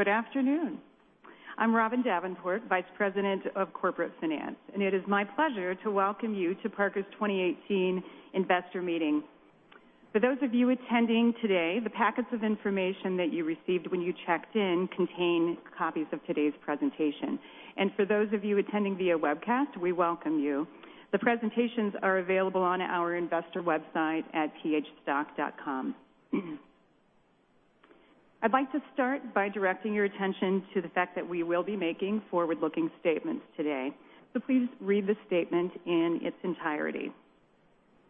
Good afternoon. I'm Robin Davenport, Vice President of Corporate Finance, it is my pleasure to welcome you to Parker's 2018 Investor Meeting. For those of you attending today, the packets of information that you received when you checked in contain copies of today's presentation. For those of you attending via webcast, we welcome you. The presentations are available on our investor website at phstock.com. I'd like to start by directing your attention to the fact that we will be making forward-looking statements today, please read the statement in its entirety.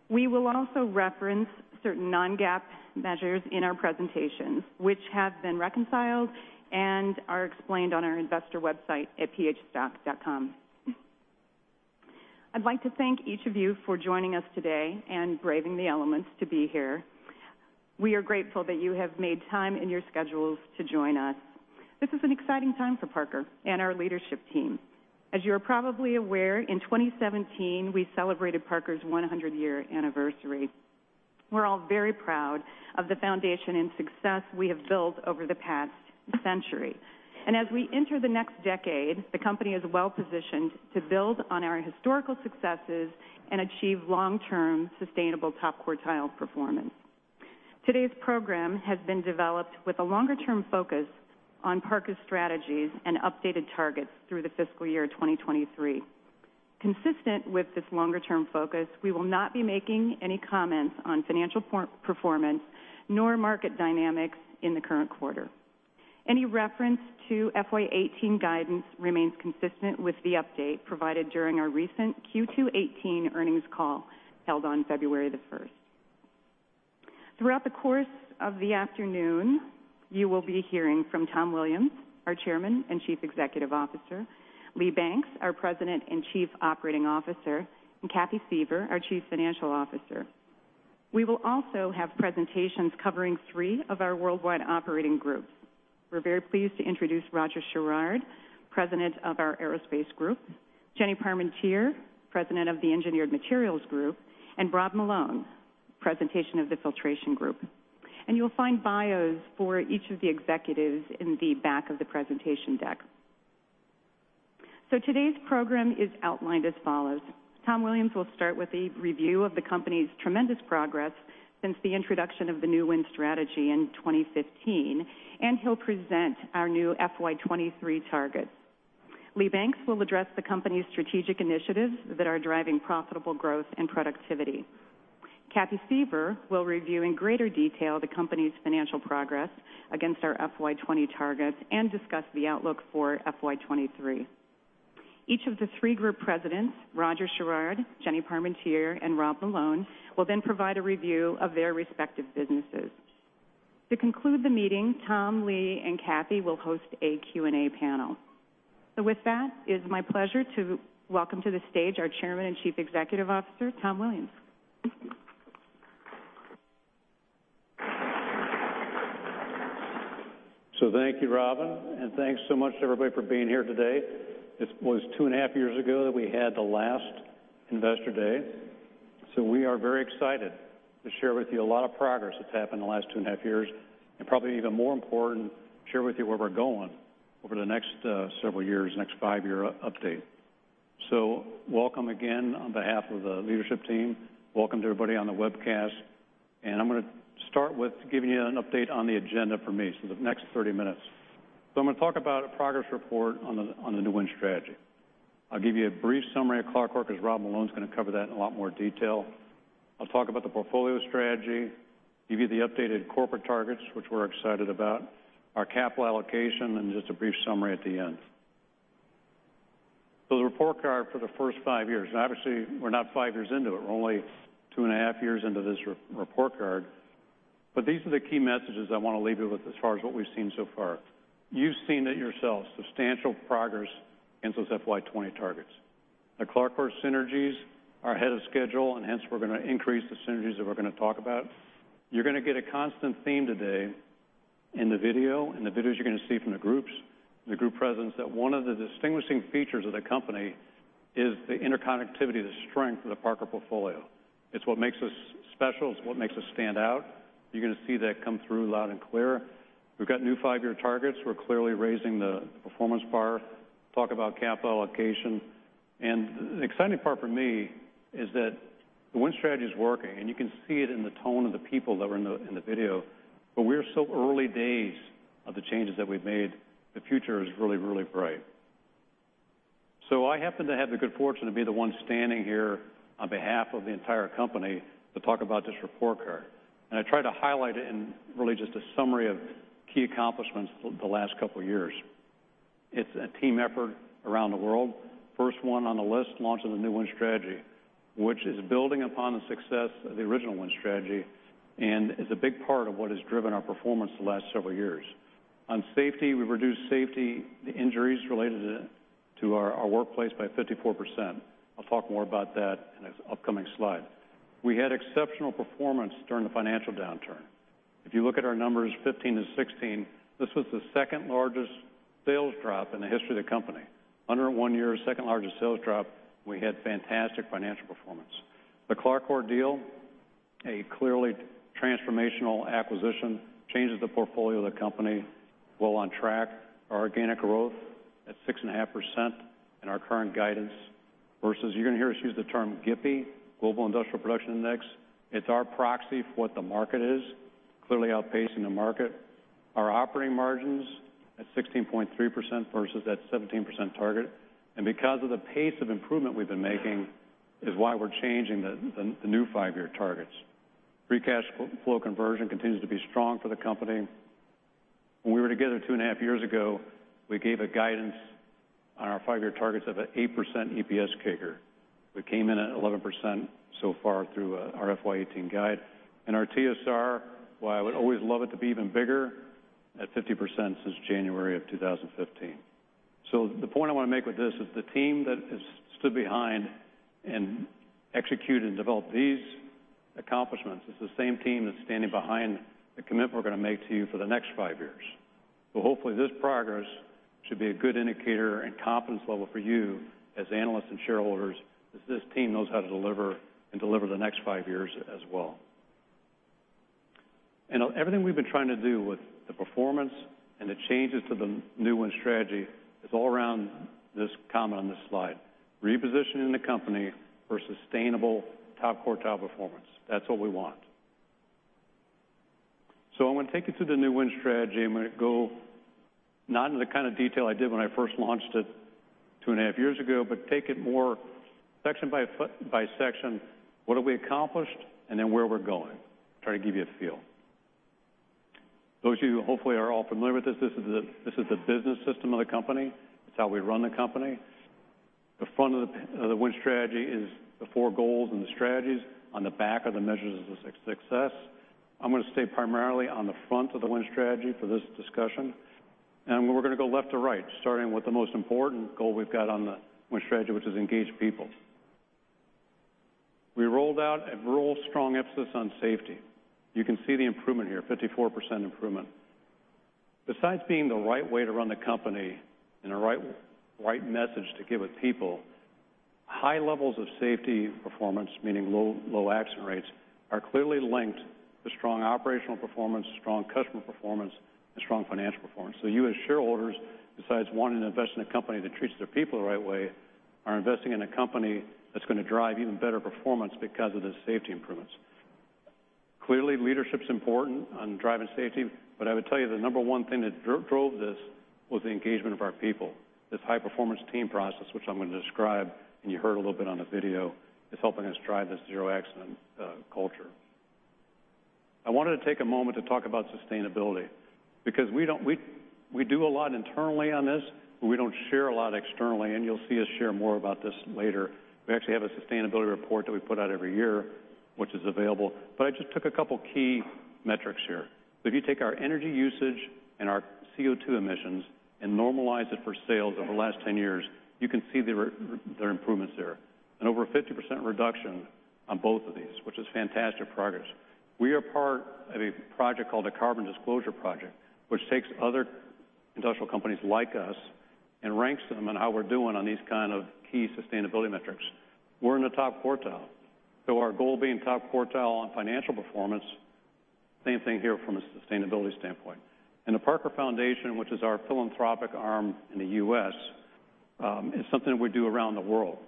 We will also reference certain non-GAAP measures in our presentations, which have been reconciled and are explained on our investor website at phstock.com. I'd like to thank each of you for joining us today and braving the elements to be here. We are grateful that you have made time in your schedules to join us. This is an exciting time for Parker and our leadership team. As you are probably aware, in 2017, we celebrated Parker's 100-year anniversary. We're all very proud of the foundation and success we have built over the past century. As we enter the next decade, the company is well-positioned to build on our historical successes and achieve long-term, sustainable top quartile performance. Today's program has been developed with a longer-term focus on Parker's strategies and updated targets through the fiscal year 2023. Consistent with this longer-term focus, we will not be making any comments on financial performance nor market dynamics in the current quarter. Any reference to FY18 guidance remains consistent with the update provided during our recent Q2'18 earnings call held on February the 1st. Throughout the course of the afternoon, you will be hearing from Tom Williams, our Chairman and Chief Executive Officer, Lee Banks, our President and Chief Operating Officer, and Kathy Suever, our Chief Financial Officer. We will also have presentations covering three of our worldwide operating groups. We're very pleased to introduce Roger Sherrard, President of our Aerospace Group, Jenny Parmentier, President of the Engineered Materials Group, and Rob Malone, President of the Filtration Group. You'll find bios for each of the executives in the back of the presentation deck. Today's program is outlined as follows. Tom Williams will start with a review of the company's tremendous progress since the introduction of the new Win Strategy in 2015, and he'll present our new FY23 targets. Lee Banks will address the company's strategic initiatives that are driving profitable growth and productivity. Kathy Suever will review in greater detail the company's financial progress against our FY20 targets and discuss the outlook for FY23. Each of the three group presidents, Roger Sherrard, Jenny Parmentier, and Rob Malone, will then provide a review of their respective businesses. To conclude the meeting, Tom, Lee, and Kathy will host a Q&A panel. With that, it is my pleasure to welcome to the stage our Chairman and Chief Executive Officer, Tom Williams. Thank you, Robin, and thanks so much to everybody for being here today. It was two and a half years ago that we had the last Investor Day, so we are very excited to share with you a lot of progress that's happened in the last two and a half years, and probably even more important, share with you where we're going over the next several years, next five-year update. Welcome again on behalf of the leadership team. Welcome to everybody on the webcast. I'm going to start with giving you an update on the agenda for me, the next 30 minutes. I'm going to talk about a progress report on the new Win Strategy. I'll give you a brief summary of CLARCOR as Rob Malone's going to cover that in a lot more detail. I'll talk about the portfolio strategy, give you the updated corporate targets, which we're excited about, our capital allocation, and just a brief summary at the end. The report card for the first five years, and obviously, we're not five years into it, we're only two and a half years into this report card, but these are the key messages I want to leave you with as far as what we've seen so far. You've seen it yourselves, substantial progress against those FY 2020 targets. The CLARCOR synergies are ahead of schedule, and hence we're going to increase the synergies that we're going to talk about. You're going to get a constant theme today in the video, in the videos you're going to see from the groups, the group presidents, that one of the distinguishing features of the company is the interconnectivity, the strength of the Parker portfolio. It's what makes us special. It's what makes us stand out. You're going to see that come through loud and clear. We've got new five-year targets. We're clearly raising the performance bar, talk about capital allocation. The exciting part for me is that the Win Strategy is working, and you can see it in the tone of the people that were in the video. We're still early days of the changes that we've made. The future is really, really bright. I happen to have the good fortune to be the one standing here on behalf of the entire company to talk about this report card. I try to highlight it in really just a summary of key accomplishments for the last couple of years. It's a team effort around the world. First one on the list, launch of the new Win Strategy, which is building upon the success of the original Win Strategy and is a big part of what has driven our performance the last several years. On safety, we've reduced safety, the injuries related to our workplace by 54%. I'll talk more about that in an upcoming slide. We had exceptional performance during the financial downturn. If you look at our numbers 2015 to 2016, this was the second-largest sales drop in the history of the company. Under one year, second-largest sales drop, we had fantastic financial performance. The CLARCOR deal a clearly transformational acquisition changes the portfolio of the company well on track. Our organic growth at 6.5% in our current guidance, versus you're going to hear us use the term GIPI, Global Industrial Production Index. It's our proxy for what the market is, clearly outpacing the market. Our operating margins at 16.3% versus that 17% target. Because of the pace of improvement we've been making is why we're changing the new five-year targets. Free cash flow conversion continues to be strong for the company. When we were together two and a half years ago, we gave a guidance on our five-year targets of an 8% EPS CAGR. We came in at 11% so far through our FY 2018 guide. Our TSR, while I would always love it to be even bigger, at 50% since January of 2015. The point I want to make with this is the team that has stood behind and executed and developed these accomplishments is the same team that's standing behind the commitment we're going to make to you for the next five years. Hopefully, this progress should be a good indicator and confidence level for you as analysts and shareholders, as this team knows how to deliver and deliver the next five years as well. Everything we've been trying to do with the performance and the changes to the new Win Strategy is all around this comment on this slide, repositioning the company for sustainable top quartile performance. That's what we want. I'm going to take you to the new Win Strategy. I'm going to go not into the kind of detail I did when I first launched it two and a half years ago, but take it more section by section, what have we accomplished, and then where we're going. Try to give you a feel. Those of you who hopefully are all familiar with this is the business system of the company. It's how we run the company. The front of the Win Strategy is the four goals and the strategies. On the back are the measures of success. I'm going to stay primarily on the front of the Win Strategy for this discussion. We're going to go left to right, starting with the most important goal we've got on the Win Strategy, which is engage people. We rolled out a real strong emphasis on safety. You can see the improvement here, 54% improvement. Besides being the right way to run the company and the right message to give with people, high levels of safety performance, meaning low accident rates, are clearly linked to strong operational performance, strong customer performance, and strong financial performance. You, as shareholders, besides wanting to invest in a company that treats their people the right way, are investing in a company that's going to drive even better performance because of the safety improvements. Clearly, leadership's important on driving safety, but I would tell you the number 1 thing that drove this was the engagement of our people. This high-performance team process, which I'm going to describe, and you heard a little bit on the video, is helping us drive this zero-accident culture. I wanted to take a moment to talk about sustainability because we do a lot internally on this, but we don't share a lot externally, and you'll see us share more about this later. We actually have a sustainability report that we put out every year, which is available, but I just took a couple key metrics here. If you take our energy usage and our CO2 emissions and normalize it for sales over the last 10 years, you can see there are improvements there. Over a 50% reduction on both of these, which is fantastic progress. We are part of a project called the Carbon Disclosure Project, which takes other industrial companies like us and ranks them on how we're doing on these kind of key sustainability metrics. We're in the top quartile. Our goal being top quartile on financial performance, same thing here from a sustainability standpoint. And the Parker Foundation, which is our philanthropic arm in the U.S., is something that we do around the world,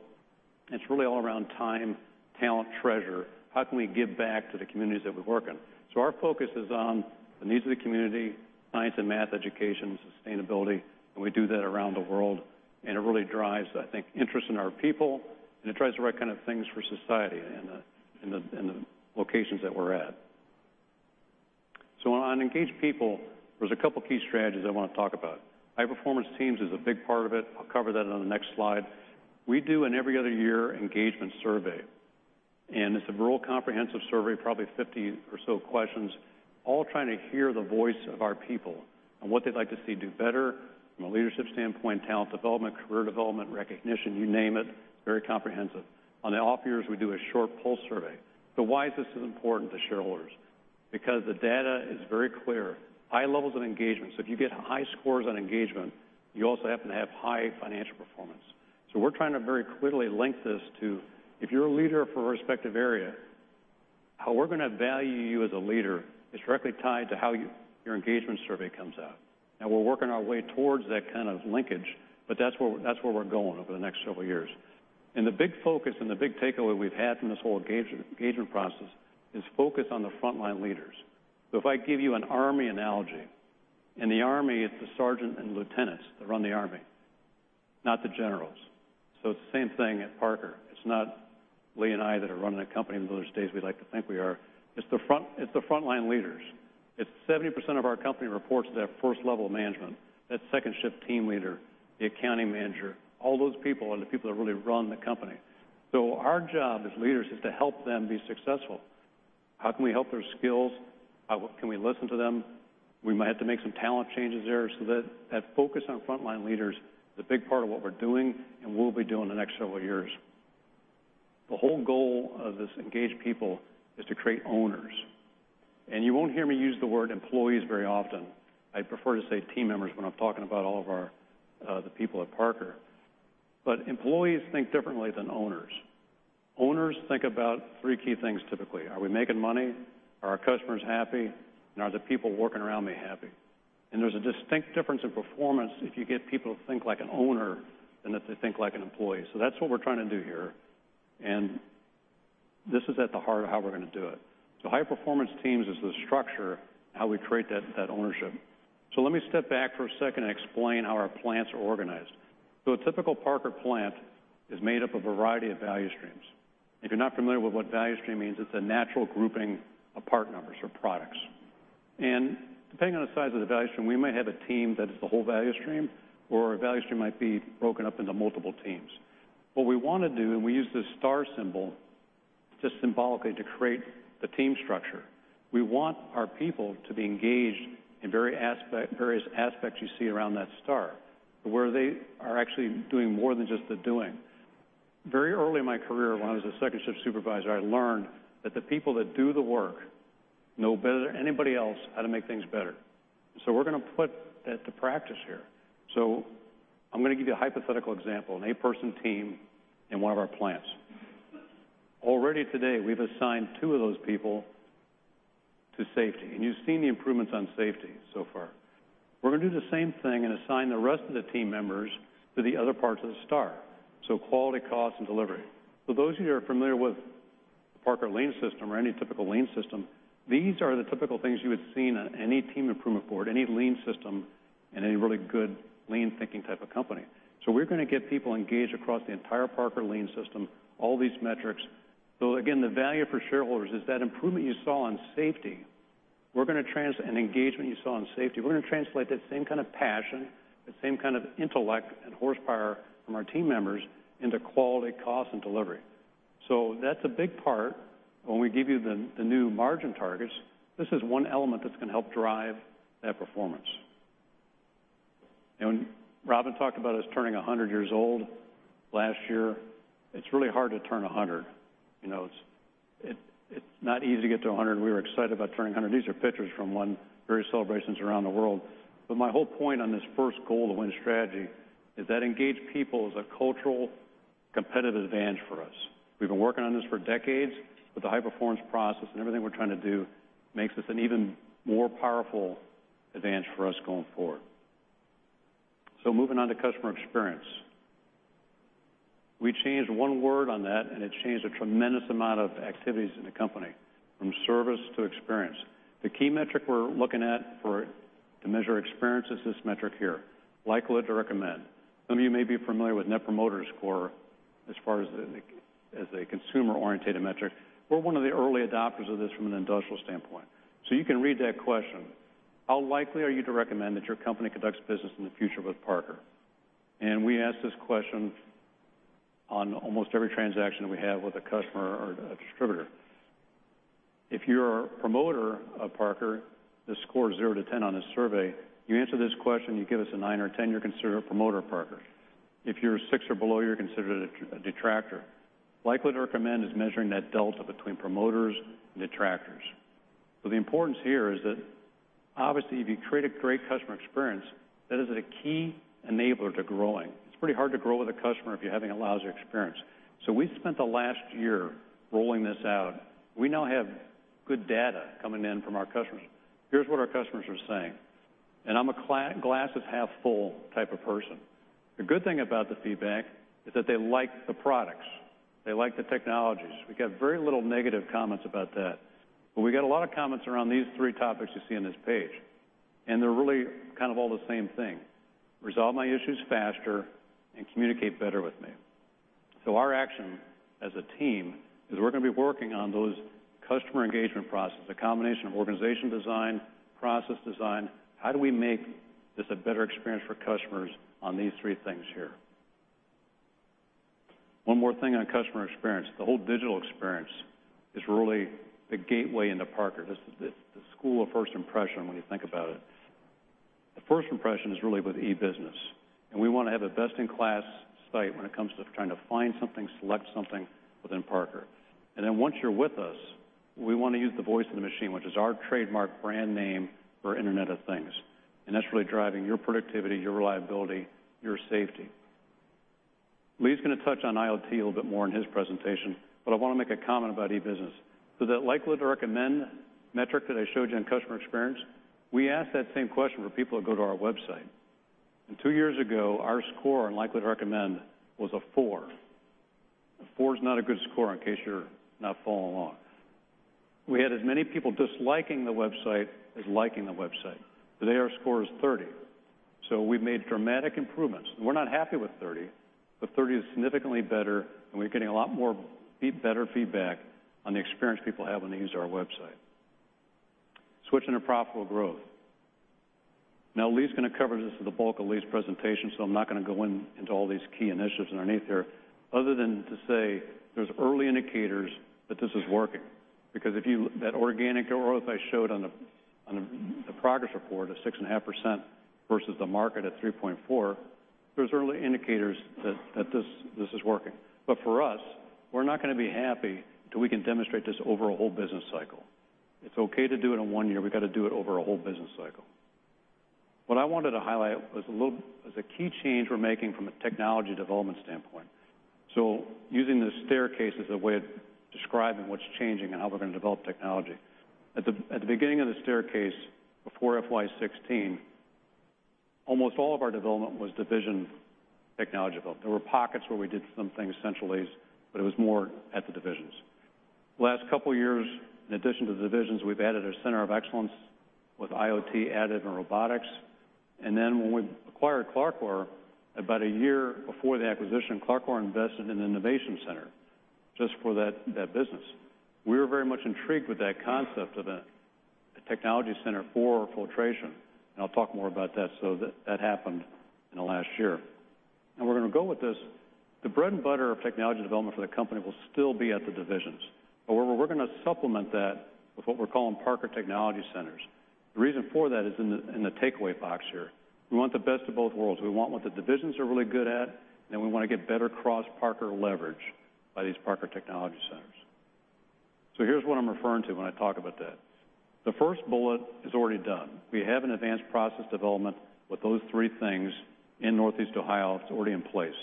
and it's really all around time, talent, treasure. How can we give back to the communities that we work in? Our focus is on the needs of the community, science and math education, sustainability, and we do that around the world, and it really drives, I think, interest in our people, and it drives the right kind of things for society in the locations that we're at. On engage people, there's a couple key strategies I want to talk about. High-performance teams is a big part of it. I'll cover that on the next slide. We do an every other year engagement survey, and it's a real comprehensive survey, probably 50 or so questions, all trying to hear the voice of our people on what they'd like to see do better from a leadership standpoint, talent development, career development, recognition, you name it, very comprehensive. On the off years, we do a short pulse survey. Why is this important to shareholders? Because the data is very clear. High levels of engagement. If you get high scores on engagement, you also happen to have high financial performance. We're trying to very clearly link this to if you're a leader for a respective area, how we're going to value you as a leader is directly tied to how your engagement survey comes out. Now we're working our way towards that kind of linkage, but that's where we're going over the next several years. The big focus and the big takeaway we've had from this whole engagement process is focus on the frontline leaders. If I give you an army analogy, in the army, it's the sergeant and lieutenants that run the army, not the generals. It's the same thing at Parker. It's not Lee and I that are running the company, as much as we like to think we are. It's the frontline leaders. It's 70% of our company reports to that first level of management, that second-shift team leader, the accounting manager, all those people are the people that really run the company. Our job as leaders is to help them be successful. How can we help their skills? How can we listen to them? We might have to make some talent changes there so that focus on frontline leaders is a big part of what we're doing and will be doing the next several years. The whole goal of this engage people is to create owners. You won't hear me use the word employees very often. I prefer to say team members when I'm talking about all of the people at Parker. Employees think differently than owners. Owners think about three key things typically: Are we making money? Are our customers happy? Are the people working around me happy? There's a distinct difference in performance if you get people to think like an owner than if they think like an employee. That's what we're trying to do here, and this is at the heart of how we're going to do it. High-performance teams is the structure of how we create that ownership. Let me step back for a second and explain how our plants are organized. A typical Parker plant is made up of a variety of value streams. If you're not familiar with what value stream means, it's a natural grouping of part numbers or products. Depending on the size of the value stream, we might have a team that is the whole value stream, or a value stream might be broken up into multiple teams. What we want to do, we use this star symbol just symbolically to create the team structure, we want our people to be engaged in various aspects you see around that star, where they are actually doing more than just the doing. Very early in my career, when I was a second-shift supervisor, I learned that the people that do the work know better than anybody else how to make things better. We're going to put that to practice here. I'm going to give you a hypothetical example, an eight-person team in one of our plants. Already today, we've assigned two of those people to safety, and you've seen the improvements on safety so far. We're going to do the same thing and assign the rest of the team members to the other parts of the star, so quality, cost, and delivery. For those of you who are familiar with the Parker Lean System or any typical lean system, these are the typical things you would see on any team improvement board, any lean system, in any really good lean thinking type of company. We're going to get people engaged across the entire Parker Lean System, all these metrics. Again, the value for shareholders is that improvement you saw on safety. Engagement you saw on safety, we're going to translate that same kind of passion, that same kind of intellect and horsepower from our team members into quality, cost, and delivery. That's a big part when we give you the new margin targets, this is one element that's going to help drive that performance. When Robin talked about us turning 100 years old last year, it's really hard to turn 100. It's not easy to get to 100, and we were excited about turning 100. These are pictures from various celebrations around the world. My whole point on this first goal to Win Strategy is that engaged people is a cultural competitive advantage for us. We've been working on this for decades, but the high-performance process and everything we're trying to do makes this an even more powerful advantage for us going forward. Moving on to customer experience. We changed one word on that, and it changed a tremendous amount of activities in the company, from service to experience. The key metric we're looking at to measure experience is this metric here, likelihood to recommend. Some of you may be familiar with Net Promoter Score as far as a consumer-orientated metric. We're one of the early adopters of this from an industrial standpoint. You can read that question. How likely are you to recommend that your company conducts business in the future with Parker? We ask this question on almost every transaction we have with a customer or a distributor. If you're a promoter of Parker, the score is 0 to 10 on this survey. You answer this question, you give us a nine or a 10, you're considered a promoter of Parker. If you're a six or below, you're considered a detractor. Likelihood to recommend is measuring that delta between promoters and detractors. The importance here is that obviously, if you create a great customer experience, that is a key enabler to growing. It's pretty hard to grow with a customer if you're having a lousy experience. We spent the last year rolling this out. We now have good data coming in from our customers. Here's what our customers are saying. I'm a glass is half full type of person. The good thing about the feedback is that they like the products. They like the technologies. We got very little negative comments about that. We got a lot of comments around these three topics you see on this page. They're really kind of all the same thing. Resolve my issues faster and communicate better with me. Our action as a team is we're going to be working on those customer engagement processes, a combination of organization design, process design. How do we make this a better experience for customers on these three things here? One more thing on customer experience. The whole digital experience is really the gateway into Parker. This is the school of first impression when you think about it. The first impression is really with e-business. We want to have a best-in-class site when it comes to trying to find something, select something within Parker. Then once you're with us, we want to use the Voice of the Machine, which is our trademark brand name for Internet of Things, and that's really driving your productivity, your reliability, your safety. Lee's going to touch on IoT a little bit more in his presentation. I want to make a comment about e-business. That likelihood to recommend metric that I showed you on customer experience, we ask that same question for people that go to our website. Two years ago, our score on likelihood to recommend was a four. A four is not a good score in case you're not following along. We had as many people disliking the website as liking the website. Today, our score is 30. We've made dramatic improvements. We're not happy with 30 is significantly better, and we're getting a lot more better feedback on the experience people have when they use our website. Switching to profitable growth. Lee's going to cover this as the bulk of Lee's presentation. I'm not going to go into all these key initiatives underneath here, other than to say there's early indicators that this is working. That organic growth I showed on the progress report of 6.5% versus the market at 3.4%, there's early indicators that this is working. For us, we're not going to be happy till we can demonstrate this over a whole business cycle. It's okay to do it in one year. We've got to do it over a whole business cycle. What I wanted to highlight was a key change we're making from a technology development standpoint. Using the staircase as a way of describing what's changing and how we're going to develop technology. At the beginning of the staircase, before FY 2016, almost all of our development was division technology built. There were pockets where we did some things centralized, but it was more at the divisions. Last couple of years, in addition to the divisions, we've added a center of excellence with IoT added and robotics. When we acquired CLARCOR, about a year before the acquisition, CLARCOR invested in an innovation center just for that business. We were very much intrigued with that concept of a technology center for filtration, and I'll talk more about that happened in the last year. We're going to go with this. The bread and butter of technology development for the company will still be at the divisions. However, we're going to supplement that with what we're calling Parker Technology Centers. The reason for that is in the takeaway box here. We want the best of both worlds. We want what the divisions are really good at, and we want to get better cross Parker leverage by these Parker Technology Centers. Here's what I'm referring to when I talk about that. The first bullet is already done. We have an advanced process development with those three things in Northeast Ohio. It's already in place.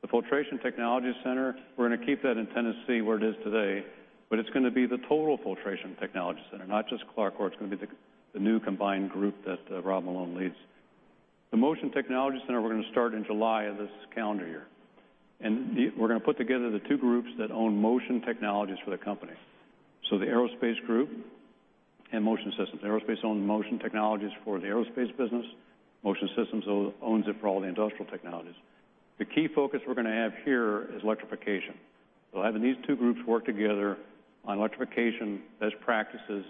The Filtration Technology Center, we're going to keep that in Tennessee, where it is today, but it's going to be the total Filtration Technology Center, not just CLARCOR. It's going to be the new combined group that Rob Malone leads. The Motion Technology Center, we're going to start in July of this calendar year, we're going to put together the two groups that own motion technologies for the company. The Aerospace Group and Motion Systems. Aerospace owns motion technologies for the aerospace business. Motion Systems owns it for all the industrial technologies. The key focus we're going to have here is electrification. Having these two groups work together on electrification, best practices,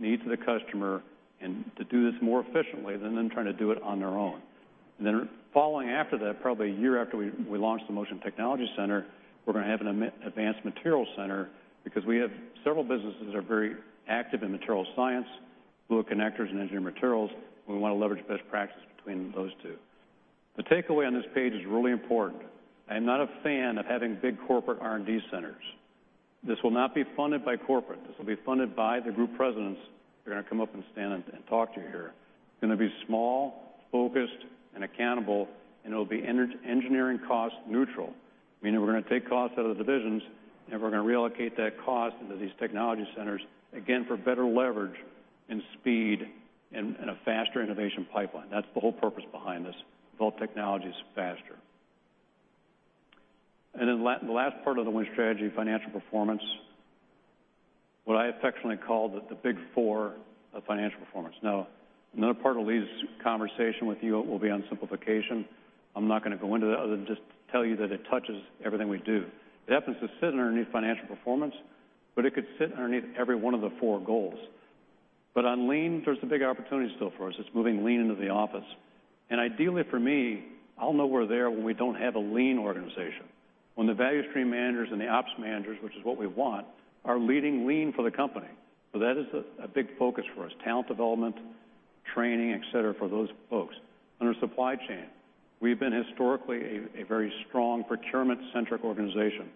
needs of the customer, and to do this more efficiently than them trying to do it on their own. Following after that, probably a year after we launch the Motion Technology Center, we're going to have an Advanced Materials Center because we have several businesses that are very active in material science, fluid connectors, and engineering materials, and we want to leverage best practice between those two. The takeaway on this page is really important. I am not a fan of having big corporate R&D centers. This will not be funded by corporate. This will be funded by the group presidents who are going to come up and stand and talk to you here. It's going to be small, focused, and accountable, it will be engineering cost neutral, meaning we're going to take costs out of the divisions, we're going to reallocate that cost into these technology centers, again, for better leverage and speed and a faster innovation pipeline. That's the whole purpose behind this, develop technologies faster. The last part of the Win Strategy, financial performance, what I affectionately call the big four of financial performance. Another part of Lee's conversation with you will be on simplification. I'm not going to go into that other than just tell you that it touches everything we do. It happens to sit underneath financial performance, but it could sit underneath every one of the four goals. On lean, there's a big opportunity still for us. It's moving lean into the office. Ideally for me, I'll know we're there when we don't have a lean organization. When the value stream managers and the ops managers, which is what we want, are leading lean for the company. That is a big focus for us, talent development, training, et cetera, for those folks. Under supply chain, we've been historically a very strong procurement centric organization.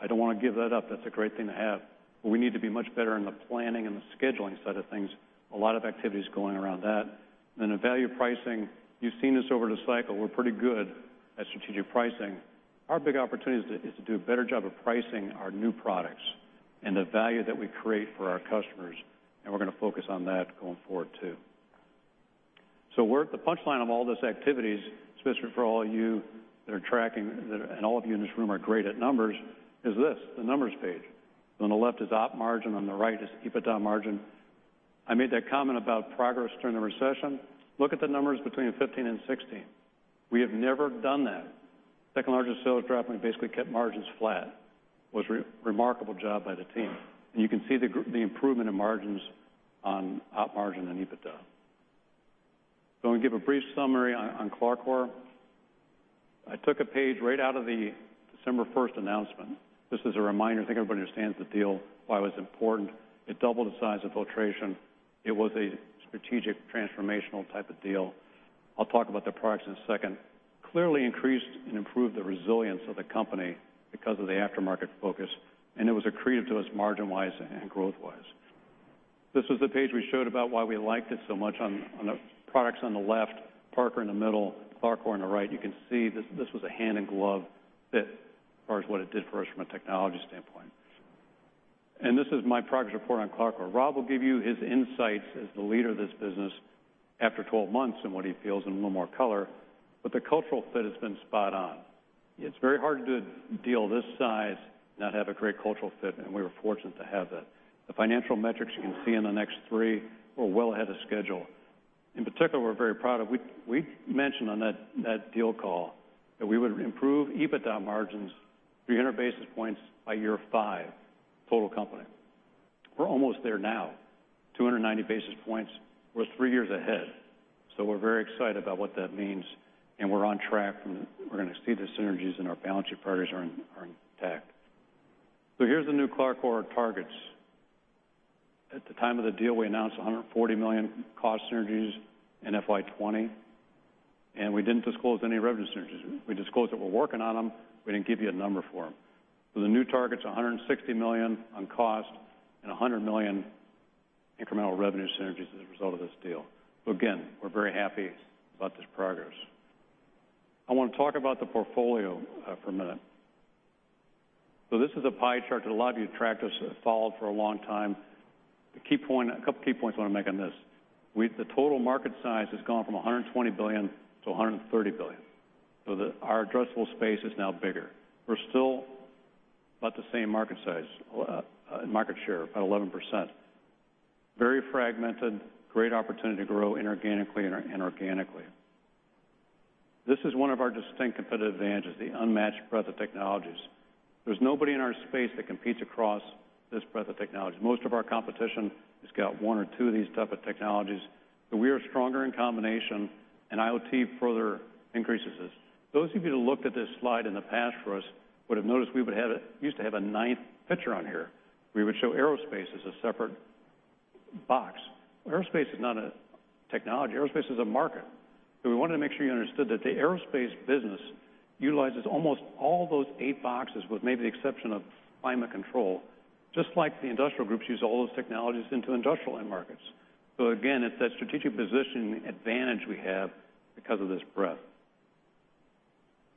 I don't want to give that up. That's a great thing to have. We need to be much better in the planning and the scheduling side of things. A lot of activity is going around that. The value pricing, you've seen this over the cycle. We're pretty good at strategic pricing. Our big opportunity is to do a better job of pricing our new products and the value that we create for our customers, and we're going to focus on that going forward, too. The punchline of all these activities, especially for all of you that are tracking, and all of you in this room are great at numbers, is this, the numbers page. On the left is op margin, on the right is EBITDA margin. I made that comment about progress during the recession. Look at the numbers between 2015 and 2016. We have never done that. Second largest sales drop, and we basically kept margins flat, was remarkable job by the team. You can see the improvement in margins on op margin and EBITDA. I'm going to give a brief summary on CLARCOR. I took a page right out of the December 1st announcement. This is a reminder. I think everybody understands the deal, why it was important. It doubled the size of filtration. It was a strategic transformational type of deal. I'll talk about the products in a second. Clearly increased and improved the resilience of the company because of the aftermarket focus, and it was accretive to us margin-wise and growth-wise. This was the page we showed about why we liked it so much on the products on the left, Parker in the middle, CLARCOR on the right. You can see this was a hand in glove fit as far as what it did for us from a technology standpoint. This is my progress report on CLARCOR. Rob will give you his insights as the leader of this business after 12 months and what he feels in a little more color. The cultural fit has been spot on. It's very hard to do a deal this size and not have a great cultural fit, and we were fortunate to have that. The financial metrics you can see in the next three are well ahead of schedule. In particular, we're very proud of, we mentioned on that deal call that we would improve EBITDA margins 300 basis points by year five, total company. We're almost there now, 290 basis points. We're three years ahead. We're very excited about what that means, and we're on track, and we're going to see the synergies and our balance sheet priorities are intact. Here's the new CLARCOR or our targets. At the time of the deal, we announced $140 million cost synergies in FY 2020, we didn't disclose any revenue synergies. We disclosed that we're working on them. We didn't give you a number for them. The new target's $160 million on cost and $100 million incremental revenue synergies as a result of this deal. Again, we're very happy about this progress. I want to talk about the portfolio for a minute. This is a pie chart that a lot of you tracked us, followed for a long time. A couple key points I want to make on this. The total market size has gone from $120 billion to $130 billion, so that our addressable space is now bigger. We're still about the same market size, market share, about 11%. Very fragmented. Great opportunity to grow inorganically and organically. This is one of our distinct competitive advantages, the unmatched breadth of technologies. There's nobody in our space that competes across this breadth of technologies. Most of our competition has got one or two of these type of technologies, but we are stronger in combination, and IoT further increases this. Those of you that looked at this slide in the past for us would have noticed we used to have a ninth picture on here. We would show aerospace as a separate box. Aerospace is not a technology. Aerospace is a market. We wanted to make sure you understood that the aerospace business utilizes almost all those eight boxes, with maybe the exception of climate control, just like the industrial groups use all those technologies into industrial end markets. Again, it's that strategic position advantage we have because of this breadth.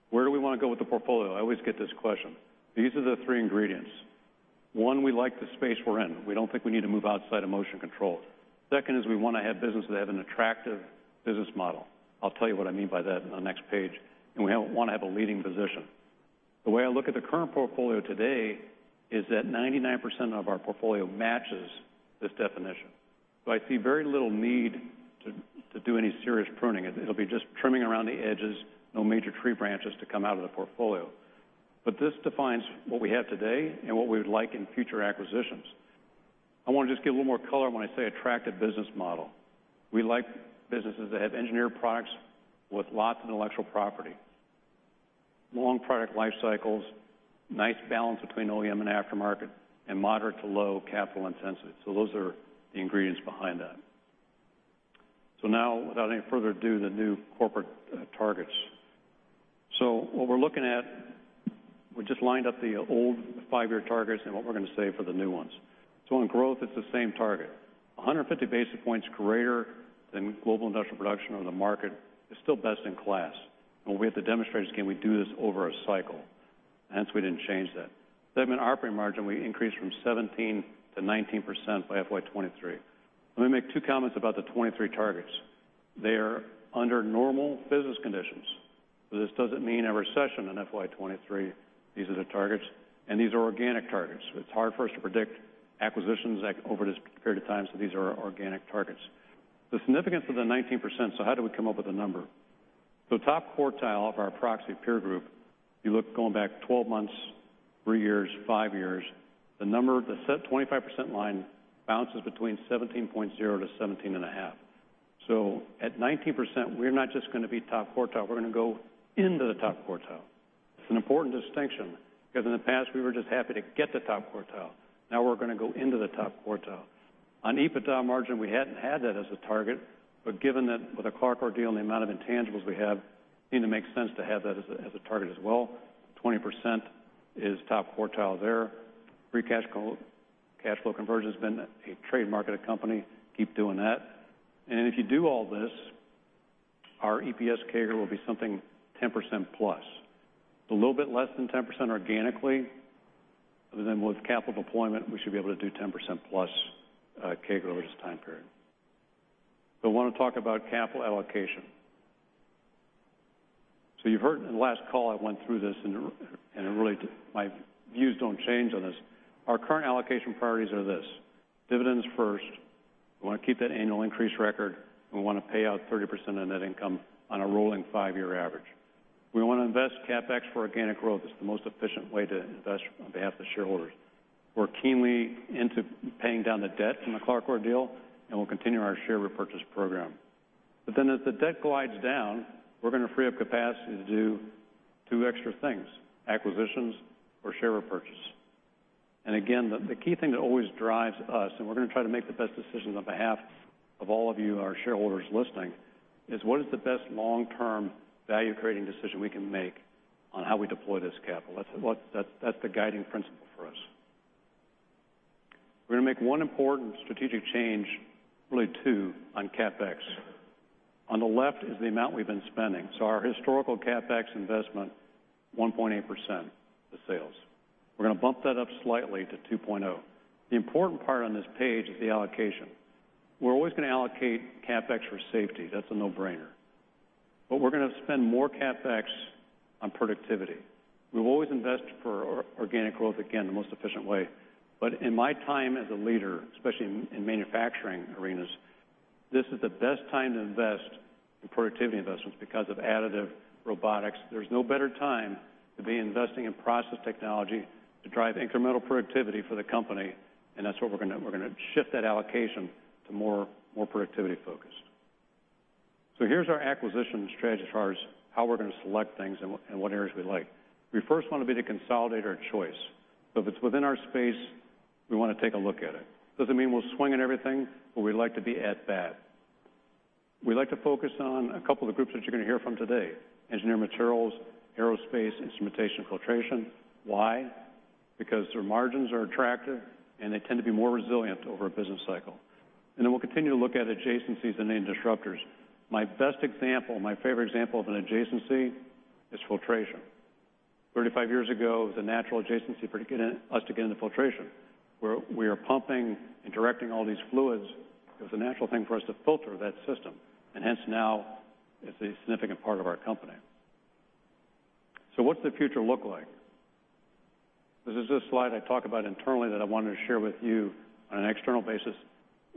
Where do we want to go with the portfolio? I always get this question. These are the three ingredients. One, we like the space we're in. We don't think we need to move outside of motion control. Second is we want to have businesses that have an attractive business model. I'll tell you what I mean by that on the next page. We want to have a leading position. The way I look at the current portfolio today is that 99% of our portfolio matches this definition. I see very little need to do any serious pruning. It'll be just trimming around the edges. No major tree branches to come out of the portfolio. This defines what we have today and what we would like in future acquisitions. I want to just give a little more color when I say attractive business model. We like businesses that have engineered products with lots of intellectual property, long product life cycles, nice balance between OEM and aftermarket, and moderate to low capital intensity. Those are the ingredients behind that. Now, without any further ado, the new corporate targets. What we're looking at, we just lined up the old five-year targets and what we're going to say for the new ones. On growth, it's the same target. 150 basis points greater than Global Industrial Production or the market is still best in class. We have to demonstrate this. Again, we do this over a cycle, and hence we didn't change that. Segment operating margin, we increased from 17%-19% by FY 2023. Let me make two comments about the 2023 targets. They are under normal business conditions. This doesn't mean a recession in FY 2023. These are the targets. These are organic targets. It's hard for us to predict acquisitions over this period of time. These are our organic targets. The significance of the 19%. How do we come up with a number? Top quartile of our proxy peer group, you look going back 12 months, three years, five years, the number, the set 25% line bounces between 17.0% to 17.5%. At 19%, we're not just going to be top quartile, we're going to go into the top quartile. It's an important distinction, because in the past we were just happy to get the top quartile. Now we're going to go into the top quartile. On EBITDA margin, we hadn't had that as a target. Given that with the CLARCOR deal and the amount of intangibles we have, it seemed to make sense to have that as a target as well. 20% is top quartile there. Free cash flow conversion has been a trademark of the company. Keep doing that. If you do all this, our EPS CAGR will be something 10%+. It's a little bit less than 10% organically. Other than with capital deployment, we should be able to do 10%+ CAGR over this time period. I want to talk about capital allocation. You heard in the last call, I went through this. Really, my views don't change on this. Our current allocation priorities are this. Dividends first. We want to keep that annual increase record. We want to pay out 30% of net income on a rolling five-year average. We want to invest CapEx for organic growth. It's the most efficient way to invest on behalf of the shareholders. We're keenly into paying down the debt from the CLARCOR deal. We'll continue our share repurchase program. As the debt glides down, we're going to free up capacity to do two extra things, acquisitions or share repurchase. The key thing that always drives us, we're going to try to make the best decisions on behalf of all of you, our shareholders listening, is what is the best long-term value-creating decision we can make on how we deploy this capital? That's the guiding principle for us. We're going to make one important strategic change, really two, on CapEx. On the left is the amount we've been spending. Our historical CapEx investment, 1.8% of sales. We're going to bump that up slightly to 2.0%. The important part on this page is the allocation. We're always going to allocate CapEx for safety. That's a no-brainer. We're going to spend more CapEx on productivity. We've always invested for organic growth, again, the most efficient way. In my time as a leader, especially in manufacturing arenas, this is the best time to invest in productivity investments because of additive robotics. There's no better time to be investing in process technology to drive incremental productivity for the company. That's what we're going to do. We're going to shift that allocation to more productivity focus. Here's our acquisition strategy as far as how we're going to select things and what areas we like. We first want to be the consolidator of choice. If it's within our space, we want to take a look at it. Doesn't mean we'll swing on everything, but we'd like to be at bat. We'd like to focus on a couple of groups that you're going to hear from today, engineered materials, aerospace, instrumentation, filtration. Why? Because their margins are attractive, and they tend to be more resilient over a business cycle. Then we'll continue to look at adjacencies and named disruptors. My best example, my favorite example of an adjacency is filtration. 35 years ago, it was a natural adjacency for us to get into filtration, where we are pumping and directing all these fluids. It was a natural thing for us to filter that system, and hence now it's a significant part of our company. What's the future look like? This is a slide I talk about internally that I wanted to share with you on an external basis.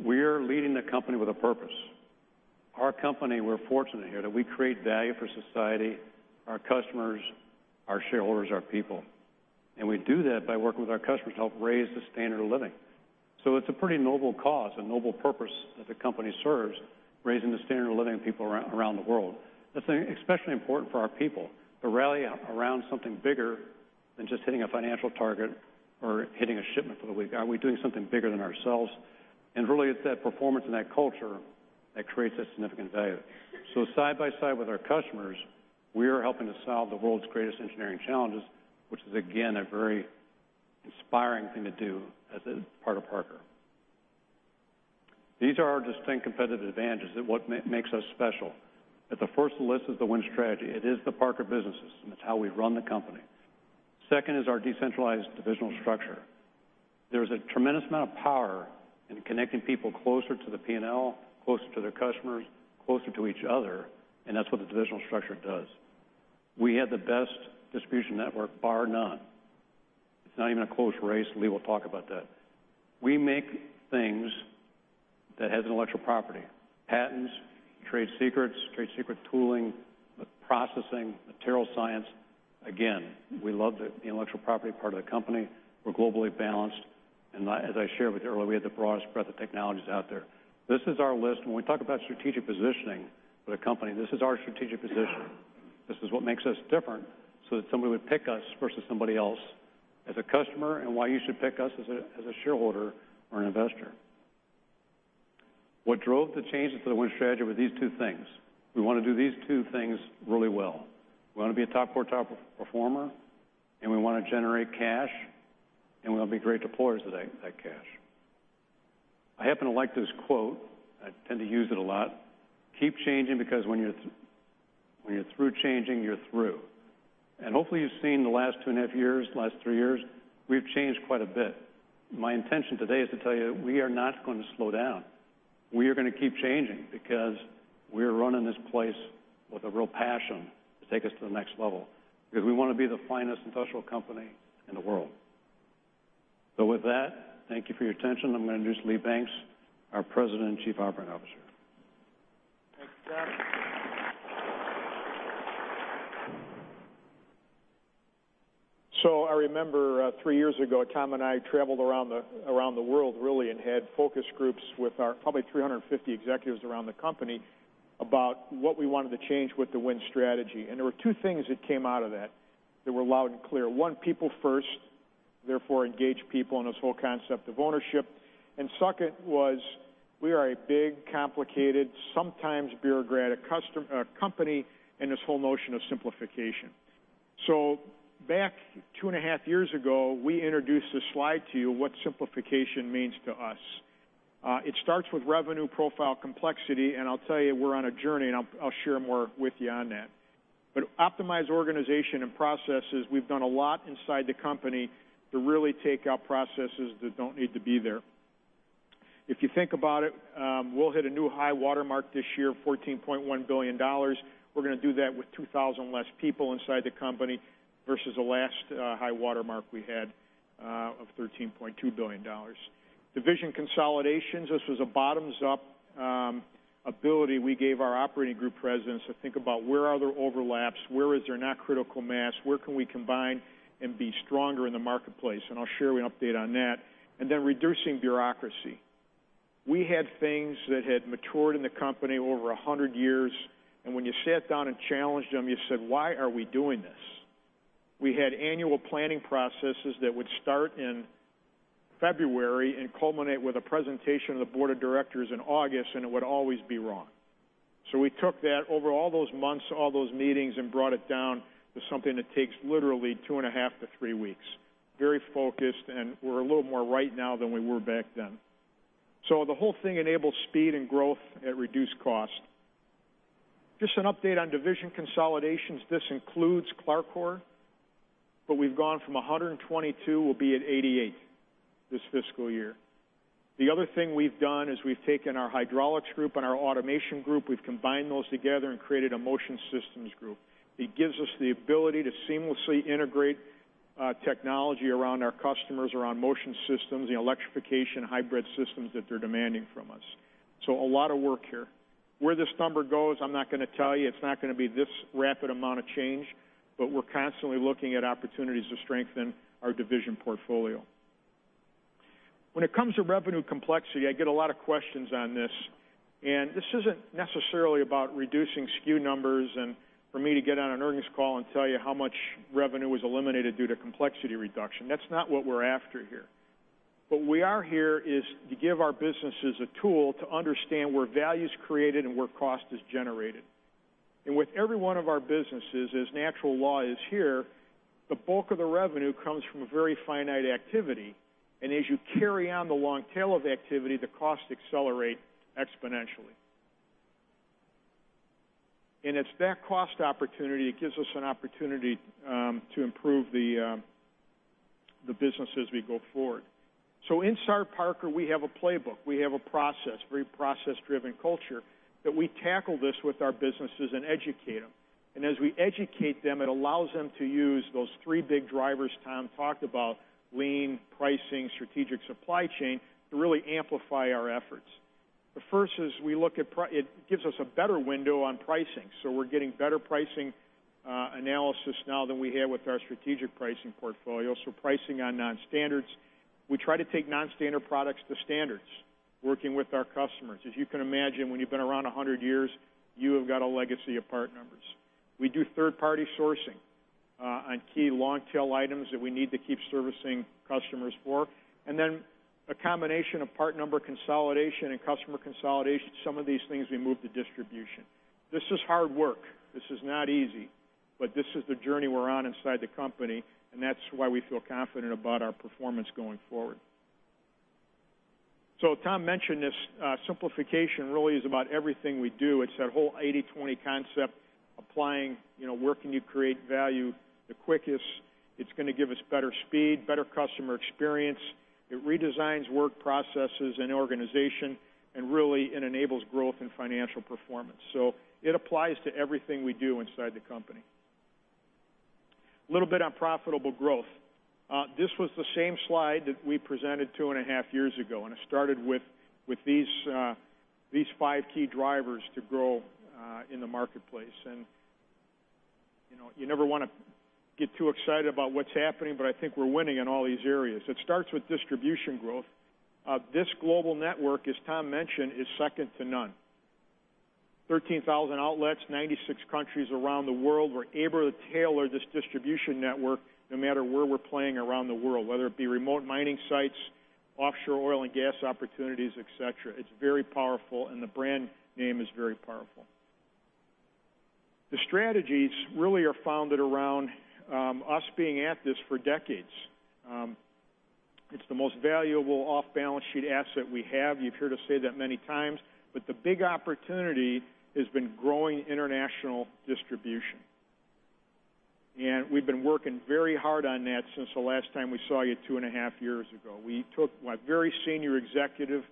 We're leading the company with a purpose. Our company, we're fortunate here that we create value for society, our customers, our shareholders, our people. We do that by working with our customers to help raise the standard of living. It's a pretty noble cause, a noble purpose that the company serves, raising the standard of living of people around the world. That's especially important for our people to rally around something bigger than just hitting a financial target or hitting a shipment for the week. Are we doing something bigger than ourselves? Really, it's that performance and that culture that creates that significant value. Side by side with our customers, we are helping to solve the world's greatest engineering challenges, which is, again, a very inspiring thing to do as a part of Parker. These are our distinct competitive advantages, what makes us special. At the first of the list is the Win Strategy. It is the Parker Business System. It's how we run the company. Second is our decentralized divisional structure. There's a tremendous amount of power in connecting people closer to the P&L, closer to their customers, closer to each other, and that's what the divisional structure does. We have the best distribution network, bar none. It's not even a close race. Lee will talk about that. We make things that has intellectual property, patents, trade secrets, trade secret tooling, processing, material science. Again, we love the intellectual property part of the company. We're globally balanced, and as I shared with you earlier, we have the broadest breadth of technologies out there. This is our list. When we talk about strategic positioning with a company, this is our strategic position. This is what makes us different so that somebody would pick us versus somebody else as a customer, and why you should pick us as a shareholder or an investor. What drove the changes to the Win Strategy were these two things. We want to do these two things really well. We want to be a top-quarter performer, and we want to generate cash, and we want to be great deployers of that cash. I happen to like this quote. I tend to use it a lot. Keep changing, because when you're through changing, you're through." Hopefully you've seen the last two and a half years, last three years, we've changed quite a bit. My intention today is to tell you we are not going to slow down. We are going to keep changing because we are running this place with a real passion to take us to the next level, because we want to be the finest industrial company in the world. With that, thank you for your attention. I'm going to introduce Lee Banks, our President and Chief Operating Officer. Thanks, Tom. I remember, three years ago, Tom and I traveled around the world, really, and had focus groups with our probably 350 executives around the company about what we wanted to change with the Win Strategy. There were two things that came out of that were loud and clear. One, people first, therefore engage people, and this whole concept of ownership. Second was we are a big, complicated, sometimes bureaucratic company, and this whole notion of simplification. Back two and a half years ago, we introduced this slide to you, what simplification means to us. It starts with revenue profile complexity, and I'll tell you, we're on a journey, and I'll share more with you on that. Optimized organization and processes, we've done a lot inside the company to really take out processes that don't need to be there. If you think about it, we'll hit a new high watermark this year of $14.1 billion. We're going to do that with 2,000 less people inside the company versus the last high watermark we had of $13.2 billion. Division consolidations, this was a bottoms-up ability we gave our operating group Presidents to think about where are there overlaps, where is there not critical mass, where can we combine and be stronger in the marketplace? I'll share an update on that. Then reducing bureaucracy. We had things that had matured in the company over 100 years, and when you sat down and challenged them, you said, "Why are we doing this?" We had annual planning processes that would start in February and culminate with a presentation to the Board of Directors in August, and it would always be wrong. We took that over all those months, all those meetings, and brought it down to something that takes literally two and a half to three weeks. Very focused, and we're a little more right now than we were back then. The whole thing enables speed and growth at reduced cost. Just an update on division consolidations. This includes CLARCOR, but we've gone from 122, we'll be at 88 this fiscal year. The other thing we've done is we've taken our hydraulics group and our automation group, we've combined those together and created a Motion Systems Group. It gives us the ability to seamlessly integrate technology around our customers, around motion systems, the electrification hybrid systems that they're demanding from us. A lot of work here. Where this number goes, I'm not going to tell you. It's not going to be this rapid amount of change, we're constantly looking at opportunities to strengthen our division portfolio. When it comes to revenue complexity, I get a lot of questions on this. This isn't necessarily about reducing SKU numbers and for me to get on an earnings call and tell you how much revenue is eliminated due to complexity reduction. That's not what we're after here. What we are here is to give our businesses a tool to understand where value is created and where cost is generated. With every one of our businesses, as natural law is here, the bulk of the revenue comes from a very finite activity, as you carry on the long tail of activity, the costs accelerate exponentially. It's that cost opportunity, it gives us an opportunity to improve the business as we go forward. In Asia-Pac, we have a playbook. We have a process, very process-driven culture, that we tackle this with our businesses and educate them. As we educate them, it allows them to use those three big drivers Tom talked about, lean, pricing, strategic supply chain, to really amplify our efforts. The first is it gives us a better window on pricing. We're getting better pricing analysis now than we had with our strategic pricing portfolio. Pricing on non-standards. We try to take non-standard products to standards, working with our customers. As you can imagine, when you've been around 100 years, you have got a legacy of part numbers. We do third-party sourcing on key long-tail items that we need to keep servicing customers for. Then a combination of part number consolidation and customer consolidation. Some of these things we move to distribution. This is hard work. This is not easy, this is the journey we're on inside the company, that's why we feel confident about our performance going forward. Tom mentioned this simplification really is about everything we do. It's that whole 80/20 concept applying, where can you create value the quickest? It's going to give us better speed, better customer experience. It redesigns work processes and organization, really, it enables growth and financial performance. It applies to everything we do inside the company. Little bit on profitable growth. This was the same slide that we presented two and a half years ago, it started with these five key drivers to grow in the marketplace. You never want to get too excited about what's happening, I think we're winning in all these areas. It starts with distribution growth. This global network, as Tom mentioned, is second to none. 13,000 outlets, 96 countries around the world. We're able to tailor this distribution network no matter where we're playing around the world, whether it be remote mining sites, offshore oil and gas opportunities, et cetera. It's very powerful, the brand name is very powerful. The strategies really are founded around us being at this for decades. It's the most valuable off-balance-sheet asset we have. You've heard us say that many times, the big opportunity has been growing international distribution. We've been working very hard on that since the last time we saw you two and a half years ago. We took my very senior executive,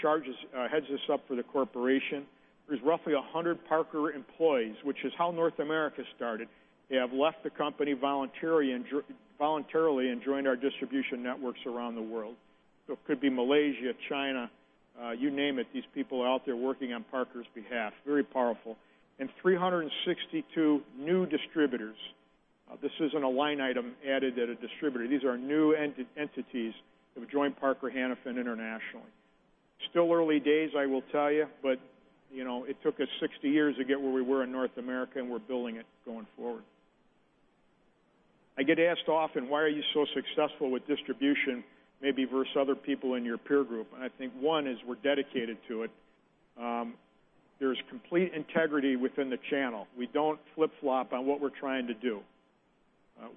heads this up for the corporation. There's roughly 100 Parker employees, which is how North America started. They have left the company voluntarily and joined our distribution networks around the world. It could be Malaysia, China, you name it. These people are out there working on Parker's behalf. Very powerful. 362 new distributors. This isn't a line item added at a distributor. These are new entities that have joined Parker Hannifin internationally. Still early days, I will tell you, but it took us 60 years to get where we were in North America, and we're building it going forward. I get asked often, "Why are you so successful with distribution, maybe versus other people in your peer group?" I think, one is we're dedicated to it. There's complete integrity within the channel. We don't flip-flop on what we're trying to do.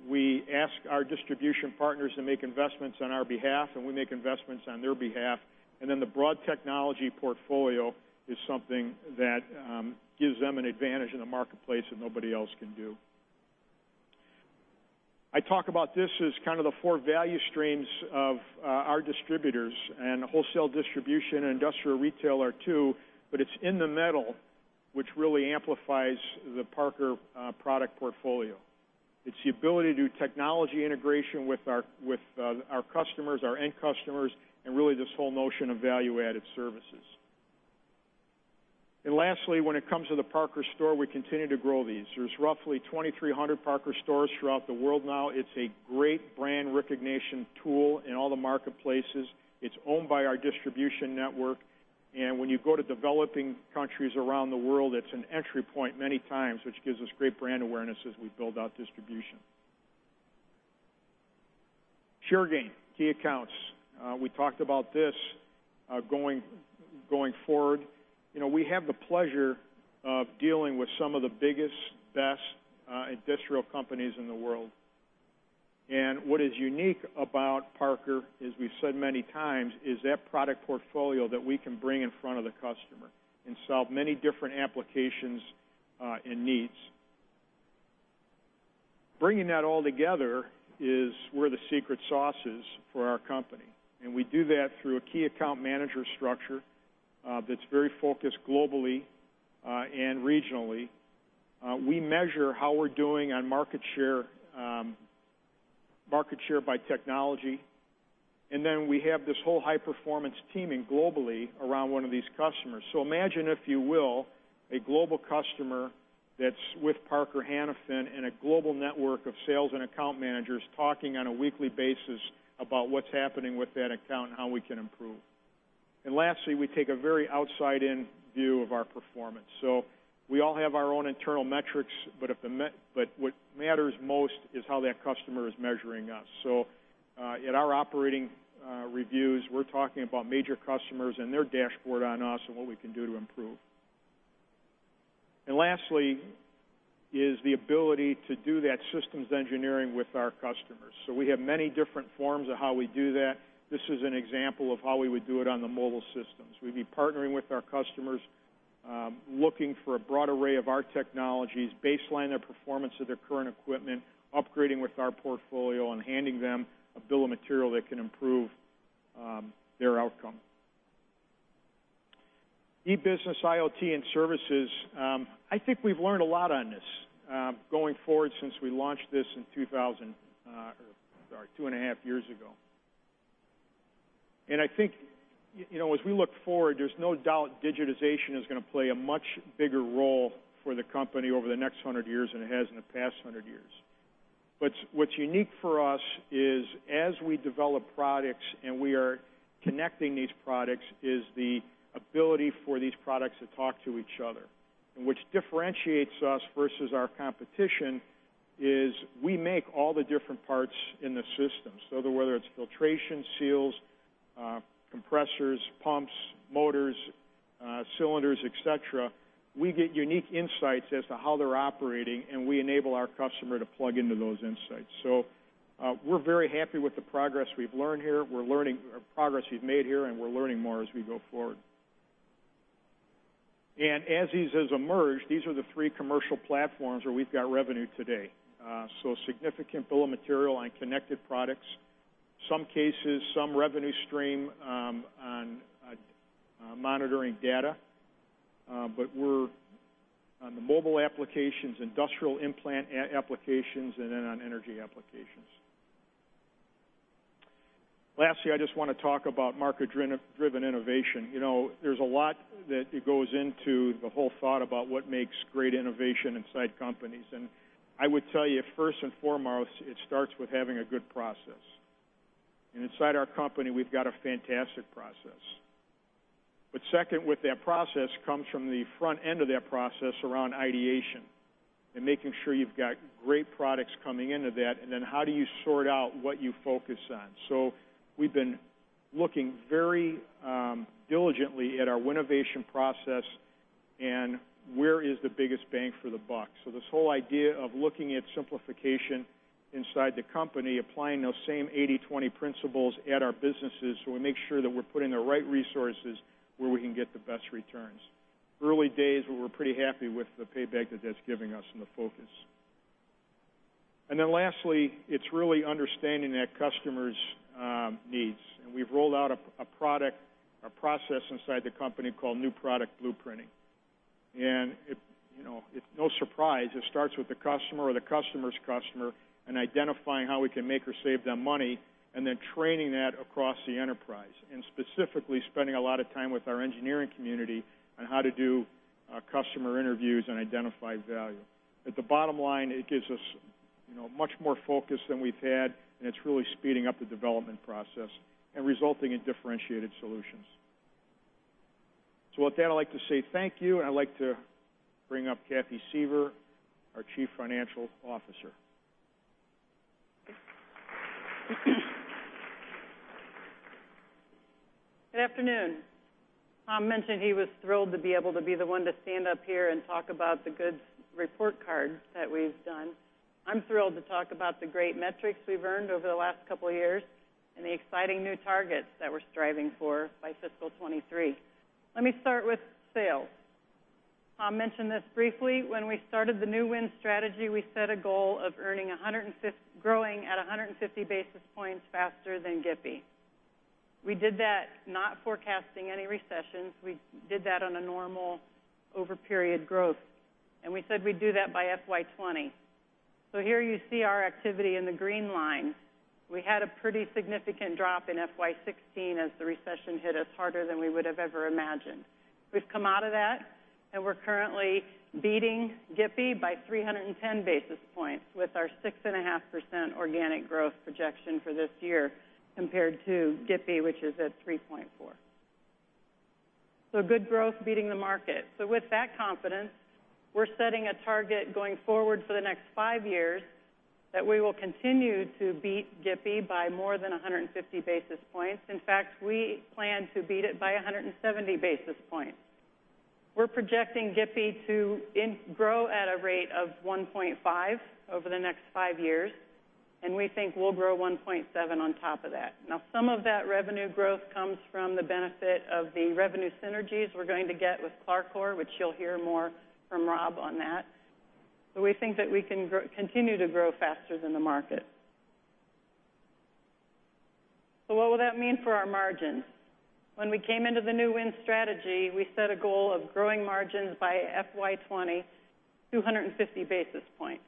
We ask our distribution partners to make investments on our behalf, and we make investments on their behalf. The broad technology portfolio is something that gives them an advantage in the marketplace that nobody else can do. I talk about this as kind of the four value streams of our distributors and wholesale distribution and industrial retail are two, but it's in the metal, which really amplifies the Parker product portfolio. It's the ability to do technology integration with our customers, our end customers, and really this whole notion of value-added services. Lastly, when it comes to the ParkerStore, we continue to grow these. There's roughly 2,300 ParkerStores throughout the world now. It's a great brand recognition tool in all the marketplaces. It's owned by our distribution network. When you go to developing countries around the world, it's an entry point many times, which gives us great brand awareness as we build out distribution. Share gain, key accounts. We talked about this going forward. We have the pleasure of dealing with some of the biggest, best industrial companies in the world. What is unique about Parker, as we've said many times, is that product portfolio that we can bring in front of the customer and solve many different applications and needs. Bringing that all together is where the secret sauce is for our company. We do that through a key account manager structure that's very focused globally and regionally. We measure how we're doing on market share by technology. We have this whole high-performance teaming globally around one of these customers. Imagine, if you will, a global customer that's with Parker Hannifin and a global network of sales and account managers talking on a weekly basis about what's happening with that account and how we can improve. Lastly, we take a very outside-in view of our performance. We all have our own internal metrics, but what matters most is how that customer is measuring us. At our operating reviews, we're talking about major customers and their dashboard on us and what we can do to improve. Lastly, is the ability to do that systems engineering with our customers. We have many different forms of how we do that. This is an example of how we would do it on the mobile systems. We'd be partnering with our customers, looking for a broad array of our technologies, baseline their performance of their current equipment, upgrading with our portfolio, and handing them a bill of material that can improve their outcome. eBusiness, IoT, and services. I think we've learned a lot on this, going forward since we launched this two and a half years ago. I think, as we look forward, there's no doubt digitization is going to play a much bigger role for the company over the next 100 years than it has in the past 100 years. What's unique for us is, as we develop products, and we are connecting these products, is the ability for these products to talk to each other. Which differentiates us versus our competition is we make all the different parts in the system. Whether it's filtration, seals, compressors, pumps, motors, cylinders, et cetera, we get unique insights as to how they're operating, and we enable our customer to plug into those insights. We're very happy with the progress we've made here, and we're learning more as we go forward. As these have emerged, these are the three commercial platforms where we've got revenue today. Significant bill of material on connected products. Some cases, some revenue stream on monitoring data. We're on the mobile applications, industrial in-plant applications, and then on energy applications. Lastly, I just want to talk about market-driven innovation. There's a lot that goes into the whole thought about what makes great innovation inside companies. I would tell you, first and foremost, it starts with having a good process. Inside our company, we've got a fantastic process. Second with that process comes from the front end of that process around ideation and making sure you've got great products coming into that, and then how do you sort out what you focus on? We've been looking very diligently at our Winovation process and where is the biggest bang for the buck. This whole idea of looking at simplification inside the company, applying those same 80/20 principles at our businesses so we make sure that we're putting the right resources where we can get the best returns. Early days, but we're pretty happy with the payback that that's giving us and the focus. Lastly, it's really understanding that customer's needs. We've rolled out a process inside the company called New Product Blueprinting. It's no surprise it starts with the customer or the customer's customer and identifying how we can make or save them money, and then training that across the enterprise, and specifically spending a lot of time with our engineering community on how to do customer interviews and identify value. At the bottom line, it gives us much more focus than we've had, and it's really speeding up the development process and resulting in differentiated solutions. With that, I'd like to say thank you, and I'd like to bring up Kathy Suever, our Chief Financial Officer. Good afternoon. Tom mentioned he was thrilled to be able to be the one to stand up here and talk about the good report card that we've done. I'm thrilled to talk about the great metrics we've earned over the last couple of years and the exciting new targets that we're striving for by FY 2023. Let me start with sales. Tom mentioned this briefly. When we started the Win Strategy, we set a goal of growing at 150 basis points faster than GIPI. We did that not forecasting any recessions. We did that on a normal over-period growth, and we said we'd do that by FY 2020. Here you see our activity in the green line. We had a pretty significant drop in FY 2016 as the recession hit us harder than we would have ever imagined. We've come out of that, we're currently beating GIPI by 310 basis points with our 6.5% organic growth projection for this year compared to GIPI, which is at 3.4%. Good growth, beating the market. With that confidence, we're setting a target going forward for the next five years that we will continue to beat GIPI by more than 150 basis points. In fact, we plan to beat it by 170 basis points. We're projecting GIPI to grow at a rate of 1.5% over the next five years, and we think we'll grow 1.7% on top of that. Now, some of that revenue growth comes from the benefit of the revenue synergies we're going to get with CLARCOR, which you'll hear more from Rob on that. We think that we can continue to grow faster than the market. What will that mean for our margins? When we came into the Win Strategy, we set a goal of growing margins by FY 2020 250 basis points.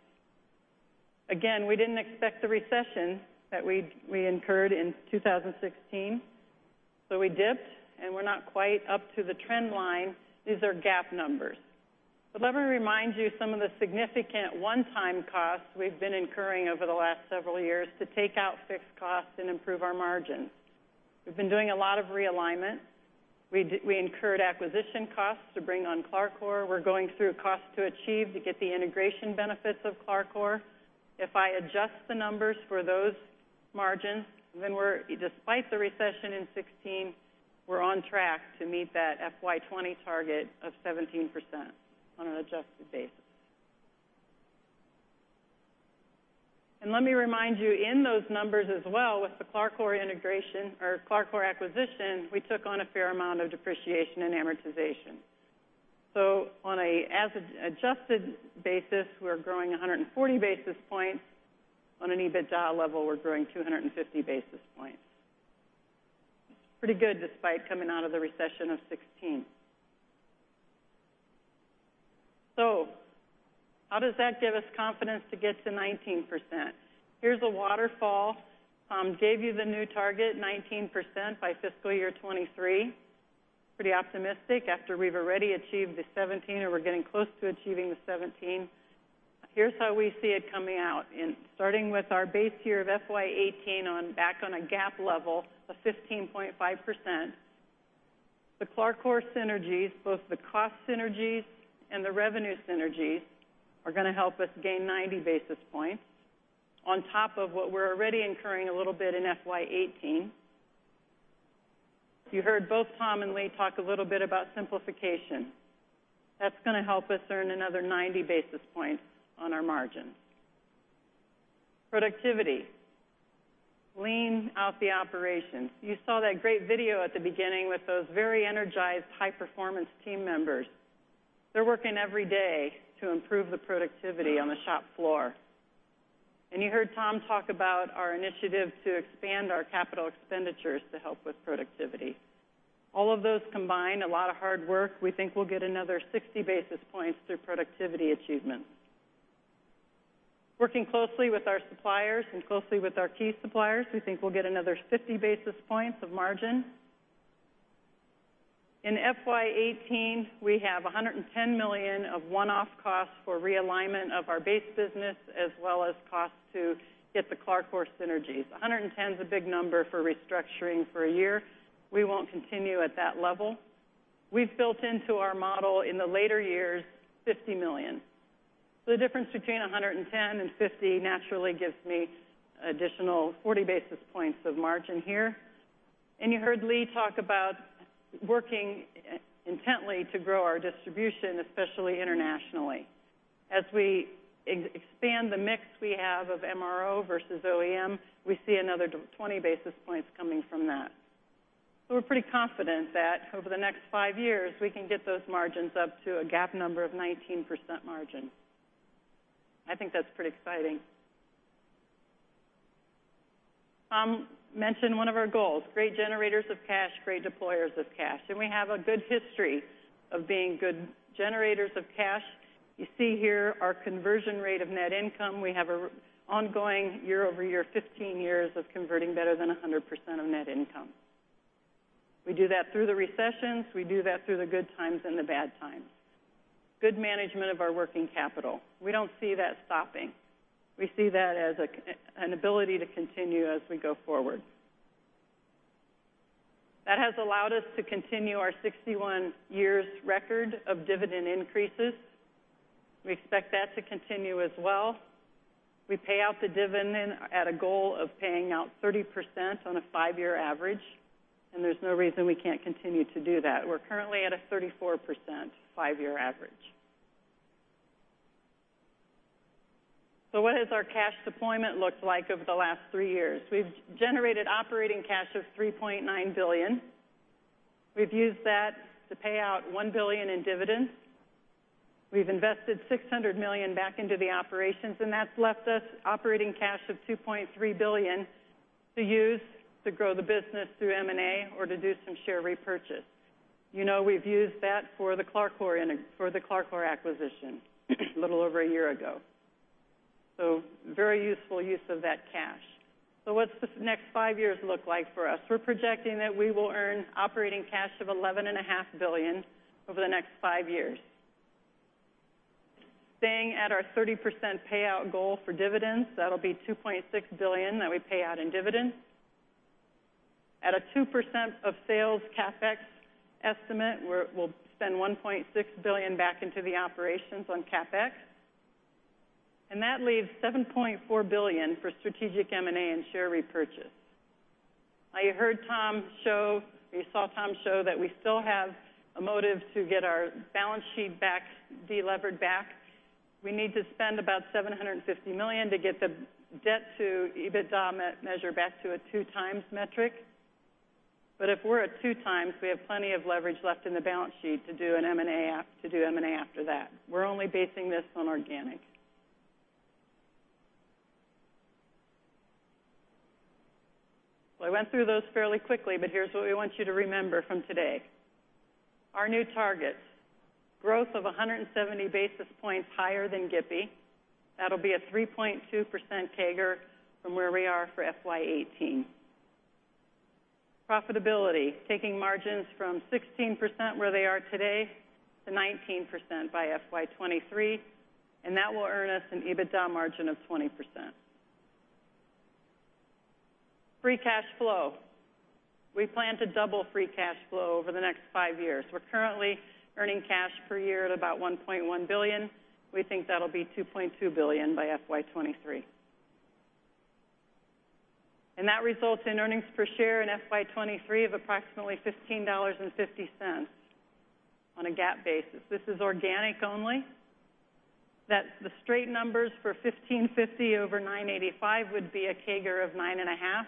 Again, we didn't expect the recession that we incurred in 2016, we dipped, and we're not quite up to the trend line. These are GAAP numbers. Let me remind you of some of the significant one-time costs we've been incurring over the last several years to take out fixed costs and improve our margins. We've been doing a lot of realignment. We incurred acquisition costs to bring on CLARCOR. We're going through cost to achieve to get the integration benefits of CLARCOR. If I adjust the numbers for those margins, then despite the recession in 2016, we're on track to meet that FY 2020 target of 17% on an adjusted basis. Let me remind you, in those numbers as well, with the CLARCOR acquisition, we took on a fair amount of depreciation and amortization. On an adjusted basis, we're growing 140 basis points. On an EBITDA level, we're growing 250 basis points. Pretty good, despite coming out of the recession of 2016. How does that give us confidence to get to 19%? Here's a waterfall. Gave you the new target, 19% by FY 2023. Pretty optimistic after we've already achieved the 17%, or we're getting close to achieving the 17%. Here's how we see it coming out. Starting with our base year of FY 2018 back on a GAAP level of 15.5%. The CLARCOR synergies, both the cost synergies and the revenue synergies, are going to help us gain 90 basis points on top of what we're already incurring a little bit in FY 2018. You heard both Tom and Lee talk a little bit about simplification. That's going to help us earn another 90 basis points on our margin. Productivity. Lean out the operations. You saw that great video at the beginning with those very energized high-performance team members. They're working every day to improve the productivity on the shop floor. You heard Tom talk about our initiative to expand our capital expenditures to help with productivity. All of those combine a lot of hard work. We think we'll get another 60 basis points through productivity achievements. Working closely with our suppliers and closely with our key suppliers, we think we'll get another 50 basis points of margin. In FY 2018, we have $110 million of one-off costs for realignment of our base business, as well as costs to get the CLARCOR synergies. $110 is a big number for restructuring for a year. We won't continue at that level. We've built into our model in the later years, $50 million. The difference between $110 and $50 naturally gives me an additional 40 basis points of margin here. You heard Lee talk about working intently to grow our distribution, especially internationally. As we expand the mix we have of MRO versus OEM, we see another 20 basis points coming from that. So we're pretty confident that over the next five years, we can get those margins up to a GAAP number of 19% margin. I think that's pretty exciting. Tom mentioned one of our goals, great generators of cash, great deployers of cash, and we have a good history of being good generators of cash. You see here our conversion rate of net income. We have an ongoing year-over-year, 15 years of converting better than 100% of net income. We do that through the recessions. We do that through the good times and the bad times. Good management of our working capital. We don't see that stopping. We see that as an ability to continue as we go forward. That has allowed us to continue our 61 years record of dividend increases. We expect that to continue as well. We pay out the dividend at a goal of paying out 30% on a five-year average, and there's no reason we can't continue to do that. We're currently at a 34% five-year average. So what has our cash deployment looked like over the last three years? We've generated operating cash of $3.9 billion. We've used that to pay out $1 billion in dividends. We've invested $600 million back into the operations, and that's left us operating cash of $2.3 billion to use to grow the business through M&A or to do some share repurchase. You know, we've used that for the CLARCOR acquisition a little over a year ago. So very useful use of that cash. So what's the next five years look like for us? We're projecting that we will earn operating cash of $11.5 billion over the next five years. Staying at our 30% payout goal for dividends, that'll be $2.6 billion that we pay out in dividends. At a 2% of sales CapEx estimate, we'll spend $1.6 billion back into the operations on CapEx. And that leaves $7.4 billion for strategic M&A and share repurchase. Now, you saw Tom show that we still have a motive to get our balance sheet delevered back. We need to spend about $750 million to get the debt to EBITDA measure back to a two times metric. If we're at two times, we have plenty of leverage left in the balance sheet to do M&A after that. We're only basing this on organic. Well, I went through those fairly quickly, here's what we want you to remember from today. Our new targets, growth of 170 basis points higher than GIPI. That'll be a 3.2% CAGR from where we are for FY 2018. Profitability, taking margins from 16%, where they are today, to 19% by FY 2023, and that will earn us an EBITDA margin of 20%. Free cash flow, we plan to double free cash flow over the next five years. We're currently earning cash per year at about $1.1 billion. We think that'll be $2.2 billion by FY 2023. That results in earnings per share in FY 2023 of approximately $15.50 on a GAAP basis. This is organic only. The straight numbers for $15.50 over $9.85 would be a CAGR of nine and a half,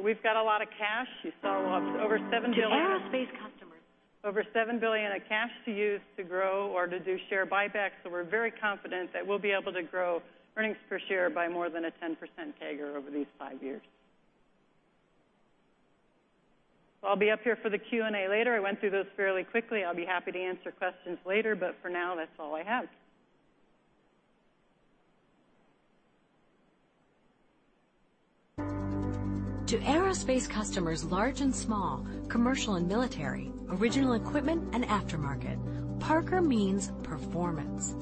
we've got a lot of cash. You saw over $7 billion- To aerospace customers- Over $7 billion of cash to use to grow or to do share buybacks, we're very confident that we'll be able to grow earnings per share by more than a 10% CAGR over these five years. I'll be up here for the Q&A later. I went through those fairly quickly. I'll be happy to answer questions later, for now, that's all I have. To aerospace customers large and small, commercial and military, original equipment and aftermarket, Parker means performance.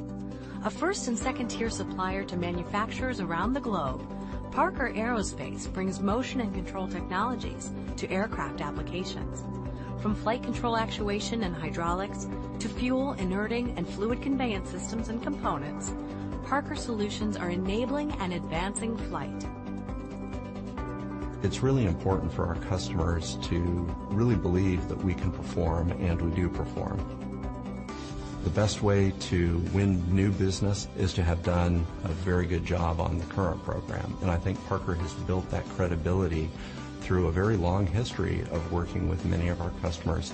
A first and second-tier supplier to manufacturers around the globe, Parker Aerospace brings motion and control technologies to aircraft applications. From flight control actuation and hydraulics to fuel, inerting, and fluid conveyance systems and components, Parker solutions are enabling and advancing flight. It's really important for our customers to really believe that we can perform. We do perform. The best way to win new business is to have done a very good job on the current program. I think Parker has built that credibility through a very long history of working with many of our customers.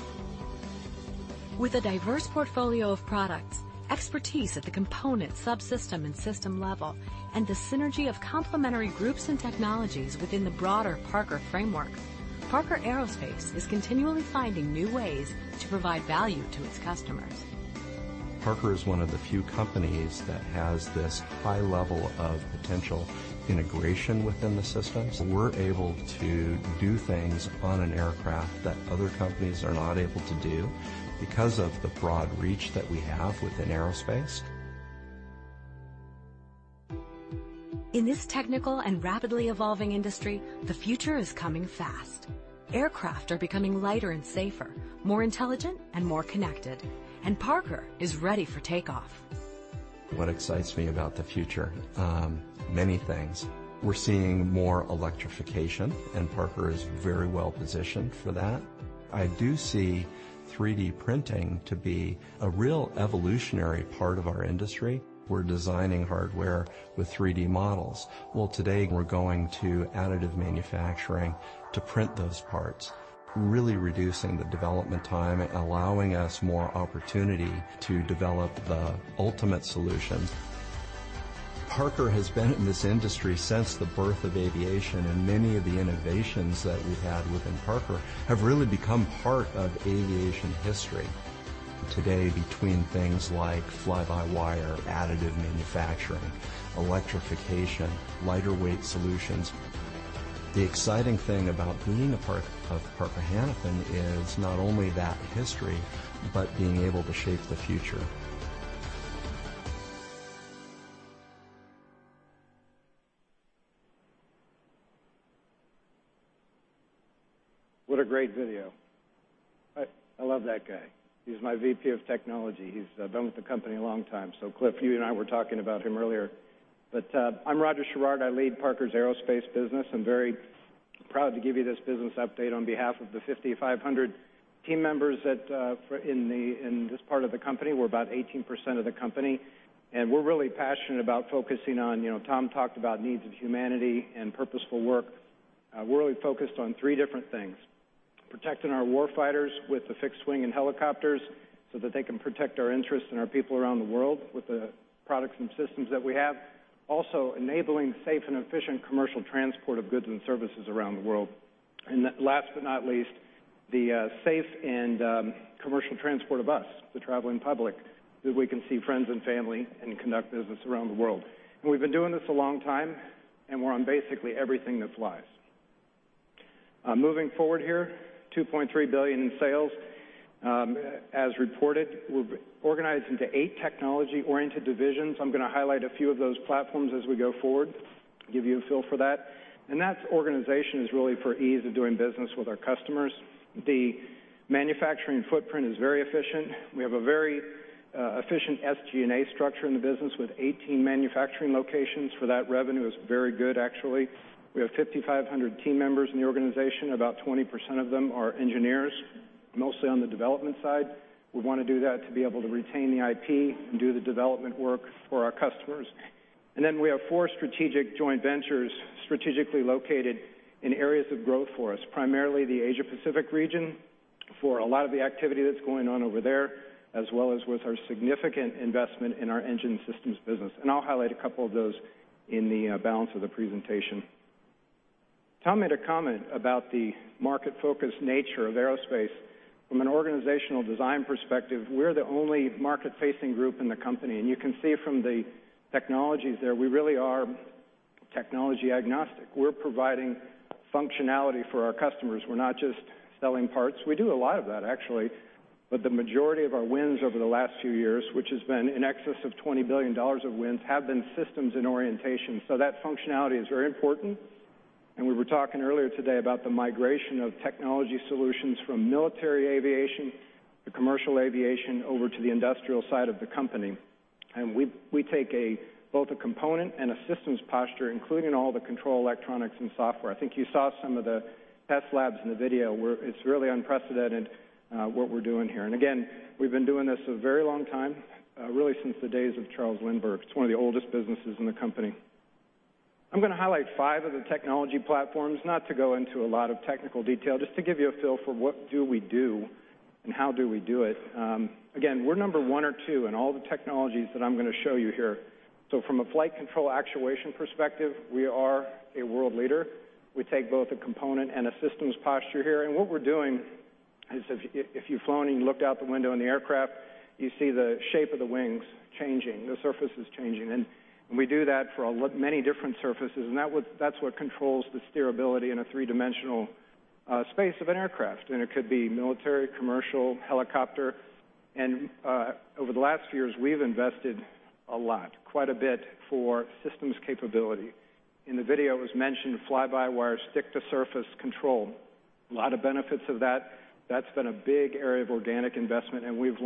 With a diverse portfolio of products, expertise at the component, subsystem, and system level, and the synergy of complementary groups and technologies within the broader Parker framework, Parker Aerospace is continually finding new ways to provide value to its customers. Parker is one of the few companies that has this high level of potential integration within the systems. We're able to do things on an aircraft that other companies are not able to do because of the broad reach that we have within aerospace. In this technical and rapidly evolving industry, the future is coming fast. Aircraft are becoming lighter and safer, more intelligent and more connected, Parker is ready for takeoff. What excites me about the future, many things. We're seeing more electrification, Parker is very well-positioned for that. I do see 3D printing to be a real evolutionary part of our industry. We're designing hardware with 3D models. Well, today, we're going to additive manufacturing to print those parts, really reducing the development time and allowing us more opportunity to develop the ultimate solutions. Parker has been in this industry since the birth of aviation, Many of the innovations that we've had within Parker have really become part of aviation history. Today, between things like fly-by-wire, additive manufacturing, electrification, lighter-weight solutions, the exciting thing about being a part of Parker Hannifin is not only that history but being able to shape the future. What a great video. I love that guy. He's my VP of technology. He's been with the company a long time. Cliff, you and I were talking about him earlier. I'm Roger Sherrard. I lead Parker's aerospace business. I'm very proud to give you this business update on behalf of the 5,500 team members in this part of the company. We're about 18% of the company, We're really passionate about focusing on, Tom talked about needs of humanity and purposeful work. We're really focused on three different things, protecting our warfighters with the fixed wing and helicopters so that they can protect our interests and our people around the world with the products and systems that we have. Enabling safe and efficient commercial transport of goods and services around the world. Last but not least, the safe and commercial transport of us, the traveling public, We can see friends and family and conduct business around the world. We've been doing this a long time, We're on basically everything that flies. Moving forward here, $2.3 billion in sales. As reported, we're organized into eight technology-oriented divisions. I'm going to highlight a few of those platforms as we go forward, give you a feel for that. That organization is really for ease of doing business with our customers. The manufacturing footprint is very efficient. We have a very efficient SG&A structure in the business with 18 manufacturing locations for that revenue is very good, actually. We have 5,500 team members in the organization. About 20% of them are engineers, mostly on the development side. We want to do that to be able to retain the IP and do the development work for our customers. We have four strategic joint ventures strategically located in areas of growth for us, primarily the Asia-Pacific region for a lot of the activity that's going on over there, as well as with our significant investment in our engine systems business. I'll highlight a couple of those in the balance of the presentation. Tom made a comment about the market-focused nature of aerospace. From an organizational design perspective, we're the only market-facing group in the company. You can see from the technologies there, we really are technology agnostic. We're providing functionality for our customers. We're not just selling parts. We do a lot of that actually, the majority of our wins over the last few years, which has been in excess of $20 billion of wins, have been systems in orientation. That functionality is very important, we were talking earlier today about the migration of technology solutions from military aviation to commercial aviation over to the industrial side of the company. We take both a component and a systems posture, including all the control, electronics, and software. I think you saw some of the test labs in the video, where it's really unprecedented what we're doing here. Again, we've been doing this a very long time, really since the days of Charles Lindbergh. It's one of the oldest businesses in the company. I'm going to highlight five of the technology platforms, not to go into a lot of technical detail, just to give you a feel for what do we do and how do we do it. Again, we're number one or two in all the technologies that I'm going to show you here. From a flight control actuation perspective, we are a world leader. We take both a component and a systems posture here. What we're doing is, if you've flown and you looked out the window in the aircraft, you see the shape of the wings changing, the surface is changing. We do that for many different surfaces, and that's what controls the steerability in a three-dimensional space of an aircraft. It could be military, commercial, helicopter. Over the last few years, we've invested a lot, quite a bit for systems capability. In the video, it was mentioned fly-by-wire stick to surface control. A lot of benefits of that. That's been a big area of organic investment, we've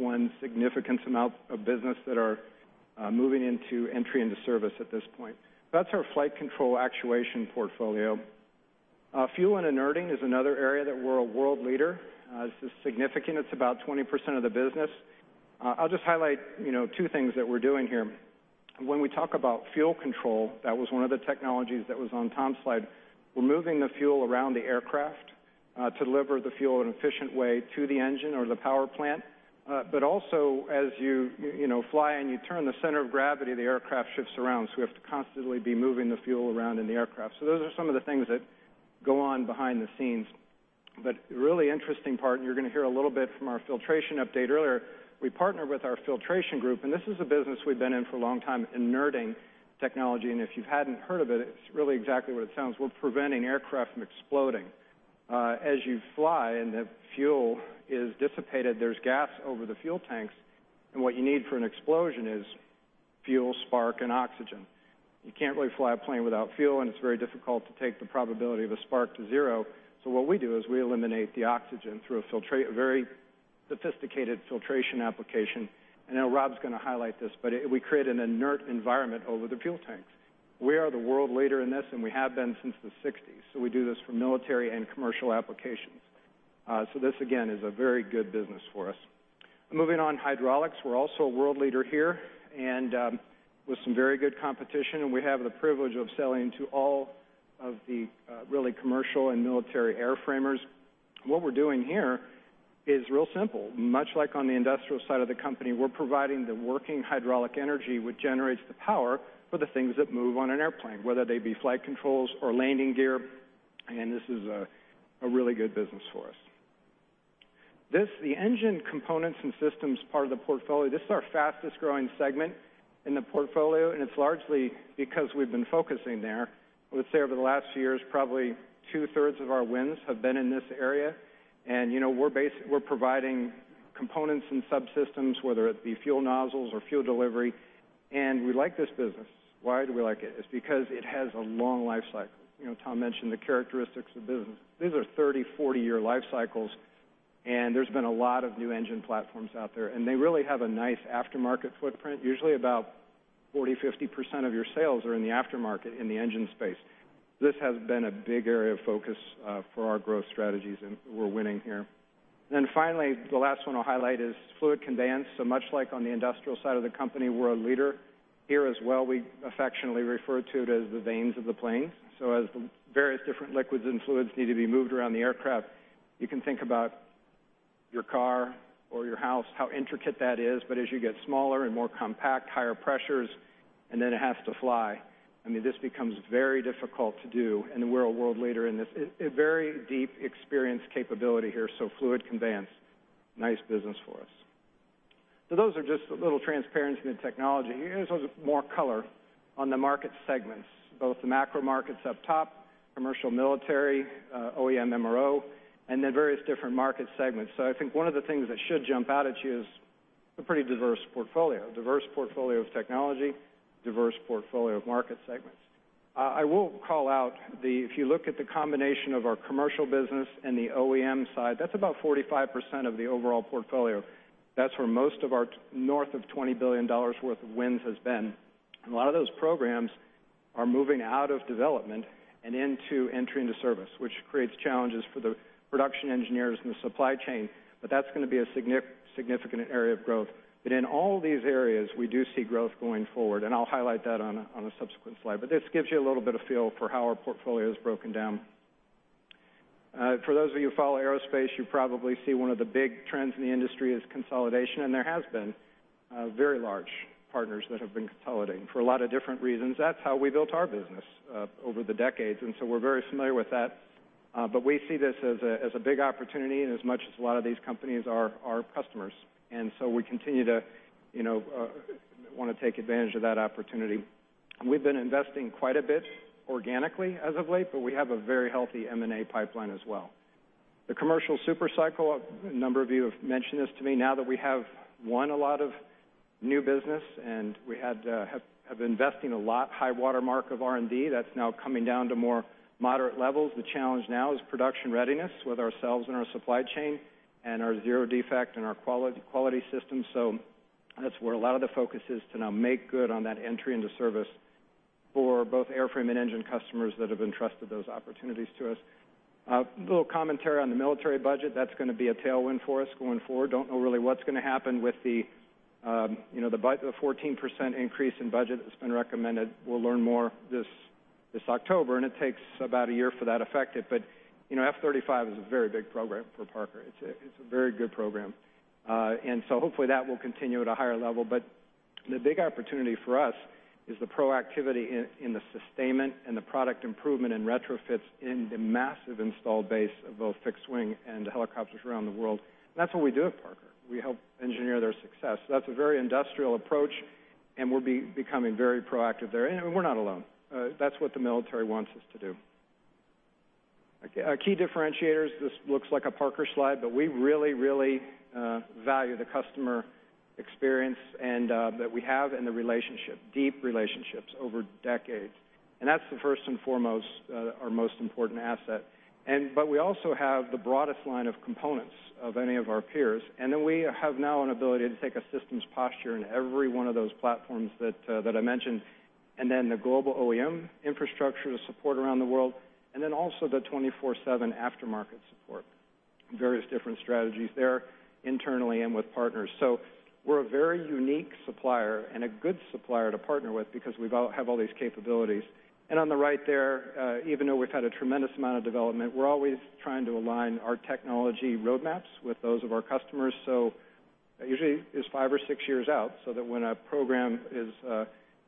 won significant amounts of business that are moving into entry into service at this point. That's our flight control actuation portfolio. Fuel and inerting is another area that we're a world leader. This is significant. It's about 20% of the business. I'll just highlight two things that we're doing here. When we talk about fuel control, that was one of the technologies that was on Tom's slide. We're moving the fuel around the aircraft, to deliver the fuel in an efficient way to the engine or the power plant. Also as you fly and you turn, the center of gravity of the aircraft shifts around. We have to constantly be moving the fuel around in the aircraft. Those are some of the things that go on behind the scenes. Really interesting part, you're going to hear a little bit from our filtration update earlier, we partner with our Filtration Group, and this is a business we've been in for a long time, inerting technology. If you hadn't heard of it's really exactly what it sounds. We're preventing aircraft from exploding. As you fly and the fuel is dissipated, there's gas over the fuel tanks, and what you need for an explosion is fuel, spark, and oxygen. You can't really fly a plane without fuel, and it's very difficult to take the probability of a spark to zero. What we do is we eliminate the oxygen through a very sophisticated filtration application. I know Rob's going to highlight this, we create an inert environment over the fuel tanks. We are the world leader in this, we have been since the '60s. We do this for military and commercial applications. This, again, is a very good business for us. Moving on, hydraulics. We're also a world leader here with some very good competition, we have the privilege of selling to all of the really commercial and military airframers. What we're doing here is real simple. Much like on the industrial side of the company, we're providing the working hydraulic energy, which generates the power for the things that move on an airplane, whether they be flight controls or landing gear, this is a really good business for us. The engine components and systems part of the portfolio, this is our fastest-growing segment in the portfolio, it's largely because we've been focusing there. I would say over the last few years, probably two-thirds of our wins have been in this area. We're providing components and subsystems, whether it be fuel nozzles or fuel delivery, we like this business. Why do we like it? It's because it has a long life cycle. Tom mentioned the characteristics of the business. These are 30, 40-year life cycles, there's been a lot of new engine platforms out there. They really have a nice aftermarket footprint. Usually, about 40%-50% of your sales are in the aftermarket in the engine space. This has been a big area of focus for our growth strategies, we're winning here. Finally, the last one I'll highlight is fluid conveyance. Much like on the industrial side of the company, we're a leader here as well. We affectionately refer to it as the veins of the plane. As the various different liquids and fluids need to be moved around the aircraft, you can think about your car or your house, how intricate that is. As you get smaller and more compact, higher pressures, it has to fly, I mean, this becomes very difficult to do, we're a world leader in this. A very deep experience capability here. Fluid conveyance, nice business for us. Those are just a little transparency into technology. Here's more color on the market segments, both the macro markets up top, commercial, military, OEM/MRO, various different market segments. I think one of the things that should jump out at you is a pretty diverse portfolio. Diverse portfolio of technology, diverse portfolio of market segments. I will call out, if you look at the combination of our commercial business and the OEM side, that's about 45% of the overall portfolio. That's where most of our north of $20 billion worth of wins has been. A lot of those programs are moving out of development and into entry into service, which creates challenges for the production engineers and the supply chain. That's going to be a significant area of growth. In all these areas, we do see growth going forward, and I'll highlight that on a subsequent slide. This gives you a little bit of feel for how our portfolio is broken down. For those of you who follow aerospace, you probably see one of the big trends in the industry is consolidation. There has been very large partners that have been consolidating for a lot of different reasons. That's how we built our business over the decades. We're very familiar with that. We see this as a big opportunity. A lot of these companies are our customers. We continue to want to take advantage of that opportunity. We've been investing quite a bit organically as of late. We have a very healthy M&A pipeline as well. The commercial super cycle, a number of you have mentioned this to me. Now that we have won a lot of new business. We have been investing a lot, high watermark of R&D. That's now coming down to more moderate levels. The challenge now is production readiness with ourselves and our supply chain and our zero defect and our quality system. That's where a lot of the focus is to now make good on that entry into service for both airframe and engine customers that have entrusted those opportunities to us. A little commentary on the military budget. That's going to be a tailwind for us going forward. Don't know really what's going to happen with the 14% increase in budget that's been recommended. We'll learn more this October. It takes about a year for that to effect it. F-35 is a very big program for Parker. It's a very good program. Hopefully, that will continue at a higher level. The big opportunity for us is the proactivity in the sustainment and the product improvement and retrofits in the massive installed base of both fixed wing and helicopters around the world. That's what we do at Parker. We help engineer their success. That's a very industrial approach. We're becoming very proactive there. We're not alone. That's what the military wants us to do. Our key differentiators, this looks like a Parker slide. We really, really value the customer experience and that we have in the relationship, deep relationships over decades. That's the first and foremost our most important asset. We also have the broadest line of components of any of our peers. We have now an ability to take a systems posture in every one of those platforms that I mentioned. The global OEM infrastructure to support around the world. The 24/7 aftermarket support. Various different strategies there internally and with partners. We're a very unique supplier and a good supplier to partner with because we have all these capabilities. On the right there, even though we've had a tremendous amount of development, we're always trying to align our technology roadmaps with those of our customers. Usually it's 5 or 6 years out so that when a program is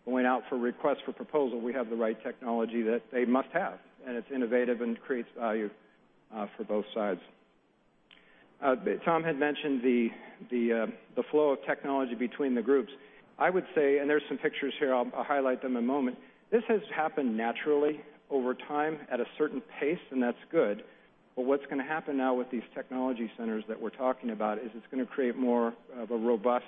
going out for request for proposal, we have the right technology that they must have, and it's innovative and creates value for both sides. Tom had mentioned the flow of technology between the groups. I would say, and there's some pictures here, I'll highlight them in a moment. This has happened naturally over time at a certain pace, and that's good. What's going to happen now with these technology centers that we're talking about is it's going to create more of a robust,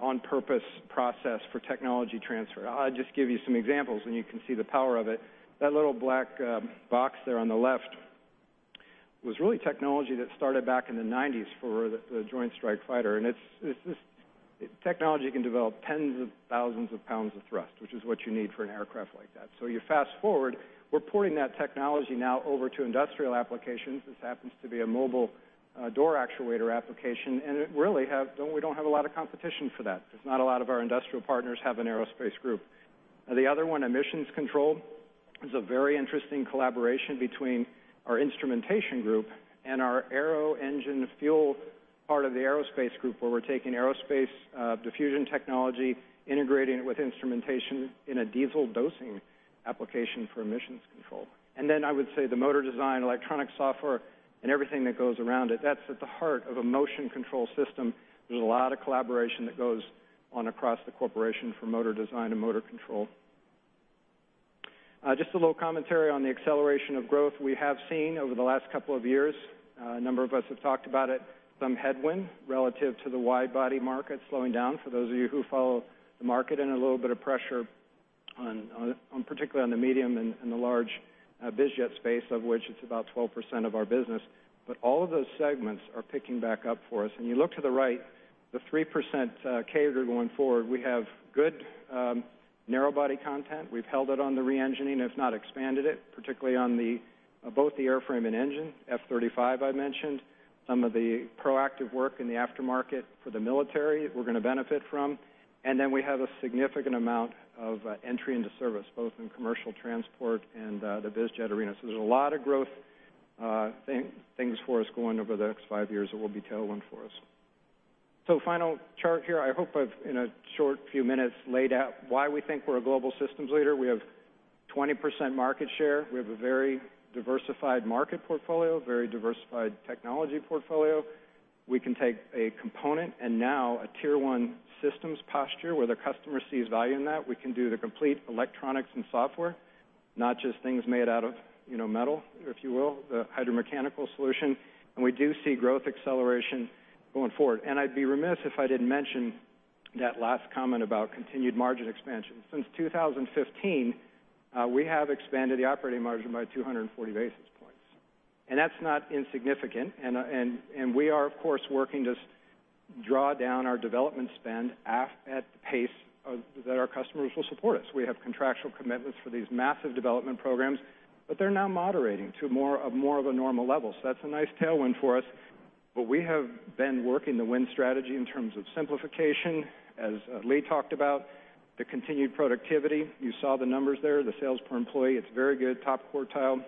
on-purpose process for technology transfer. I'll just give you some examples, and you can see the power of it. That little black box there on the left was really technology that started back in the 1990s for the Joint Strike Fighter. Technology can develop tens of thousands of pounds of thrust, which is what you need for an aircraft like that. You fast-forward, we're porting that technology now over to industrial applications. This happens to be a mobile door actuator application, and we don't have a lot of competition for that, because not a lot of our industrial partners have an Aerospace Group. The other one, emissions control, is a very interesting collaboration between our Instrumentation Group and our aero engine fuel part of the Aerospace Group, where we're taking aerospace diffusion technology, integrating it with instrumentation in a diesel dosing application for emissions control. I would say the motor design, electronic software, and everything that goes around it, that's at the heart of a motion control system. There's a lot of collaboration that goes on across the corporation for motor design and motor control. Just a little commentary on the acceleration of growth we have seen over the last couple of years. A number of us have talked about it, some headwind relative to the wide-body market slowing down for those of you who follow the market, and a little bit of pressure, particularly on the medium and the large biz jet space, of which it's about 12% of our business. All of those segments are picking back up for us. When you look to the right, the 3% CAGR going forward, we have good narrow-body content. We've held it on the re-engining, if not expanded it, particularly on both the airframe and engine, F-35, I mentioned. Some of the proactive work in the aftermarket for the military we're going to benefit from. We have a significant amount of entry into service, both in commercial transport and the biz jet arena. There's a lot of growth things for us going over the next 5 years that will be tailwind for us. Final chart here. I hope I've, in a short few minutes, laid out why we think we're a global systems leader. We have 20% market share. We have a very diversified market portfolio, very diversified technology portfolio. We can take a component and now a tier 1 systems posture where the customer sees value in that. We can do the complete electronics and software, not just things made out of metal, if you will, the hydromechanical solution. We do see growth acceleration going forward. I'd be remiss if I didn't mention that last comment about continued margin expansion. Since 2015, we have expanded the operating margin by 240 basis points. That's not insignificant. We are, of course, working to draw down our development spend at the pace that our customers will support us. We have contractual commitments for these massive development programs, but they're now moderating to more of a normal level. That's a nice tailwind for us. Well, we have been working the Win Strategy in terms of simplification, as Lee talked about, the continued productivity, you saw the numbers there, the sales per employee, it's very good, top quartile,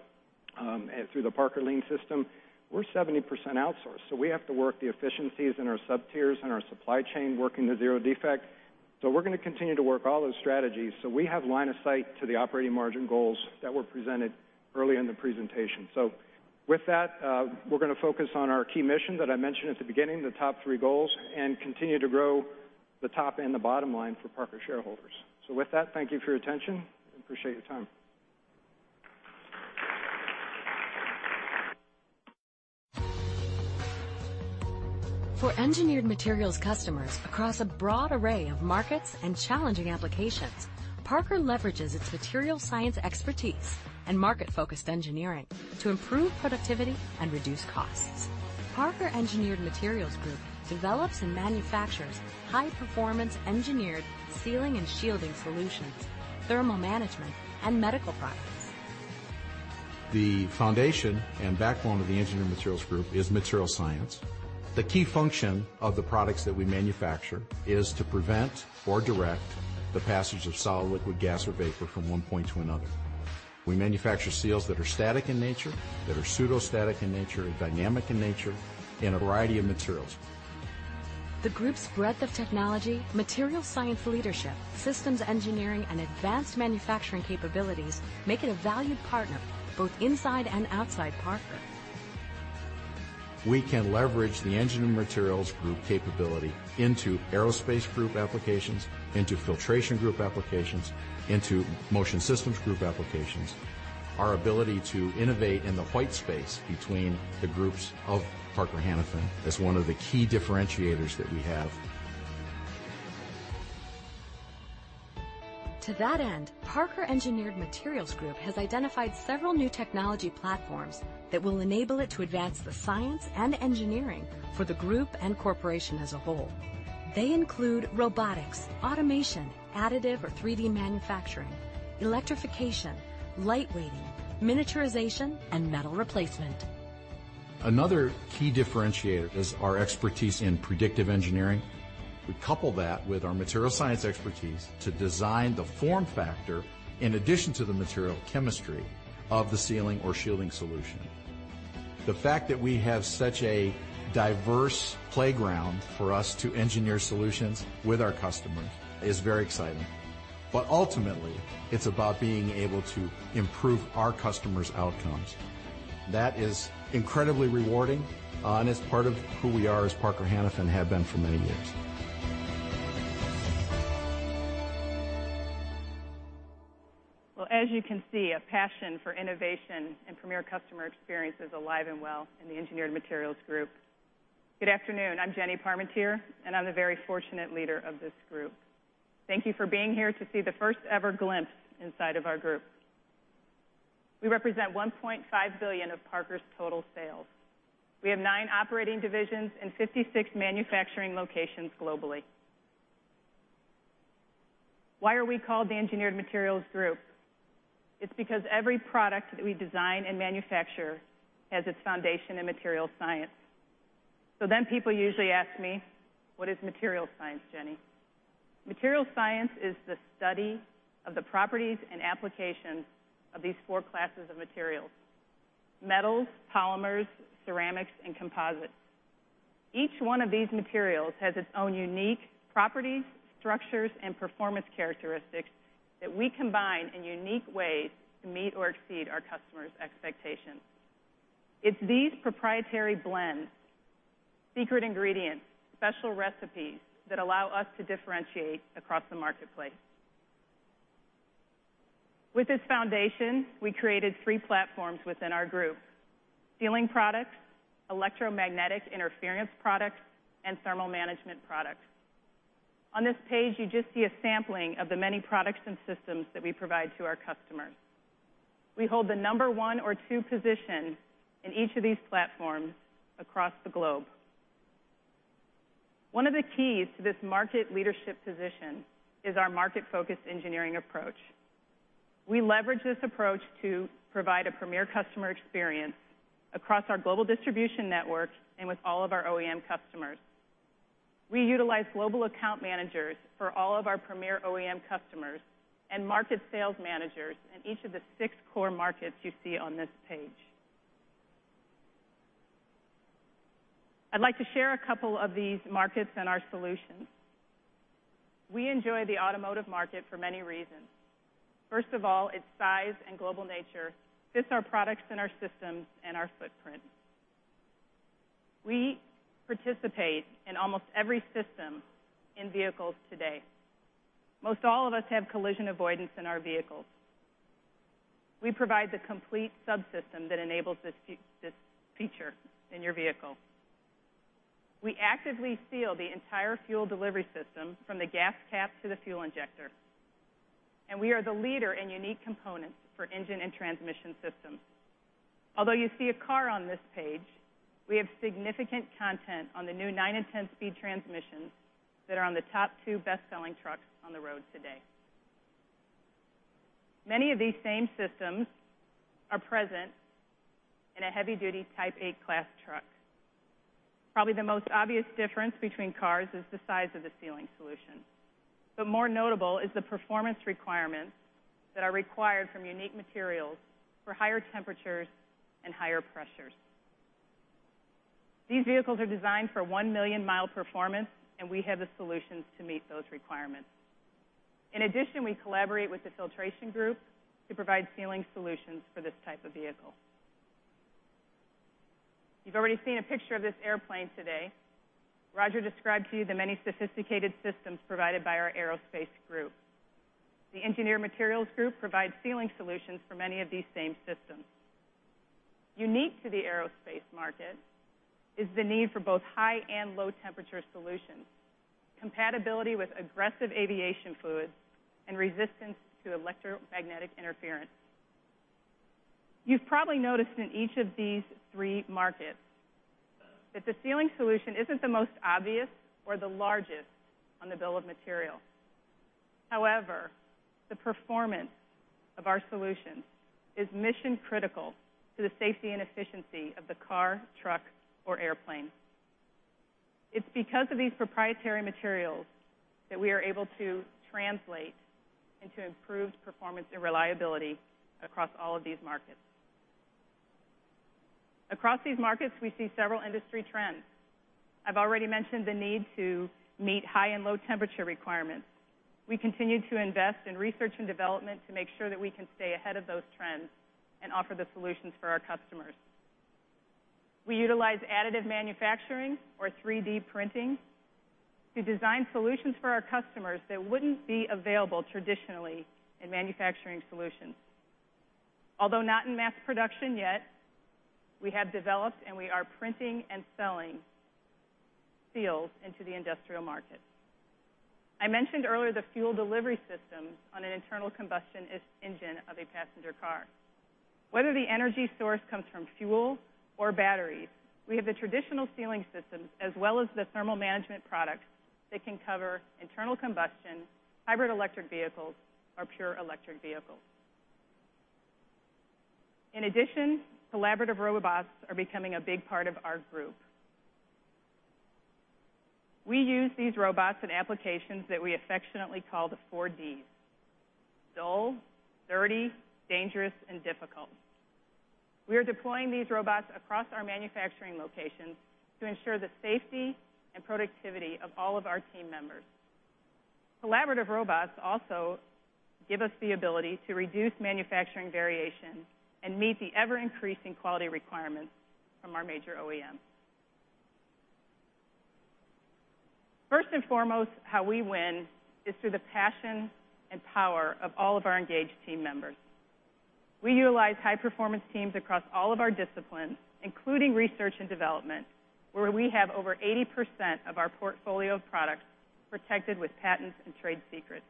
through the Parker Lean System. We're 70% outsourced, we have to work the efficiencies in our sub tiers and our supply chain, working to zero defect. We're going to continue to work all those strategies so we have line of sight to the operating margin goals that were presented early in the presentation. With that, we're going to focus on our key mission that I mentioned at the beginning, the top three goals, and continue to grow the top and the bottom line for Parker shareholders. With that, thank you for your attention and appreciate your time. For Engineered Materials customers across a broad array of markets and challenging applications, Parker leverages its material science expertise and market-focused engineering to improve productivity and reduce costs. Parker Engineered Materials Group develops and manufactures high-performance engineered sealing and shielding solutions, thermal management, and medical products. The foundation and backbone of the Engineered Materials Group is material science. The key function of the products that we manufacture is to prevent or direct the passage of solid, liquid, gas, or vapor from one point to another. We manufacture seals that are static in nature, that are pseudo-static in nature, and dynamic in nature, in a variety of materials. The group's breadth of technology, material science leadership, systems engineering, and advanced manufacturing capabilities, make it a valued partner both inside and outside Parker. We can leverage the Engineered Materials Group capability into Aerospace Group applications, into Filtration Group applications, into Motion Systems Group applications. Our ability to innovate in the white space between the groups of Parker Hannifin is one of the key differentiators that we have. To that end, Parker Engineered Materials Group has identified several new technology platforms that will enable it to advance the science and engineering for the group and corporation as a whole. They include robotics, automation, additive or 3D manufacturing, electrification, lightweighting, miniaturization, and metal replacement. Another key differentiator is our expertise in predictive engineering. We couple that with our material science expertise to design the form factor in addition to the material chemistry of the sealing or shielding solution. The fact that we have such a diverse playground for us to engineer solutions with our customers is very exciting. Ultimately, it's about being able to improve our customers' outcomes. That is incredibly rewarding, and it's part of who we are as Parker Hannifin have been for many years. As you can see, a passion for innovation and premier customer experience is alive and well in the Engineered Materials Group. Good afternoon. I'm Jenny Parmentier, and I'm the very fortunate leader of this group. Thank you for being here to see the first-ever glimpse inside of our group. We represent $1.5 billion of Parker's total sales. We have nine operating divisions and 56 manufacturing locations globally. Why are we called the Engineered Materials Group? It's because every product that we design and manufacture has its foundation in material science. People usually ask me, "What is material science, Jenny?" Material science is the study of the properties and applications of these four classes of materials, metals, polymers, ceramics, and composites. Each one of these materials has its own unique properties, structures, and performance characteristics that we combine in unique ways to meet or exceed our customers' expectations. It's these proprietary blends, secret ingredients, special recipes that allow us to differentiate across the marketplace. With this foundation, we created three platforms within our group, sealing products, electromagnetic interference products, and thermal management products. On this page, you just see a sampling of the many products and systems that we provide to our customers. We hold the number one or two position in each of these platforms across the globe. One of the keys to this market leadership position is our market-focused engineering approach. We leverage this approach to provide a premier customer experience across our global distribution network and with all of our OEM customers. We utilize global account managers for all of our premier OEM customers and market sales managers in each of the six core markets you see on this page. I'd like to share a couple of these markets and our solutions. We enjoy the automotive market for many reasons. First of all, its size and global nature fits our products and our systems and our footprint. We participate in almost every system in vehicles today. Most all of us have collision avoidance in our vehicles. We provide the complete subsystem that enables this feature in your vehicle. We actively seal the entire fuel delivery system from the gas cap to the fuel injector, and we are the leader in unique components for engine and transmission systems. Although you see a car on this page, we have significant content on the new nine and 10-speed transmissions that are on the top two best-selling trucks on the road today. Many of these same systems are present in a heavy-duty Type 8 Class truck. Probably the most obvious difference between cars is the size of the sealing solution. More notable is the performance requirements that are required from unique materials for higher temperatures and higher pressures. These vehicles are designed for one million mile performance, and we have the solutions to meet those requirements. In addition, we collaborate with the Filtration Group to provide sealing solutions for this type of vehicle. You've already seen a picture of this airplane today. Roger described to you the many sophisticated systems provided by our Aerospace Group. The Engineered Materials Group provides sealing solutions for many of these same systems. Unique to the aerospace market is the need for both high and low temperature solutions, compatibility with aggressive aviation fluids, and resistance to electromagnetic interference. You've probably noticed in each of these three markets that the sealing solution isn't the most obvious or the largest on the bill of material. The performance of our solutions is mission critical to the safety and efficiency of the car, truck, or airplane. It's because of these proprietary materials that we are able to translate into improved performance and reliability across all of these markets. Across these markets, we see several industry trends. I've already mentioned the need to meet high and low temperature requirements. We continue to invest in research and development to make sure that we can stay ahead of those trends and offer the solutions for our customers. We utilize additive manufacturing or 3D printing to design solutions for our customers that wouldn't be available traditionally in manufacturing solutions. Although not in mass production yet, we have developed and we are printing and selling seals into the industrial markets. I mentioned earlier the fuel delivery systems on an internal combustion engine of a passenger car. Whether the energy source comes from fuel or batteries, we have the traditional sealing systems as well as the thermal management products that can cover internal combustion, hybrid electric vehicles, or pure electric vehicles. Collaborative robots are becoming a big part of our group. We use these robots in applications that we affectionately call the four Ds: dull, dirty, dangerous, and difficult. We are deploying these robots across our manufacturing locations to ensure the safety and productivity of all of our team members. Collaborative robots also give us the ability to reduce manufacturing variation and meet the ever-increasing quality requirements from our major OEMs. First and foremost, how we win is through the passion and power of all of our engaged team members. We utilize high performance teams across all of our disciplines, including research and development, where we have over 80% of our portfolio of products protected with patents and trade secrets.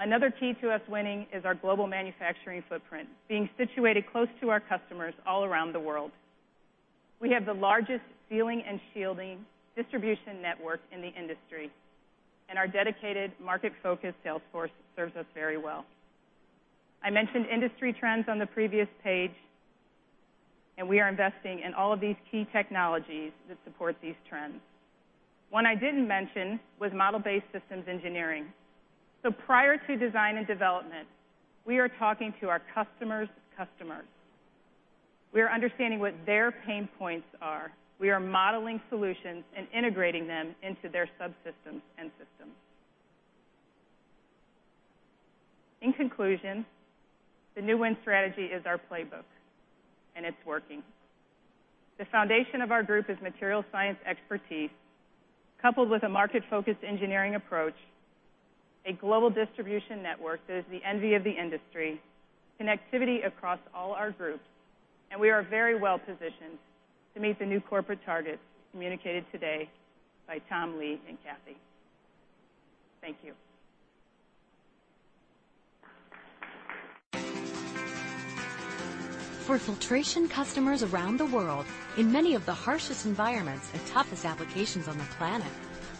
Another key to us winning is our global manufacturing footprint, being situated close to our customers all around the world. Our dedicated market-focused sales force serves us very well. I mentioned industry trends on the previous page. We are investing in all of these key technologies that support these trends. One I didn't mention was model-based systems engineering. Prior to design and development, we are talking to our customers' customers. We are understanding what their pain points are. We are modeling solutions and integrating them into their subsystems and systems. In conclusion, the New Win Strategy is our playbook, and it's working. The foundation of our group is material science expertise, coupled with a market-focused engineering approach, a global distribution network that is the envy of the industry, connectivity across all our groups. We are very well positioned to meet the new corporate targets communicated today by Tom Lee and Kathy. Thank you. For filtration customers around the world, in many of the harshest environments and toughest applications on the planet,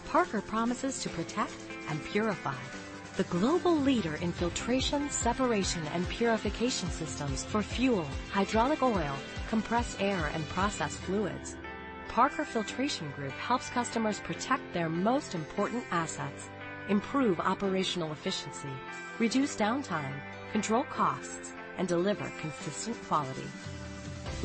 Parker promises to protect and purify. The global leader in filtration, separation, and purification systems for fuel, hydraulic oil, compressed air, and processed fluids, Parker Filtration Group helps customers protect their most important assets, improve operational efficiency, reduce downtime, control costs, and deliver consistent quality.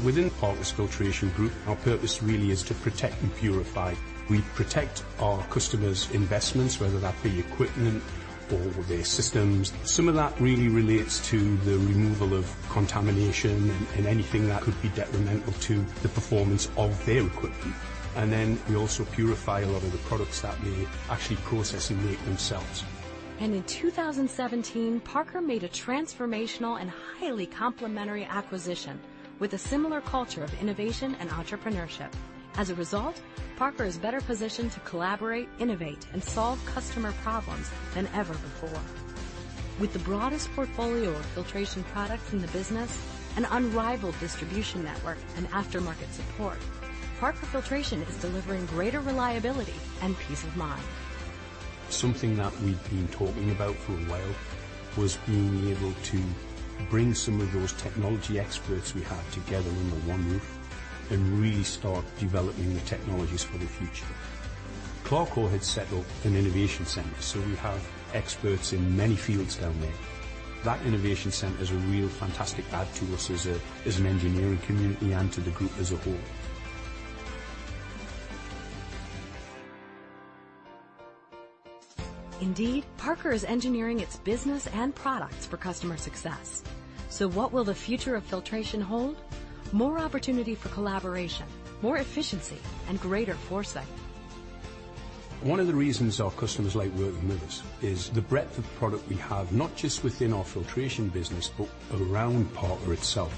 Within Parker's Filtration Group, our purpose really is to protect and purify. We protect our customers' investments, whether that be equipment or their systems. Some of that really relates to the removal of contamination and anything that could be detrimental to the performance of their equipment. We also purify a lot of the products that they actually process and make themselves. In 2017, Parker made a transformational and highly complementary acquisition with a similar culture of innovation and entrepreneurship. As a result, Parker is better positioned to collaborate, innovate, and solve customer problems than ever before. With the broadest portfolio of filtration products in the business, an unrivaled distribution network, and aftermarket support, Parker Filtration is delivering greater reliability and peace of mind. Something that we've been talking about for a while was being able to bring some of those technology experts we have together under one roof and really start developing the technologies for the future. CLARCOR had set up an innovation center, we have experts in many fields down there. That innovation center is a real fantastic add to us as an engineering community and to the group as a whole. Indeed, Parker is engineering its business and products for customer success. What will the future of filtration hold? More opportunity for collaboration, more efficiency, and greater foresight. One of the reasons our customers like working with us is the breadth of product we have, not just within our filtration business, but around Parker itself.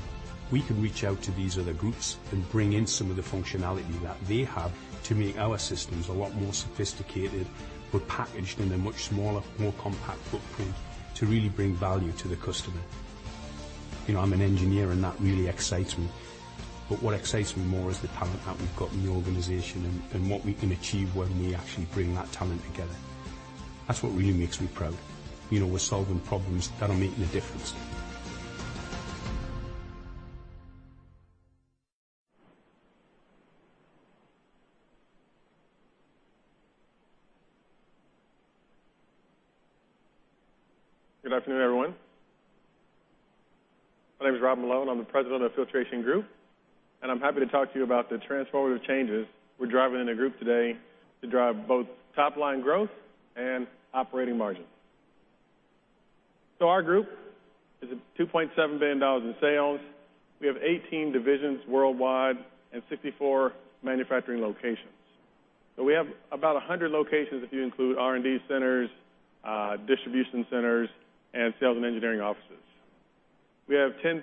We can reach out to these other groups and bring in some of the functionality that they have to make our systems a lot more sophisticated, but packaged in a much smaller, more compact footprint to really bring value to the customer. I'm an engineer, and that really excites me. What excites me more is the talent that we've got in the organization and what we can achieve when we actually bring that talent together. That's what really makes me proud. We're solving problems that are making a difference. Good afternoon, everyone. My name is Rob Malone. I'm the president of the Filtration Group, and I'm happy to talk to you about the transformative changes we're driving in the group today to drive both top-line growth and operating margin. Our group is at $2.7 billion in sales. We have 18 divisions worldwide and 64 manufacturing locations. We have about 100 locations if you include R&D centers, distribution centers, and sales and engineering offices. We have 10,000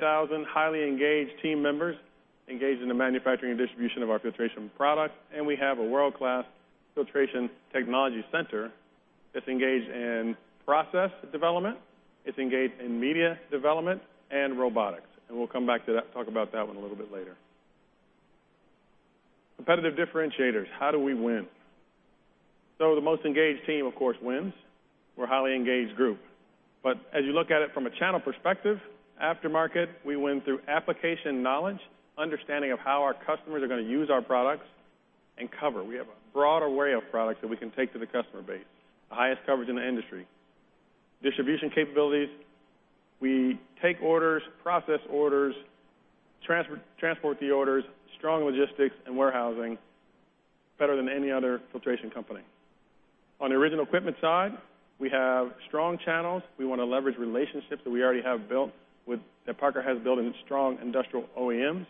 highly engaged team members engaged in the manufacturing and distribution of our filtration products, and we have a world-class Filtration Technology Center that's engaged in process development, it's engaged in media development, and robotics, and we'll come back to that, talk about that one a little bit later. Competitive differentiators. How do we win? The most engaged team, of course, wins. We're a highly engaged group. As you look at it from a channel perspective, aftermarket, we win through application knowledge, understanding of how our customers are going to use our products, and cover. We have a broad array of products that we can take to the customer base, the highest coverage in the industry. Distribution capabilities, we take orders, process orders, transport the orders, strong logistics and warehousing, better than any other filtration company. On the original equipment side, we have strong channels. We want to leverage relationships that we already have built with, that Parker has built in strong industrial OEMs,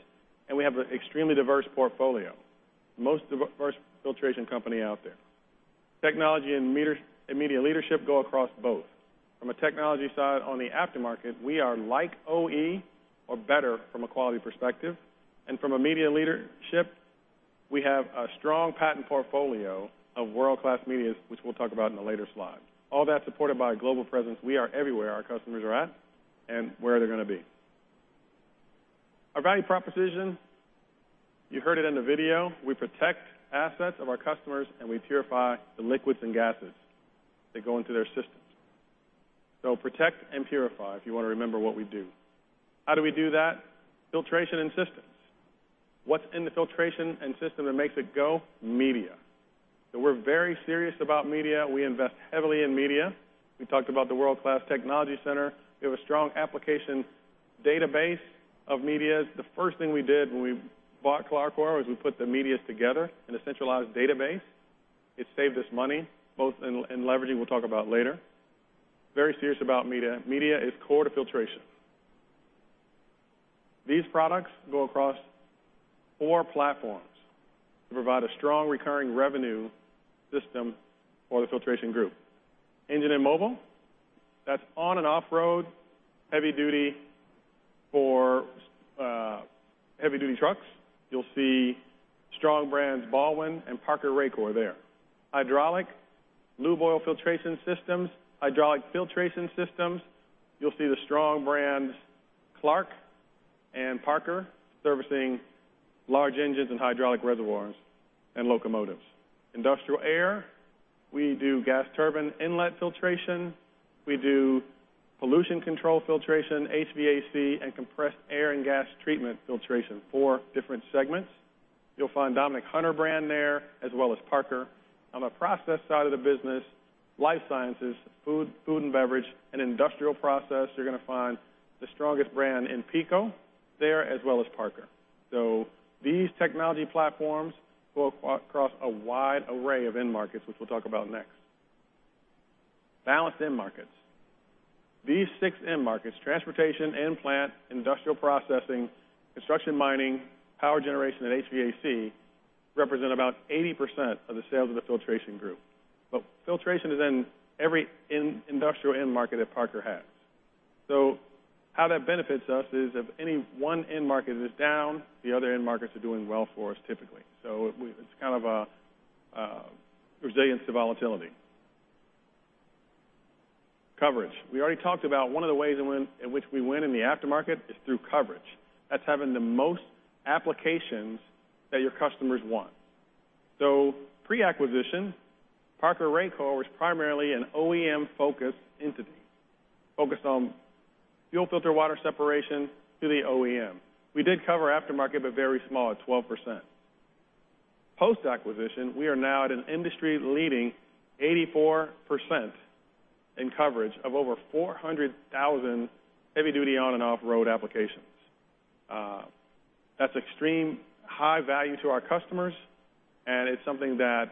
and we have an extremely diverse portfolio. Most diverse filtration company out there. Technology and media leadership go across both. From a technology side on the aftermarket, we are like OE or better from a quality perspective. From a media leadership, we have a strong patent portfolio of world-class medias, which we'll talk about in a later slide. All that supported by a global presence. We are everywhere our customers are at and where they're going to be. Our value proposition, you heard it in the video. We protect assets of our customers, and we purify the liquids and gases that go into their systems. Protect and purify, if you want to remember what we do. How do we do that? Filtration and systems. What's in the filtration and system that makes it go? Media. We're very serious about media. We invest heavily in media. We talked about the world-class Technology Center. We have a strong application database of medias. The first thing we did when we bought CLARCOR was we put the medias together in a centralized database. It saved us money, both in leveraging, we'll talk about later. Very serious about media. Media is core to filtration. These products go across four platforms to provide a strong recurring revenue system for the Filtration Group. Engine and mobile, that's on and off-road, heavy duty for heavy duty trucks. You'll see strong brands, Baldwin and Parker Racor there. Hydraulic, lube oil filtration systems, hydraulic filtration systems. You'll see the strong brands, CLARCOR and Parker, servicing large engines and hydraulic reservoirs and locomotives. Industrial air, we do gas turbine inlet filtration. We do pollution control filtration, HVAC, and compressed air and gas treatment filtration. Four different segments. You'll find domnick hunter brand there, as well as Parker. On the process side of the business, life sciences, food and beverage, and industrial process, you're going to find the strongest brand in PECO there, as well as Parker. These technology platforms go across a wide array of end markets, which we'll talk about next. Balanced end markets. These six end markets, transportation and plant, industrial processing, construction and mining, power generation, and HVAC, represent about 80% of the sales of the Filtration Group. Filtration is in every industrial end market that Parker has. How that benefits us is if any one end market is down, the other end markets are doing well for us, typically. It's kind of a resilience to volatility. Coverage. We already talked about one of the ways in which we win in the aftermarket is through coverage. That's having the most applications that your customers want. Pre-acquisition, Parker Racor was primarily an OEM-focused entity, focused on fuel filter water separation to the OEM. We did cover aftermarket, but very small, at 12%. Post-acquisition, we are now at an industry-leading 84% in coverage of over 400,000 heavy-duty on and off-road applications. That's extreme high value to our customers, and it's something that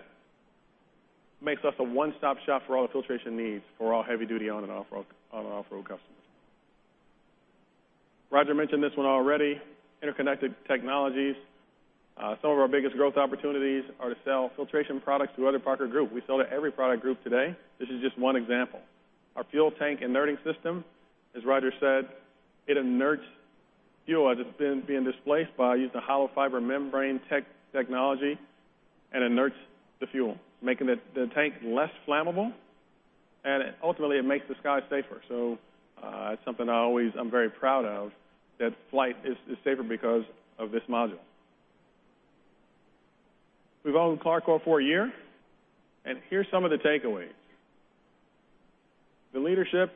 makes us a one-stop shop for all the filtration needs for all heavy-duty on and off-road customers. Roger mentioned this one already, interconnected technologies. Some of our biggest growth opportunities are to sell filtration products to other Parker Group. We sell to every product group today. This is just one example. Our fuel tank inerting system, as Roger said, it inerts fuel as it's being displaced by using a hollow fiber membrane technology and inerts the fuel, making the tank less flammable, and ultimately it makes the sky safer. It's something I always am very proud of, that flight is safer because of this module. We've owned CLARCOR for a year, and here's some of the takeaways. The leadership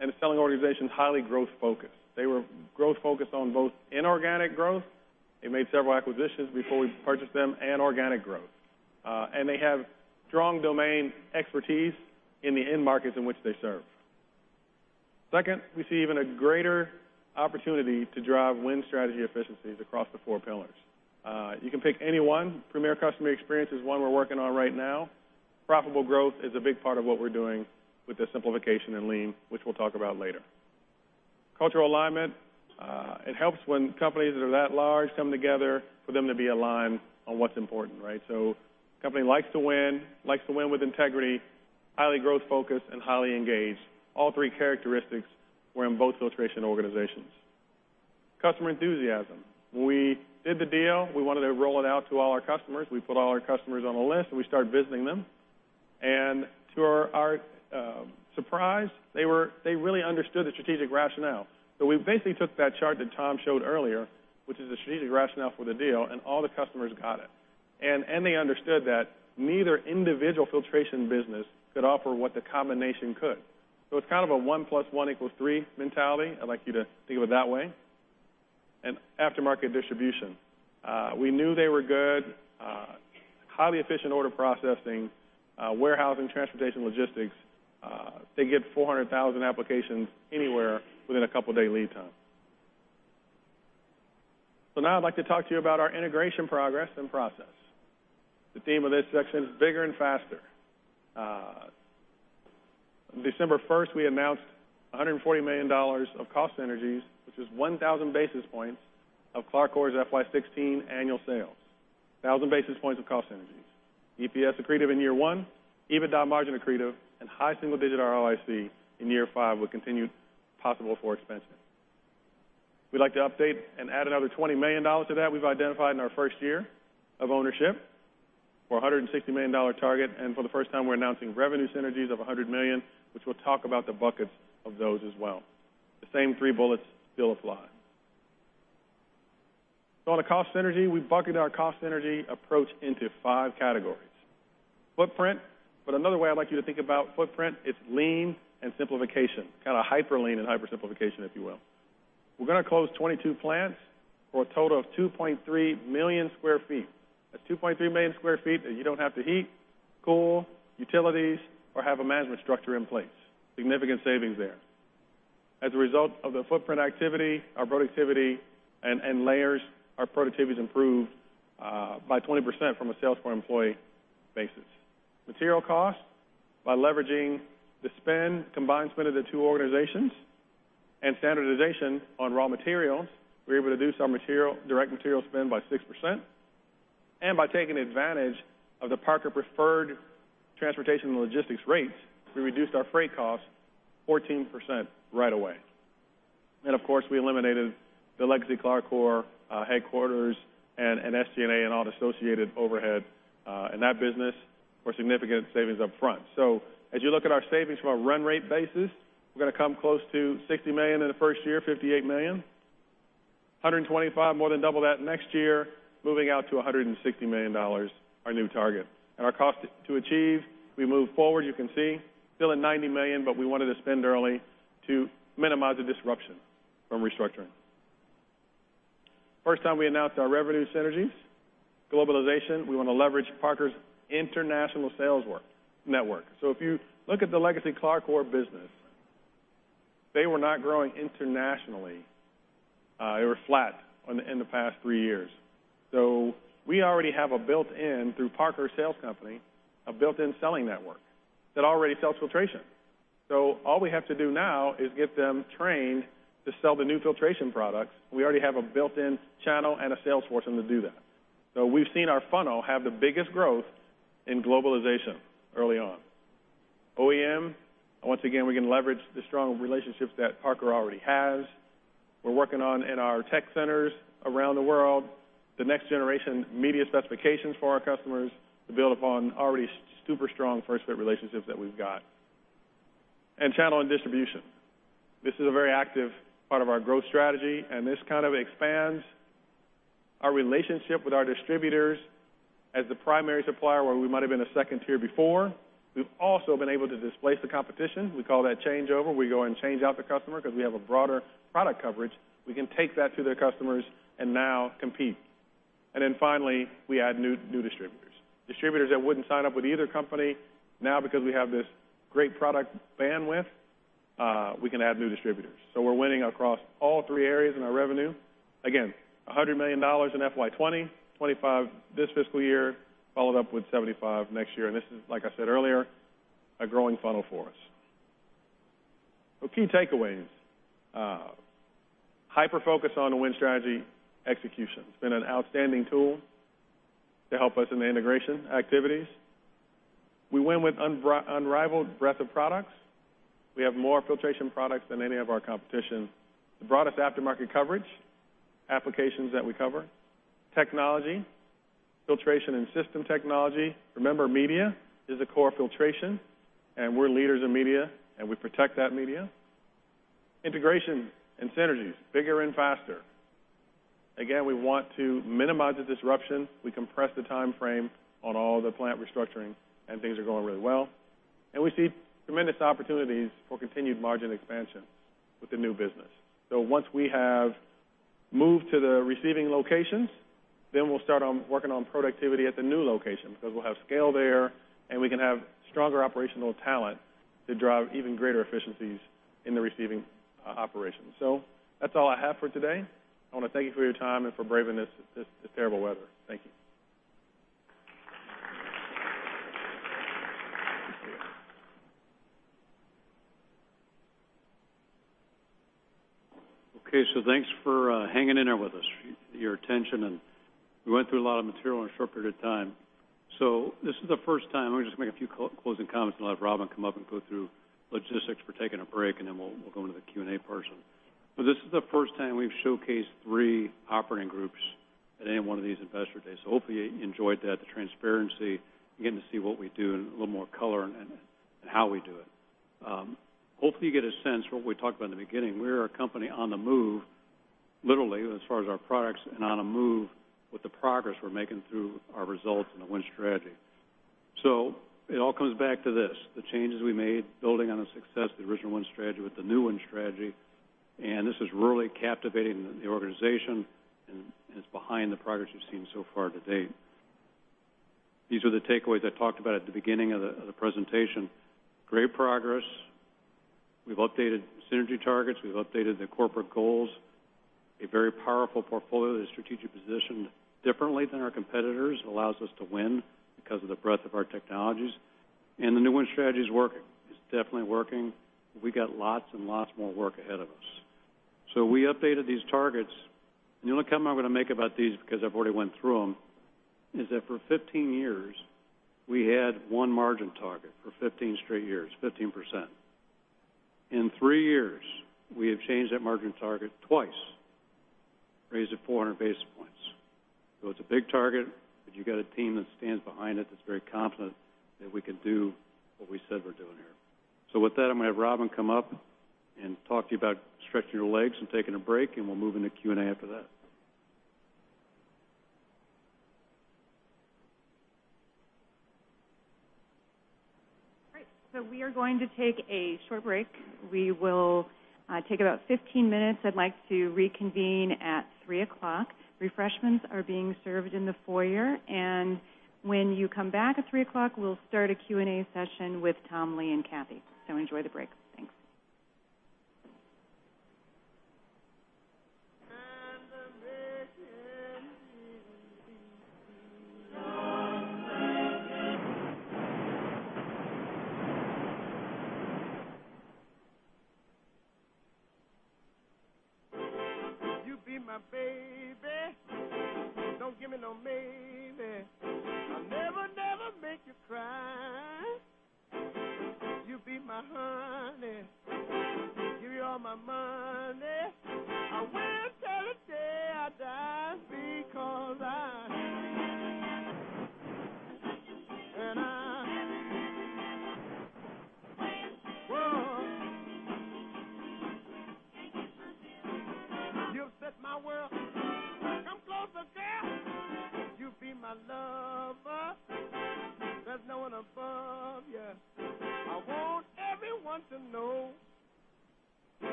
and the selling organization is highly growth-focused. They were growth-focused on both inorganic growth, they made several acquisitions before we purchased them, and organic growth. They have strong domain expertise in the end markets in which they serve. Second, we see even a greater opportunity to drive Win Strategy efficiencies across the four pillars. You can pick any one. Premier customer experience is one we're working on right now. Profitable growth is a big part of what we're doing with the simplification in Lean, which we'll talk about later. Cultural alignment, it helps when companies that are that large come together for them to be aligned on what's important. The company likes to win, likes to win with integrity, highly growth-focused, and highly engaged. All three characteristics were in both filtration organizations. Customer enthusiasm. We did the deal. We wanted to roll it out to all our customers. We put all our customers on a list, and we started visiting them. To our surprise, they really understood the strategic rationale. We basically took that chart that Tom showed earlier, which is the strategic rationale for the deal, and all the customers got it. They understood that neither individual filtration business could offer what the combination could. It's kind of a one plus one equals three mentality. I'd like you to think of it that way. Aftermarket distribution. We knew they were good. Highly efficient order processing, warehousing, transportation, logistics. They get 400,000 applications anywhere within a couple of day lead time. Now I'd like to talk to you about our integration progress and process. The theme of this section is bigger and faster. On December 1st, we announced $140 million of cost synergies, which is 1,000 basis points of CLARCOR's FY 2016 annual sales. 1,000 basis points of cost synergies. EPS accretive in year one, EBITDA margin accretive, and high single-digit ROIC in year five with continued possible for expansion. We'd like to update and add another $20 million to that we've identified in our first year of ownership for $160 million target. For the first time, we're announcing revenue synergies of $100 million, which we'll talk about the buckets of those as well. The same three bullets still apply. On the cost synergy, we bucketed our cost synergy approach into 5 categories. Footprint, but another way I'd like you to think about footprint, it's Lean and simplification. Kind of hyper Lean and hyper simplification, if you will. We're going to close 22 plants for a total of 2.3 million sq ft. That's 2.3 million sq ft that you don't have to heat, cool, utilities, or have a management structure in place. Significant savings there. As a result of the footprint activity, our productivity and layers, our productivity is improved by 20% from a sales per employee basis. Material cost, by leveraging the combined spend of the two organizations and standardization on raw materials, we're able to do some direct material spend by 6%. By taking advantage of the Parker preferred transportation and logistics rates, we reduced our freight costs 14% right away. Of course, we eliminated the legacy CLARCOR headquarters and SG&A and all the associated overhead in that business for significant savings up front. As you look at our savings from a run rate basis, we're going to come close to $60 million in the first year, $58 million. $125 million, more than double that next year, moving out to $160 million, our new target. Our cost to achieve, we move forward, you can see, still at $90 million, but we wanted to spend early to minimize the disruption from restructuring. First time we announced our revenue synergies. Globalization, we want to leverage Parker's international sales network. If you look at the legacy CLARCOR business, they were not growing internationally. They were flat in the past three years. We already have a built-in, through Parker sales company, a built-in selling network that already sells filtration. All we have to do now is get them trained to sell the new filtration products. We already have a built-in channel and a sales force for them to do that. We've seen our funnel have the biggest growth in globalization early on. OEM, once again, we can leverage the strong relationships that Parker already has. We're working on, in our tech centers around the world, the next generation media specifications for our customers to build upon already super strong first-fit relationships that we've got. Channel and distribution. This is a very active part of our growth strategy, and this kind of expands our relationship with our distributors as the primary supplier, where we might have been a second tier before. We've also been able to displace the competition. We call that changeover, where we go and change out the customer because we have a broader product coverage. We can take that to their customers and now compete. Finally, we add new distributors. Distributors that wouldn't sign up with either company, now because we have this great product bandwidth, we can add new distributors. We're winning across all three areas in our revenue. Again, $100 million in FY 2020, $25 million this fiscal year, followed up with $75 million next year. This is, like I said earlier, a growing funnel for us. Key takeaways. Hyper-focus on the Win Strategy execution. It's been an outstanding tool to help us in the integration activities. We win with unrivaled breadth of products. We have more filtration products than any of our competition. The broadest aftermarket coverage, applications that we cover. Technology, filtration and system technology. Remember, media is a core of filtration, and we're leaders in media, and we protect that media. Integration and synergies, bigger and faster. Again, we want to minimize the disruption. We compress the timeframe on all the plant restructuring, and things are going really well. We see tremendous opportunities for continued margin expansion with the new business. Once we have moved to the receiving locations, then we'll start on working on productivity at the new location, because we'll have scale there, and we can have stronger operational talent to drive even greater efficiencies in the receiving operations. That's all I have for today. I want to thank you for your time and for braving this terrible weather. Thank you. Thanks for hanging in there with us, your attention, and we went through a lot of material in a short period of time. This is the first time. Let me just make a few closing comments and let Robin come up and go through logistics for taking a break and then we'll go into the Q&A portion. This is the first time we've showcased three operating groups at any one of these investor days. Hopefully you enjoyed that, the transparency, beginning to see what we do in a little more color and how we do it. Hopefully you get a sense what we talked about in the beginning. We are a company on the move, literally, as far as our products, and on the move with the progress we're making through our results and the Win Strategy. It all comes back to this, the changes we made building on the success of the original Win Strategy with the new Win Strategy, and this is really captivating the organization and is behind the progress you've seen so far to date. These are the takeaways I talked about at the beginning of the presentation. Great progress. We've updated synergy targets. We've updated the corporate goals. A very powerful portfolio that is strategically positioned differently than our competitors. It allows us to win because of the breadth of our technologies. The new Win Strategy is working. It's definitely working. We got lots and lots more work ahead of us. We updated these targets, and the only comment I'm going to make about these, because I've already went through them, is that for 15 years, we had one margin target for 15 straight years, 15%. In three years, we have changed that margin target twice, raised it 400 basis points. It's a big target, but you got a team that stands behind it that's very confident that we can do what we said we're doing here. With that, I'm going to have Robin come up and talk to you about stretching your legs and taking a break, and we'll move into Q&A after that. Great. We are going to take a short break. We will take about 15 minutes. I'd like to reconvene at 3:00 P.M. Refreshments are being served in the foyer. When you come back at 3:00 P.M., we'll start a Q&A session with Tom, Lee, and Kathy. Enjoy the break.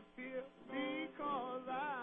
Thanks. You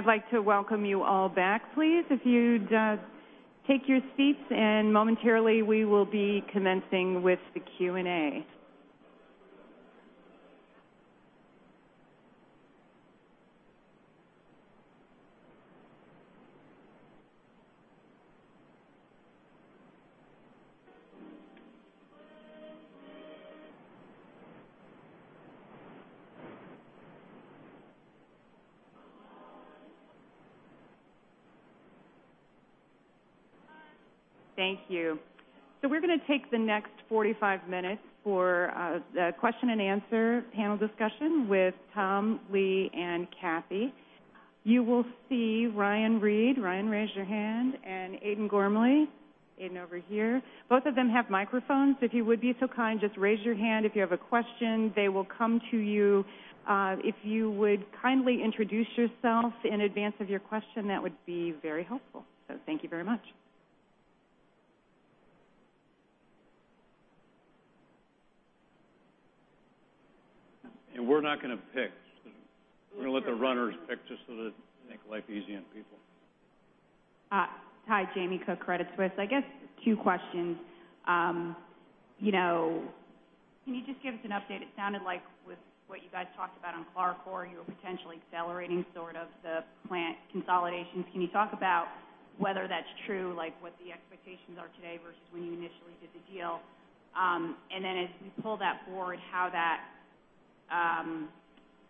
I'd like to welcome you all back, please. If you'd take your seats, momentarily, we will be commencing with the Q&A. Thank you. We're going to take the next 45 minutes for a question and answer panel discussion with Tom, Lee, and Kathy. You will see Ryan Reed. Ryan, raise your hand, and Aidan Gormley. Aidan, over here. Both of them have microphones. If you would be so kind, just raise your hand if you have a question. They will come to you. If you would kindly introduce yourself in advance of your question, that would be very helpful. Thank you very much. We're not going to pick. We're going to let the runners pick just so to make life easy on people. Hi, Jamie Cook, Credit Suisse. I guess two questions. Can you just give us an update? It sounded like with what you guys talked about on CLARCOR, you were potentially accelerating sort of the plant consolidations. Can you talk about whether that's true, like what the expectations are today versus when you initially did the deal? Then as we pull that forward, how that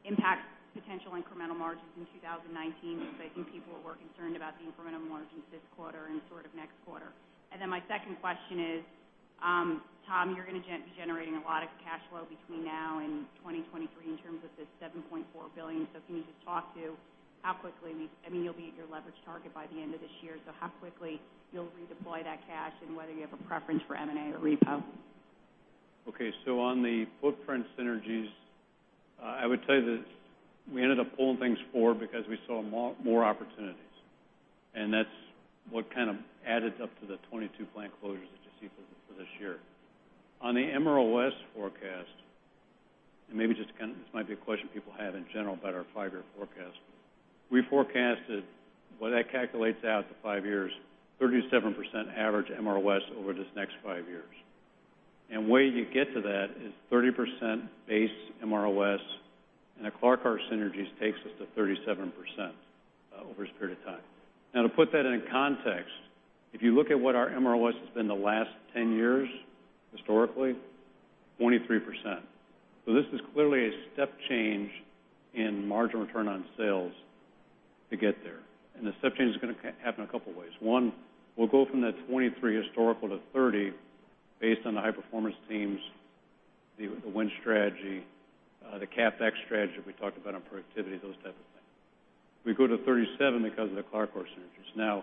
impacts potential incremental margins in 2019, because I think people were concerned about the incremental margins this quarter and sort of next quarter. Then my second question is, Tom, you're going to be generating a lot of cash flow between now and 2023 in terms of this $7.4 billion. Can you just talk to, you'll be at your leverage target by the end of this year, so how quickly you'll redeploy that cash and whether you have a preference for M&A or repo. Okay. On the footprint synergies, I would tell you that we ended up pulling things forward because we saw more opportunities. That's what kind of added up to the 22 plant closures that you see for this year. On the MRO forecast, this might be a question people have in general about our five-year forecast. We forecasted what that calculates out to five years, 37% average MRO over this next five years. Way you get to that is 30% base MRO, and the CLARCOR synergies takes us to 37% over this period of time. Now, to put that in context, if you look at what our MRO has been the last 10 years, historically, 23%. This is clearly a step change in margin return on sales to get there. The step change is going to happen a couple ways. One, we'll go from that 23 historical to 30 based on the high-performance teams, the Win Strategy, the CapEx strategy we talked about on productivity, those type of things. We go to 37 because of the CLARCOR synergies.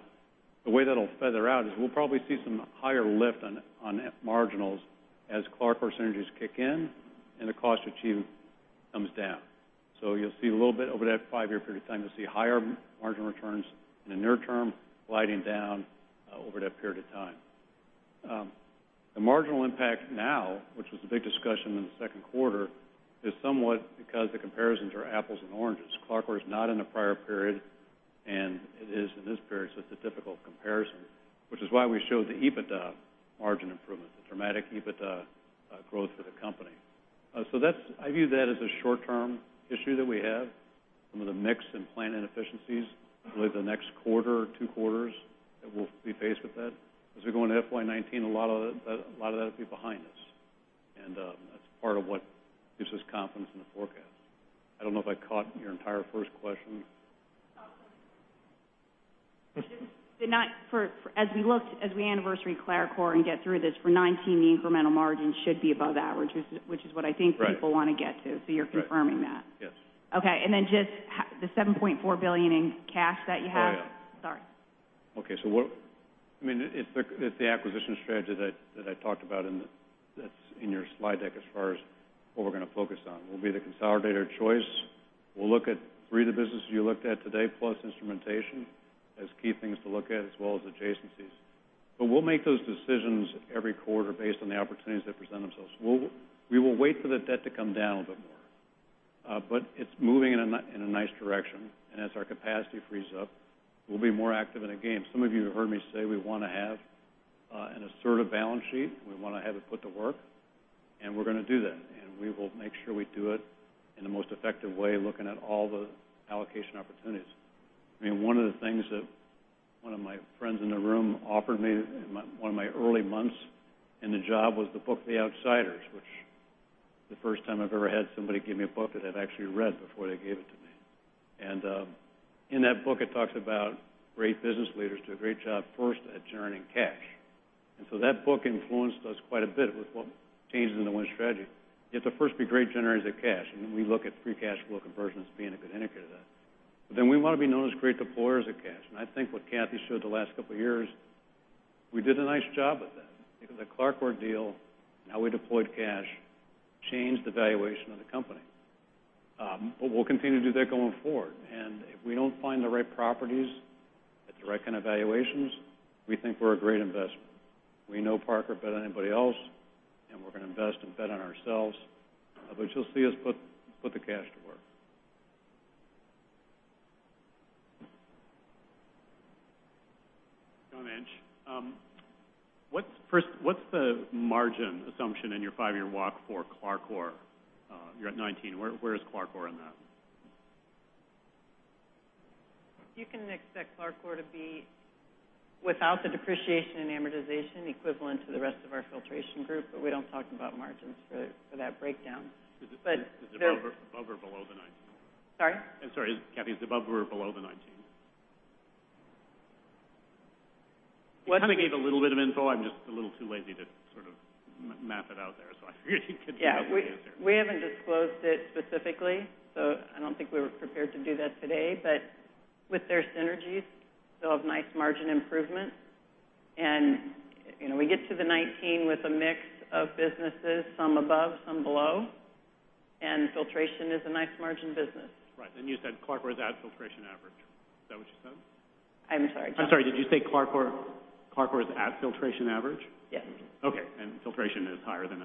The way that'll feather out is we'll probably see some higher lift on marginals as CLARCOR synergies kick in and the cost to achieve comes down. You'll see a little bit over that five-year period of time. You'll see higher margin returns in the near term gliding down over that period of time. The marginal impact now, which was a big discussion in the second quarter, is somewhat because the comparisons are apples and oranges. CLARCOR is not in the prior period, and it is in this period, so it's a difficult comparison, which is why we showed the EBITDA margin improvement, the dramatic EBITDA growth for the company. I view that as a short-term issue that we have, some of the mix and plant inefficiencies. Probably the next quarter or two quarters that we'll be faced with that. We go into FY 2019, a lot of that will be behind us, and that's part of what gives us confidence in the forecast. I don't know if I caught your entire first question. We anniversary CLARCOR and get through this for 2019, the incremental margin should be above average, which is what I think people want to get to. Right. You're confirming that. Yes. Okay. Just the $7.4 billion in cash that you have. Oh, yeah. Sorry. Okay. It's the acquisition strategy that I talked about, that's in your slide deck as far as what we're going to focus on. We'll be the consolidator of choice. We'll look at three of the businesses you looked at today, plus instrumentation as key things to look at, as well as adjacencies. We'll make those decisions every quarter based on the opportunities that present themselves. We will wait for the debt to come down a bit more. It's moving in a nice direction. As our capacity frees up, we'll be more active again. Some of you have heard me say we want to have an assertive balance sheet. We want to have it put to work, we're going to do that. We will make sure we do it in the most effective way, looking at all the allocation opportunities. One of the things that one of my friends in the room offered me in one of my early months in the job was the book "The Outsiders," which the first time I've ever had somebody give me a book that I've actually read before they gave it to me. In that book, it talks about great business leaders do a great job first at generating cash. That book influenced us quite a bit with what changed in the Win Strategy. You have to first be great generators of cash, we look at free cash flow conversion as being a good indicator of that. We want to be known as great deployers of cash. I think what Kathy showed the last couple of years, we did a nice job with that because the CLARCOR deal and how we deployed cash changed the valuation of the company. We'll continue to do that going forward. If we don't find the right properties at the right kind of valuations, we think we're a great investment. We know Parker better than anybody else, and we're going to invest and bet on ourselves. You'll see us put the cash to work. John Inch. What's the margin assumption in your five-year walk for CLARCOR? You're at 2019. Where is CLARCOR in that? You can expect CLARCOR to be without the depreciation and amortization equivalent to the rest of our Filtration Group, we don't talk about margins for that breakdown. Is it above or below the 2019? Sorry? I'm sorry, Kathy, is it above or below the 19? You kind of gave a little bit of info. I'm just a little too lazy to sort of map it out there, so I figured you could give us the answer. Yeah. We haven't disclosed it specifically. I don't think we were prepared to do that today. With their synergies, they'll have nice margin improvements. We get to the 19 with a mix of businesses, some above, some below, and filtration is a nice margin business. Right. You said CLARCOR is at filtration average. Is that what you said? I'm sorry, John. I'm sorry. Did you say CLARCOR is at filtration average? Yes. Okay. Filtration is higher than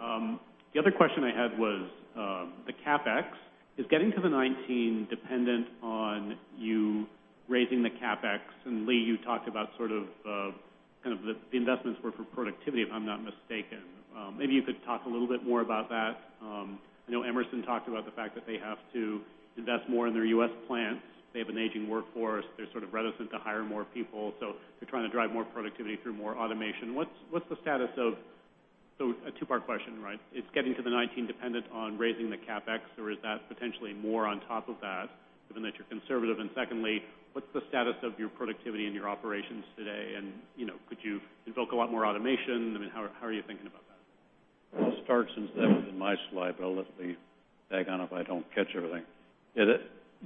19. The other question I had was the CapEx. Is getting to the 19 dependent on you raising the CapEx? Lee, you talked about sort of the investments were for productivity, if I'm not mistaken. Maybe you could talk a little bit more about that. I know Emerson talked about the fact that they have to invest more in their U.S. plants. They have an aging workforce. They're sort of reticent to hire more people, so they're trying to drive more productivity through more automation. A two-part question, right? Is getting to the 19 dependent on raising the CapEx, or is that potentially more on top of that, given that you're conservative? Secondly, what's the status of your productivity and your operations today and could you invoke a lot more automation? I mean, how are you thinking about that? I'll start since that was in my slide, but I'll let Lee tag on if I don't catch everything. Yeah,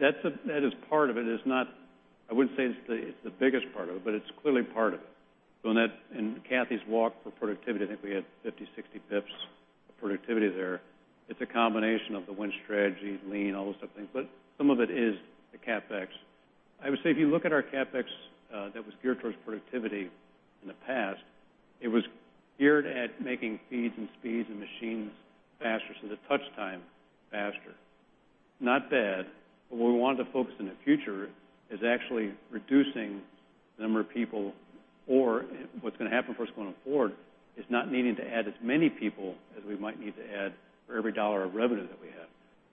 that is part of it. I wouldn't say it's the biggest part of it, but it's clearly part of it. In Kathy's walk for productivity, I think we had 50, 60 basis points of productivity there. It's a combination of the Win Strategy, lean, all those type of things, but some of it is the CapEx. I would say if you look at our CapEx that was geared towards productivity in the past, it was geared at making feeds and speeds and machines faster, so the touch time faster. Not bad, what we want to focus on in the future is actually reducing the number of people, or what's going to happen for us going forward, is not needing to add as many people as we might need to add for every dollar of revenue that we have.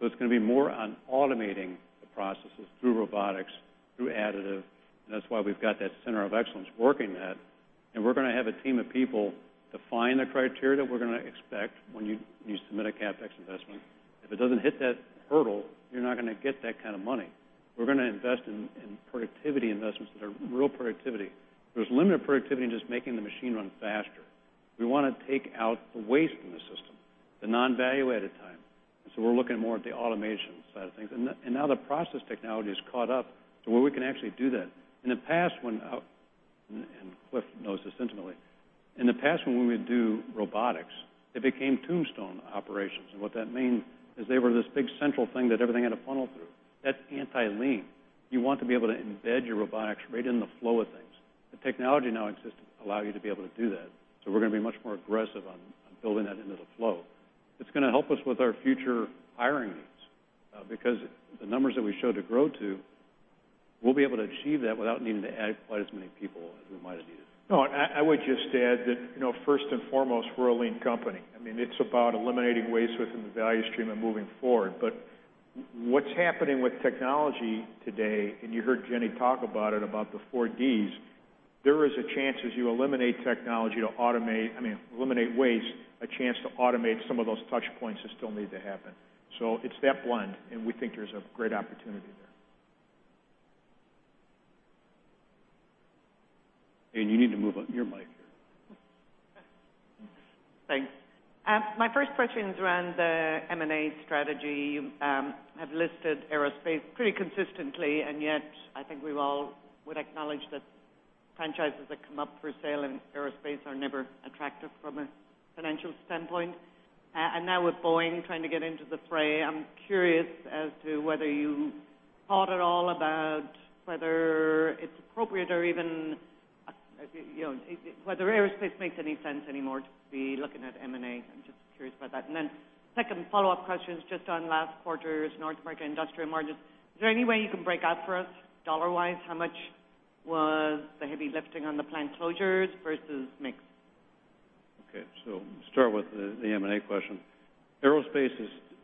It's going to be more on automating the processes through robotics, through additive, and that's why we've got that center of excellence working that. We're going to have a team of people define the criteria that we're going to expect when you submit a CapEx investment. If it doesn't hit that hurdle, you're not going to get that kind of money. We're going to invest in productivity investments that are real productivity. There's limited productivity in just making the machine run faster. We want to take out the waste from the system, the non-value-added time. We're looking more at the automation side of things. Now the process technology has caught up to where we can actually do that. Cliff knows this intimately. In the past when we would do robotics, they became tombstone operations, and what that means is they were this big central thing that everything had to funnel through. That's anti-lean. You want to be able to embed your robotics right in the flow of things. The technology now exists to allow you to be able to do that, we're going to be much more aggressive on building that into the flow. It's going to help us with our future hiring needs, because the numbers that we show to grow to, we'll be able to achieve that without needing to add quite as many people as we might have needed. I would just add that, first and foremost, we're a lean company. I mean, it's about eliminating waste within the value stream and moving forward. What's happening with technology today, and you heard Jenny talk about it, about the four Ds, there is a chance as you eliminate waste, a chance to automate some of those touchpoints that still need to happen. It's that blend, and we think there's a great opportunity there. Anne, you need to move your mic here. Thanks. My first question is around the M&A strategy. You have listed aerospace pretty consistently, yet I think we all would acknowledge that franchises that come up for sale in aerospace are never attractive from a financial standpoint. Now with Boeing trying to get into the fray, I'm curious as to whether you thought at all about whether it's appropriate or even whether aerospace makes any sense anymore to be looking at M&A. I'm just curious about that. Second follow-up question is just on last quarter's North American industrial margins. Is there any way you can break out for us dollar-wise how much was the heavy lifting on the plant closures versus mix? Okay, start with the M&A question. Aerospace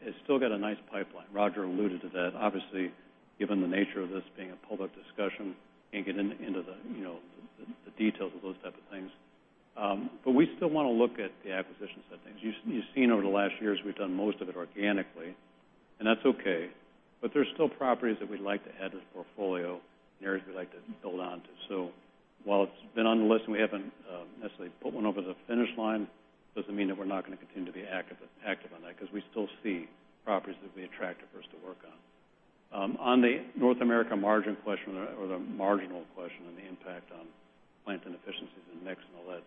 has still got a nice pipeline. Roger alluded to that. Obviously, given the nature of this being a public discussion, can't get into the details of those type of things. We still want to look at the acquisition side of things. You've seen over the last years, we've done most of it organically, and that's okay. There's still properties that we'd like to add to the portfolio and areas we'd like to build onto. While it's been on the list and we haven't necessarily put one over the finish line, doesn't mean that we're not going to continue to be active on that, because we still see properties that would be attractive for us to work on. On the North America margin question, or the marginal question on the impact on plant inefficiencies and mix and all that,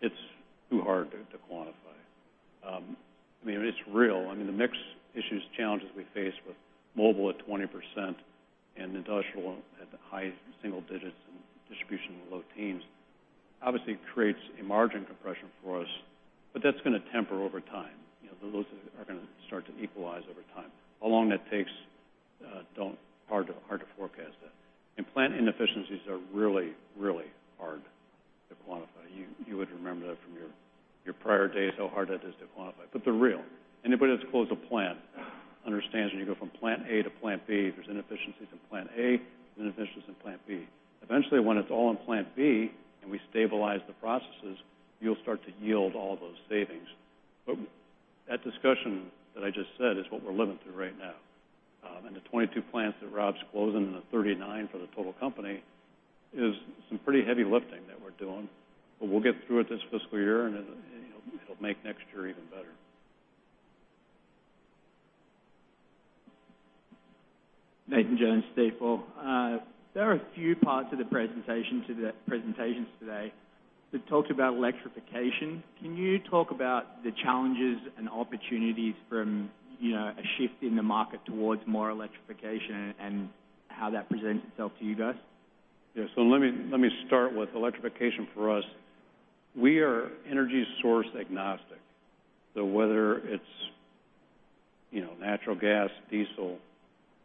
it's too hard to quantify. I mean, it's real. I mean, the mix issues, challenges we face with mobile at 20% and industrial at the high single digits and distribution in the low teens obviously creates a margin compression for us, that's going to temper over time. Those are going to start to equalize over time. How long that takes, hard to forecast that. Plant inefficiencies are really, really hard to quantify. You would remember that from your prior days, how hard that is to quantify. They're real. Anybody that's closed a plant understands when you go from plant A to plant B, there's inefficiencies in plant A, and inefficiencies in plant B. Eventually, when it's all in plant B and we stabilize the processes, you'll start to yield all those savings. That discussion that I just said is what we're living through right now. The 22 plants that Rob's closing and the 39 for the total company is some pretty heavy lifting that we're doing. We'll get through it this fiscal year, and it'll make next year even better. Nathan Jones, Stifel. There are a few parts of the presentations today that talked about electrification. Can you talk about the challenges and opportunities from a shift in the market towards more electrification and how that presents itself to you guys? Yeah. Let me start with electrification for us. We are energy source agnostic. Whether it's natural gas, diesel,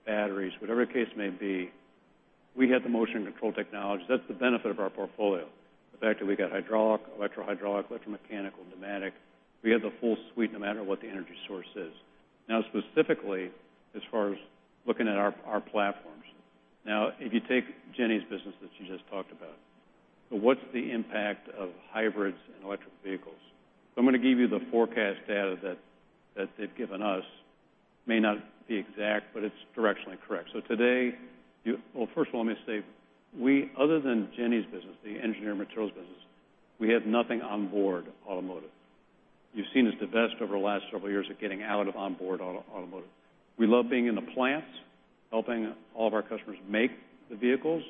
batteries, whatever the case may be, we have the motion control technology. That's the benefit of our portfolio. The fact that we got hydraulic, electro-hydraulic, electro-mechanical, pneumatic, we have the full suite no matter what the energy source is. Specifically, as far as looking at our platforms. If you take Jenny's business that she just talked about, what's the impact of hybrids and electric vehicles? I'm going to give you the forecast data that they've given us. May not be exact, but it's directionally correct. First of all, let me say, other than Jenny's business, the engineered materials business, we have nothing on board automotive. You've seen us divest over the last several years of getting out of on board automotive. We love being in the plants, helping all of our customers make the vehicles,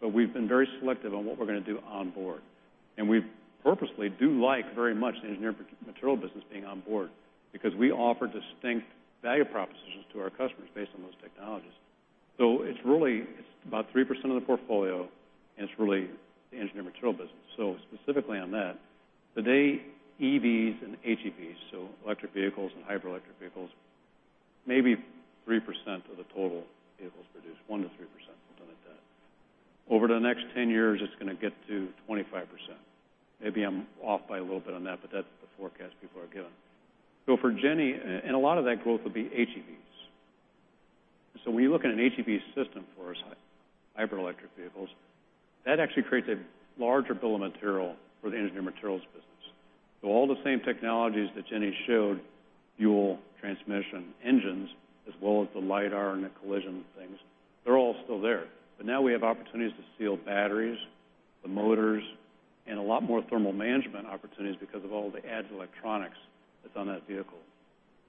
but we've been very selective on what we're going to do on board. We purposely do like very much the engineered material business being on board because we offer distinct value propositions to our customers based on those technologies. It's really about 3% of the portfolio, and it's really the engineered material business. Specifically on that, today, EVs and HEVs, electric vehicles and hybrid electric vehicles, may be 3% of the total vehicles produced, 1%-3% something like that. Over the next 10 years, it's going to get to 25%. Maybe I'm off by a little bit on that, but that's the forecast people are given. A lot of that growth will be HEVs. When you look at an HEV system for hybrid electric vehicles, that actually creates a larger bill of material for the engineered materials business. All the same technologies that Jenny showed, fuel, transmission, engines, as well as the lidar and the collision things, they're all still there. Now we have opportunities to seal batteries, the motors, and a lot more thermal management opportunities because of all the added electronics that's on that vehicle.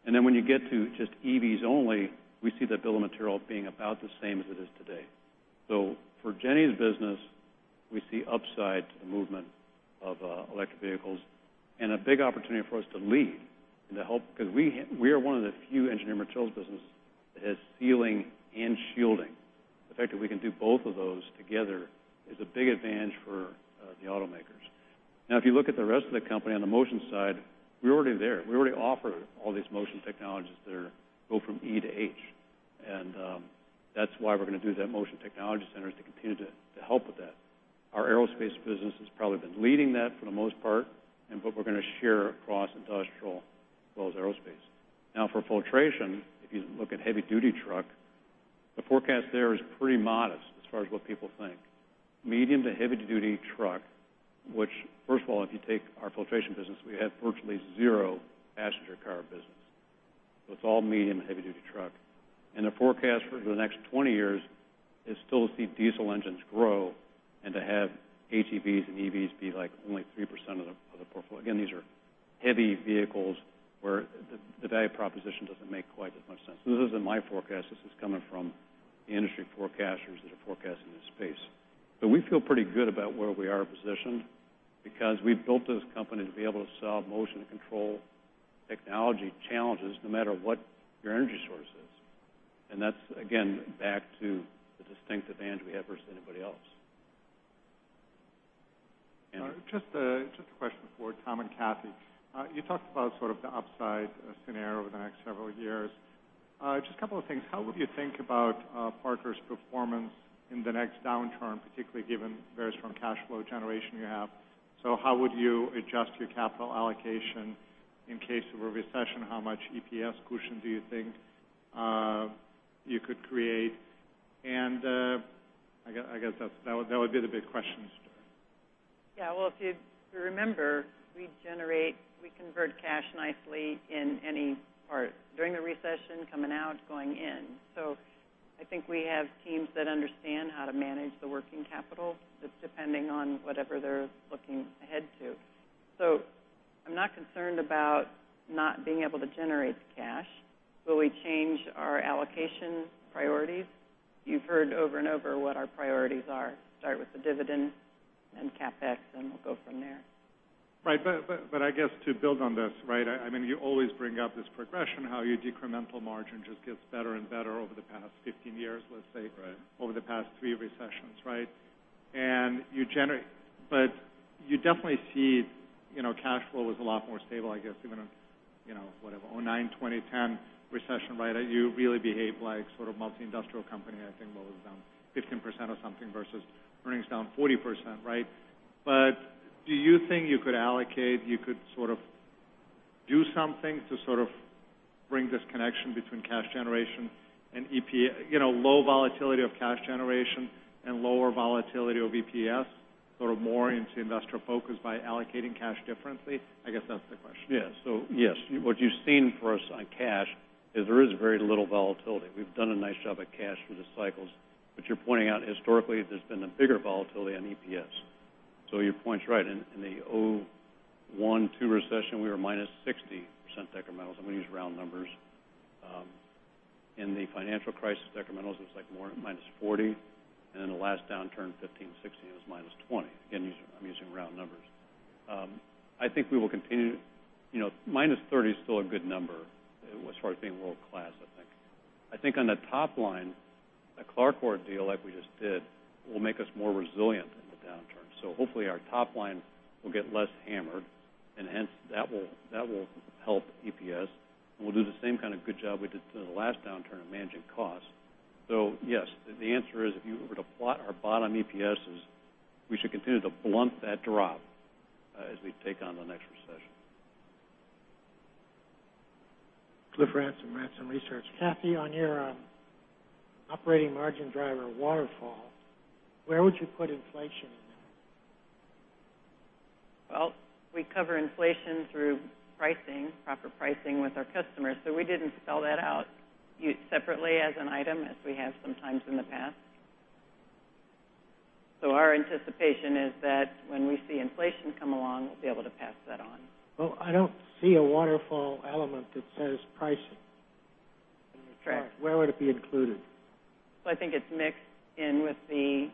When you get to just EVs only, we see that bill of material being about the same as it is today. For Jenny's business, we see upside to the movement of electric vehicles and a big opportunity for us to lead and to help because we are one of the few engineered materials business that has sealing and shielding. The fact that we can do both of those together is a big advantage for the automakers. If you look at the rest of the company on the motion side, we're already there. We already offer all these motion technologies that go from E to H. That's why we're going to do that Motion Technology Center is to continue to help with that. Our aerospace business has probably been leading that for the most part, and what we're going to share across industrial as well as aerospace. For filtration, if you look at heavy-duty truck, the forecast there is pretty modest as far as what people think. Medium-to-heavy-duty truck, which first of all, if you take our filtration business, we have virtually zero passenger car business. It's all medium and heavy-duty truck. The forecast for the next 20 years is still to see diesel engines grow and to have HEVs and EVs be only 3% of the portfolio. Again, these are heavy vehicles where the value proposition doesn't make quite as much sense. This isn't my forecast. This is coming from the industry forecasters that are forecasting this space. We feel pretty good about where we are positioned because we've built this company to be able to solve motion control technology challenges no matter what your energy source is. That's, again, back to the distinct advantage we have versus anybody else. Jenny. Just a question for Tom and Kathy. You talked about sort of the upside scenario over the next several years. Just a couple of things. How would you think about Parker's performance in the next downturn, particularly given various from cash flow generation you have? How would you adjust your capital allocation in case of a recession? How much EPS cushion do you think you could create? I guess that would be the big questions. Yeah. Well, if you remember, we convert cash nicely in any part, during a recession, coming out, going in. I think we have teams that understand how to manage the working capital, just depending on whatever they're looking ahead to. I'm not concerned about not being able to generate the cash. Will we change our allocation priorities? You've heard over and over what our priorities are. Start with the dividend, then CapEx, we'll go from there. Right. I guess to build on this, right? You always bring up this progression, how your incremental margin just gets better and better over the past 15 years, let's say. Right. Over the past three recessions, right? You definitely see Cash flow was a lot more stable, I guess, even in, whatever, 2009, 2010 recession, right? You really behave like a multi-industrial company. I think low down 15% or something versus earnings down 40%, right? Do you think you could allocate, you could do something to bring this connection between cash generation and EPS, low volatility of cash generation and lower volatility of EPS, more into industrial focus by allocating cash differently? I guess that's the question. Yes. Yes. What you've seen for us on cash is there is very little volatility. We've done a nice job at cash through the cycles. You're pointing out historically, there's been a bigger volatility on EPS. Your point's right. In the 2001-2002 recession, we were -60% decrementals. I'm going to use round numbers. In the financial crisis, decrementals was more like -40%. Then the last downturn, 2015, 2016, it was -20%. Again, I'm using round numbers. I think we will continue. -30% is still a good number as far as being world-class, I think. I think on the top line, a CLARCOR deal like we just did will make us more resilient in the downturn. hopefully, our top line will get less hammered, and hence, that will help EPS, and we'll do the same kind of good job we did through the last downturn of managing costs. Yes, the answer is, if you were to plot our bottom EPSs, we should continue to blunt that drop as we take on the next recession. Cliff Ransom, Ransom Research. Kathy, on your operating margin driver waterfall, where would you put inflation in that? Well, we cover inflation through pricing, proper pricing with our customers. We didn't spell that out separately as an item as we have sometimes in the past. Our anticipation is that when we see inflation come along, we'll be able to pass that on. Well, I don't see a waterfall element that says pricing in your chart. Correct. Where would it be included? I think it's mixed in with the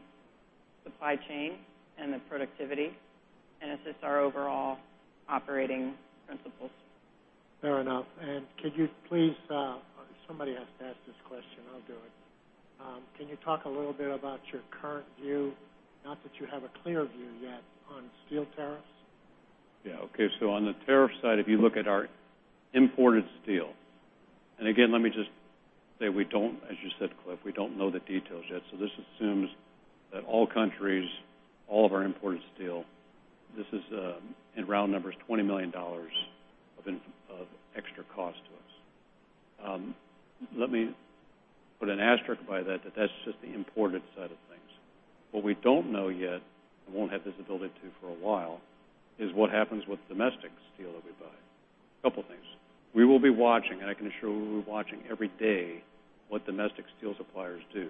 supply chain and the productivity, and it's just our overall operating principles. Fair enough. Could you please, somebody has to ask this question, I'll do it. Can you talk a little bit about your current view, not that you have a clear view yet, on steel tariffs? On the tariff side, if you look at our imported steel, and again, let me just say we don't, as you said, Cliff, we don't know the details yet. This assumes that all countries, all of our imported steel, this is, in round numbers, $20 million of extra cost to us. Let me put an asterisk by that that's just the imported side of things. What we don't know yet, and won't have visibility to for a while, is what happens with domestic steel that we buy. Couple things. We will be watching, and I can assure you we'll be watching every day what domestic steel suppliers do.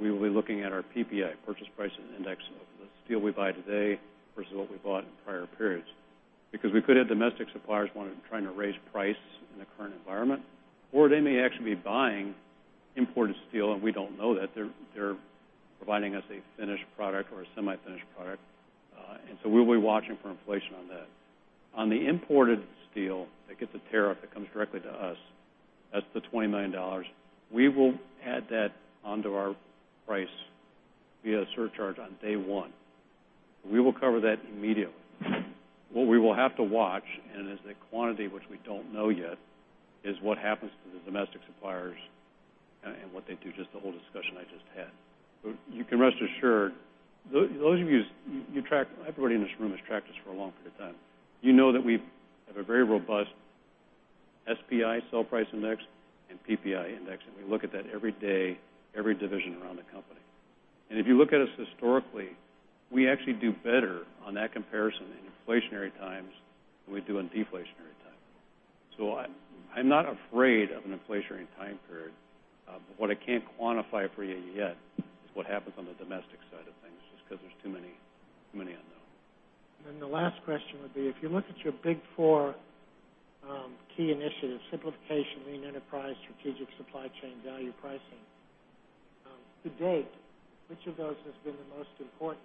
We will be looking at our PPI, purchase price index, of the steel we buy today versus what we bought in prior periods. Because we could have domestic suppliers trying to raise price in the current environment, or they may actually be buying imported steel, and we don't know that. They're providing us a finished product or a semi-finished product. We'll be watching for inflation on that. On the imported steel that gets a tariff that comes directly to us, that's the $20 million. We will add that onto our price via a surcharge on day one. We will cover that immediately. What we will have to watch, and it is a quantity which we don't know yet, is what happens to the domestic suppliers and what they do, just the whole discussion I just had. You can rest assured, everybody in this room has tracked us for a long period of time. You know that we have a very robust SPI, sell price index, and PPI index, and we look at that every day, every division around the company. If you look at us historically, we actually do better on that comparison in inflationary times than we do in deflationary times. I'm not afraid of an inflationary time period. What I can't quantify for you yet is what happens on the domestic side of things, just because there's too many unknowns. The last question would be, if you look at your big four key initiatives, simplification, lean enterprise, strategic supply chain, value pricing. To date, which of those has been the most important?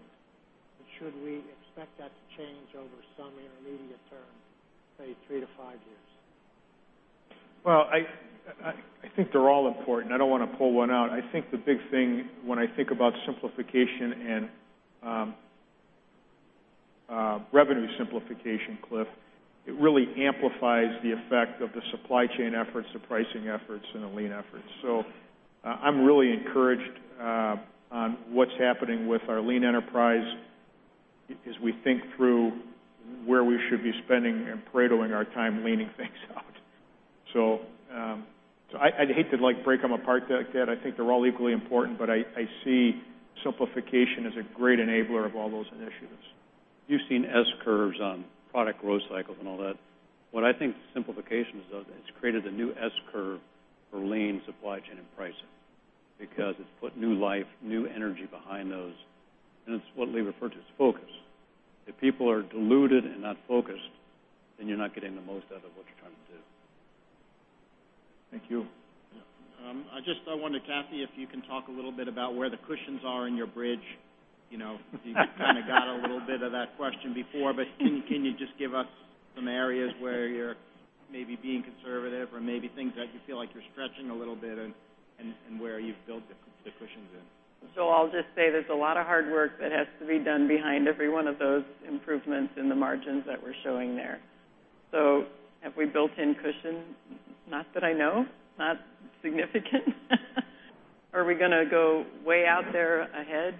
Should we expect that to change over some intermediate term, say, 3-5 years? Well, I think they're all important. I don't want to pull one out. I think the big thing when I think about simplification and revenue simplification, Cliff, it really amplifies the effect of the supply chain efforts, the pricing efforts, and the lean efforts. I'm really encouraged on what's happening with our lean enterprise as we think through where we should be spending and Paretoing our time leaning things out. I'd hate to break them apart like that. I think they're all equally important, but I see simplification as a great enabler of all those initiatives. You've seen S curves on product growth cycles and all that. What I think simplification does is it's created a new S curve for lean supply chain and pricing because it's put new life, new energy behind those, and it's what we refer to as focus. If people are diluted and not focused, then you're not getting the most out of what you're trying to do. Thank you. Yeah. I just wonder, Kathy, if you can talk a little bit about where the cushions are in your bridge. You kind of got a little bit of that question before, but can you just give us- Some areas where you're maybe being conservative or maybe things that you feel like you're stretching a little bit and where you've built the cushions in. I'll just say there's a lot of hard work that has to be done behind every one of those improvements in the margins that we're showing there. Have we built in cushion? Not that I know, not significant. Are we going to go way out there ahead?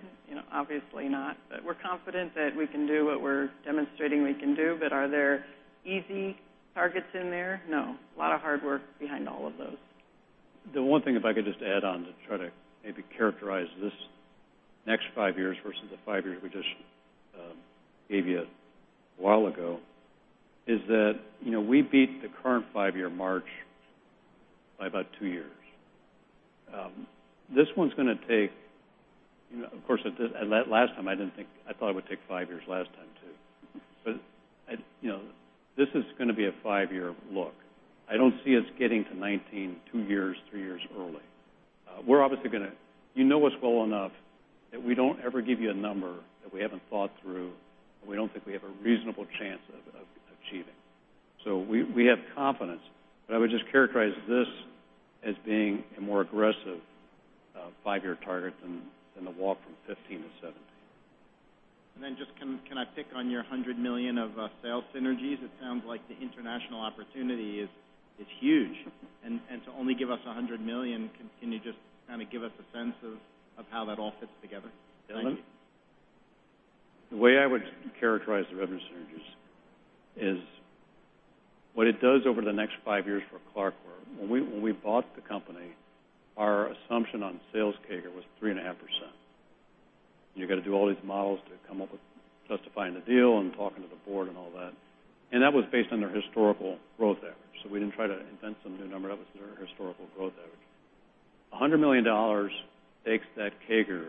Obviously not, but we're confident that we can do what we're demonstrating we can do. Are there easy targets in there? No. A lot of hard work behind all of those. The one thing, if I could just add on to try to maybe characterize this next five years versus the five years we just gave you a while ago, is that we beat the current five-year march by about two years. Of course, last time I thought it would take five years last time, too. This is going to be a five-year look. I don't see us getting to 19, two years, three years early. You know us well enough that we don't ever give you a number that we haven't thought through, and we don't think we have a reasonable chance of achieving. We have confidence, but I would just characterize this as being a more aggressive five-year target than the walk from 15 to 17. Just, can I pick on your $100 million of sales synergies? It sounds like the international opportunity is huge, and to only give us $100 million, can you just give us a sense of how that all fits together? Dylan? The way I would characterize the revenue synergies is what it does over the next five years for CLARCOR. When we bought the company, our assumption on sales CAGR was 3.5%. You've got to do all these models to come up with justifying the deal and talking to the board and all that. That was based on their historical growth average. We didn't try to invent some new number. That was their historical growth average. $100 million takes that CAGR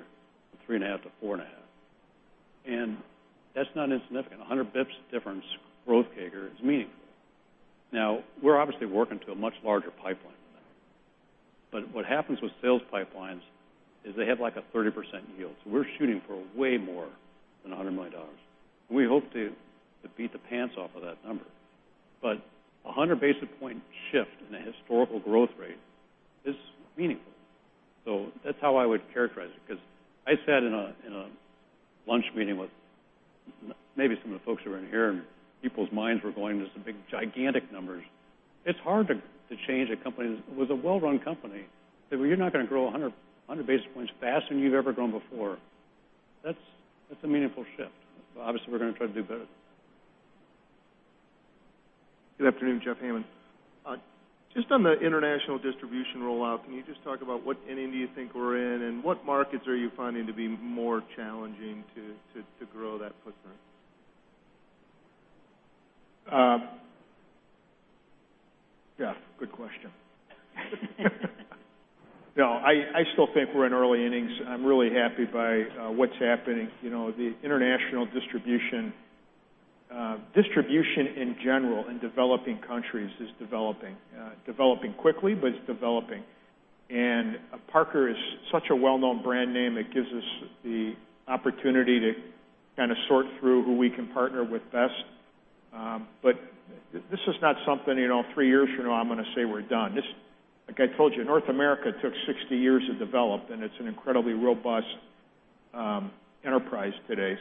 from 3.5%-4.5%. That's not insignificant. 100 basis points difference growth CAGR is meaningful. Now, we're obviously working to a much larger pipeline than that, but what happens with sales pipelines is they have, like, a 30% yield. We're shooting for way more than $100 million. We hope to beat the pants off of that number. A 100 basis point shift in the historical growth rate is meaningful. That's how I would characterize it, because I sat in a lunch meeting with maybe some of the folks who are in here, and people's minds were going to some big, gigantic numbers. It's hard to change a company that was a well-run company. You're not going to grow 100 basis points faster than you've ever grown before. That's a meaningful shift. Obviously, we're going to try to do better. Good afternoon, Jeff Hammond. Just on the international distribution rollout, can you just talk about what inning do you think we're in, and what markets are you finding to be more challenging to grow that footprint? Jeff, good question. No, I still think we're in early innings. I'm really happy by what's happening. The international distribution in general in developing countries is developing. Developing quickly, but it's developing. Parker is such a well-known brand name, it gives us the opportunity to sort through who we can partner with best. This is not something three years from now, I'm going to say we're done. Like I told you, North America took 60 years to develop, and it's an incredibly robust enterprise today.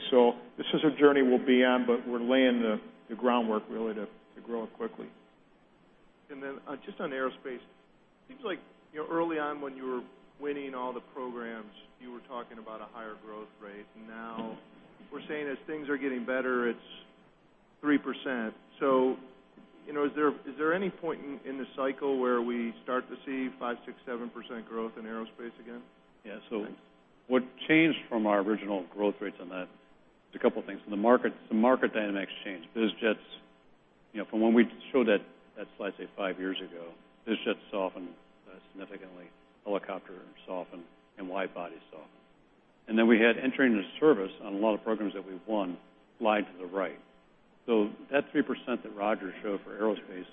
This is a journey we'll be on, but we're laying the groundwork, really, to grow it quickly. Just on aerospace, seems like early on when you were winning all the programs, you were talking about a higher growth rate. Now we're saying as things are getting better, it's 3%. Is there any point in the cycle where we start to see 5%, 6%, 7% growth in aerospace again? Yeah. What changed from our original growth rates on that is a couple of things. The market dynamics changed. From when we showed that slide, say, five years ago, biz jets softened significantly, helicopters softened, and wide body softened. We had entry into service on a lot of programs that we've won lied to the right. That 3% that Roger Sherrard showed for aerospace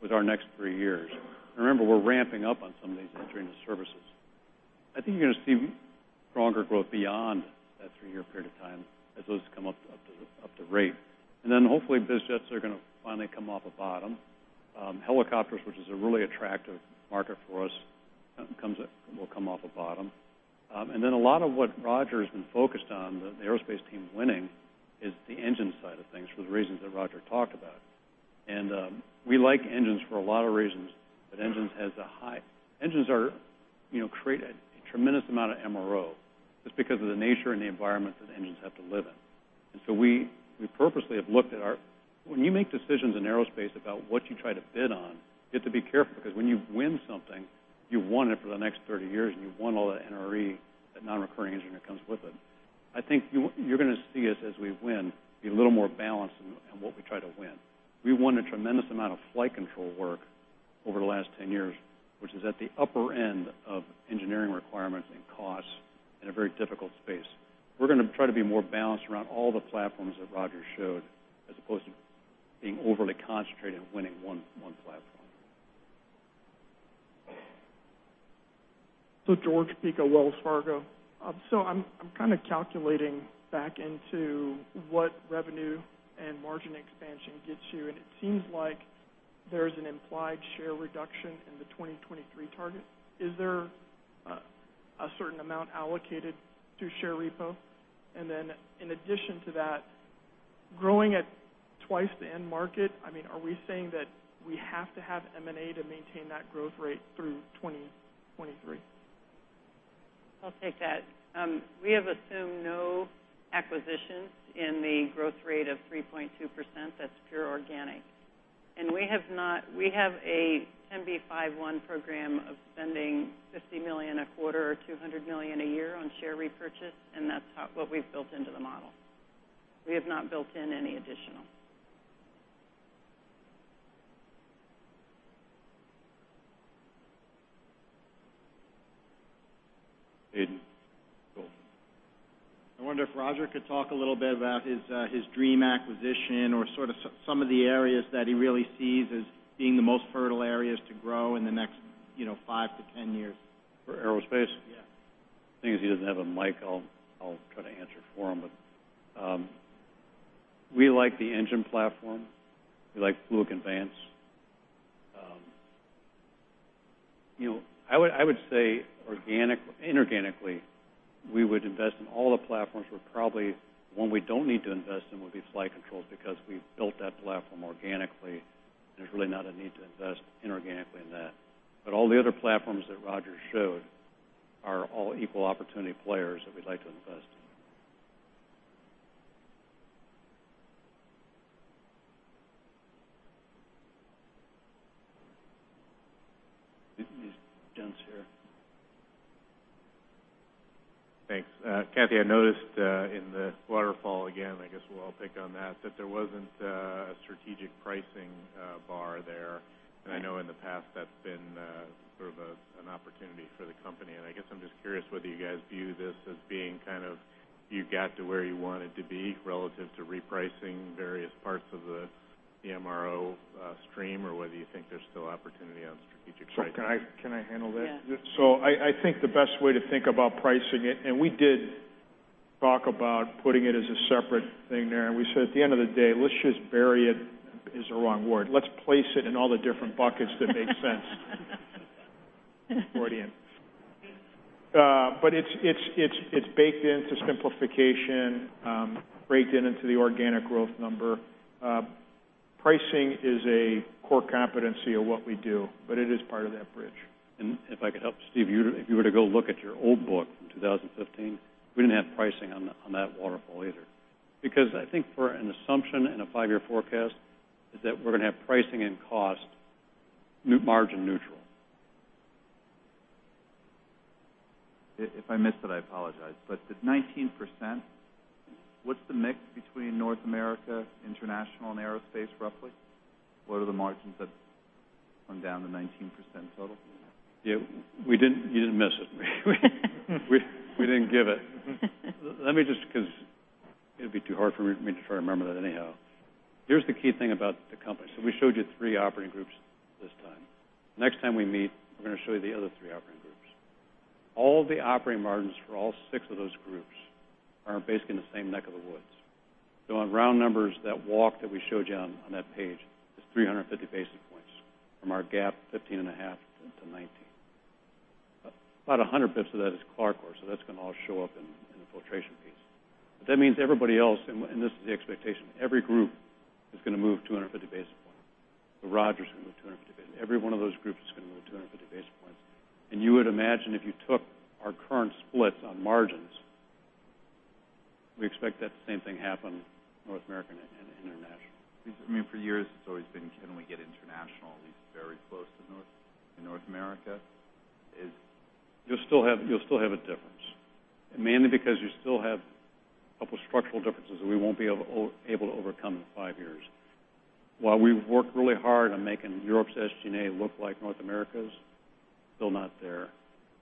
was our next three years. Remember, we're ramping up on some of these entry into services. I think you're going to see stronger growth beyond that three-year period of time as those come up to rate. Hopefully biz jets are going to finally come off of bottom. Helicopters, which is a really attractive market for us, will come off a bottom. A lot of what Roger Sherrard has been focused on, the aerospace team winning, is the engine side of things for the reasons that Roger Sherrard talked about. We like engines for a lot of reasons, but engines create a tremendous amount of MRO just because of the nature and the environment that engines have to live in. We purposely have looked at. When you make decisions in aerospace about what you try to bid on, you have to be careful, because when you win something, you've won it for the next 30 years, and you've won all the NRE, that non-recurring engineering, that comes with it. I think you're going to see us, as we win, be a little more balanced in what we try to win. We won a tremendous amount of flight control work over the last 10 years, which is at the upper end of engineering requirements and costs in a very difficult space. We're going to try to be more balanced around all the platforms that Roger Sherrard showed, as opposed to being overly concentrated on winning one. Jorge Pica, Wells Fargo. I'm kind of calculating back into what revenue and margin expansion gets you, and it seems like there's an implied share reduction in the 2023 target. Is there a certain amount allocated to share repo? In addition to that, growing at twice the end market, are we saying that we have to have M&A to maintain that growth rate through 2023? I'll take that. We have assumed no acquisitions in the growth rate of 3.2%. That's pure organic. We have a 10B5-1 program of spending $50 million a quarter or $200 million a year on share repurchase, and that's what we've built into the model. We have not built in any additional. Aidan. Go. I wonder if Roger could talk a little bit about his dream acquisition or sort of some of the areas that he really sees as being the most fertile areas to grow in the next five to 10 years. For aerospace? Yeah. Seeing as he doesn't have a mic, I'll try to answer for him. We like the engine platform. We like fluid advantage. I would say inorganically, we would invest in all the platforms. Probably one we don't need to invest in would be flight controls, because we've built that platform organically, and there's really not a need to invest inorganically in that. All the other platforms that Roger showed are all equal opportunity players that we'd like to invest in. This gent here. Thanks. Kathy, I noticed, in the waterfall, again, I guess we'll all pick on that there wasn't a strategic pricing bar there. I know in the past, that's been sort of an opportunity for the company, and I guess I'm just curious whether you guys view this as being kind of, you got to where you wanted to be relative to repricing various parts of the MRO stream, or whether you think there's still opportunity on strategic pricing. Can I handle that? Yeah. I think the best way to think about pricing it, we did talk about putting it as a separate thing there, we said, at the end of the day, let's just bury it, is the wrong word. Let's place it in all the different buckets that make sense. It's baked into simplification, baked into the organic growth number. Pricing is a core competency of what we do, it is part of that bridge. If I could help, Steve, if you were to go look at your old book from 2015, we didn't have pricing on that waterfall either. I think for an assumption and a five-year forecast is that we're going to have pricing and cost margin neutral. If I missed it, I apologize. The 19%, what's the mix between North America, international, and Aerospace, roughly? What are the margins that come down to 19% total? You didn't miss it. We didn't give it. Let me just, because it'd be too hard for me to try to remember that anyhow. Here's the key thing about the company. We showed you three operating groups this time. Next time we meet, we're going to show you the other three operating groups. All the operating margins for all six of those groups are basically in the same neck of the woods. On round numbers, that walk that we showed you on that page is 350 basis points from our GAAP 15 and a half to 19. About 100 basis points of that is CLARCOR, so that's going to all show up in the Filtration piece. That means everybody else, and this is the expectation, every group is going to move 250 basis points. Roger's going to move 250 basis. Every one of those groups is going to move 250 basis points. You would imagine, if you took our current splits on margins, we expect that same thing happen North American and international. For years, it's always been, can we get international at least very close to North America? You'll still have a difference, mainly because you still have a couple structural differences that we won't be able to overcome in five years. While we've worked really hard on making Europe's SG&A look like North America's, still not there.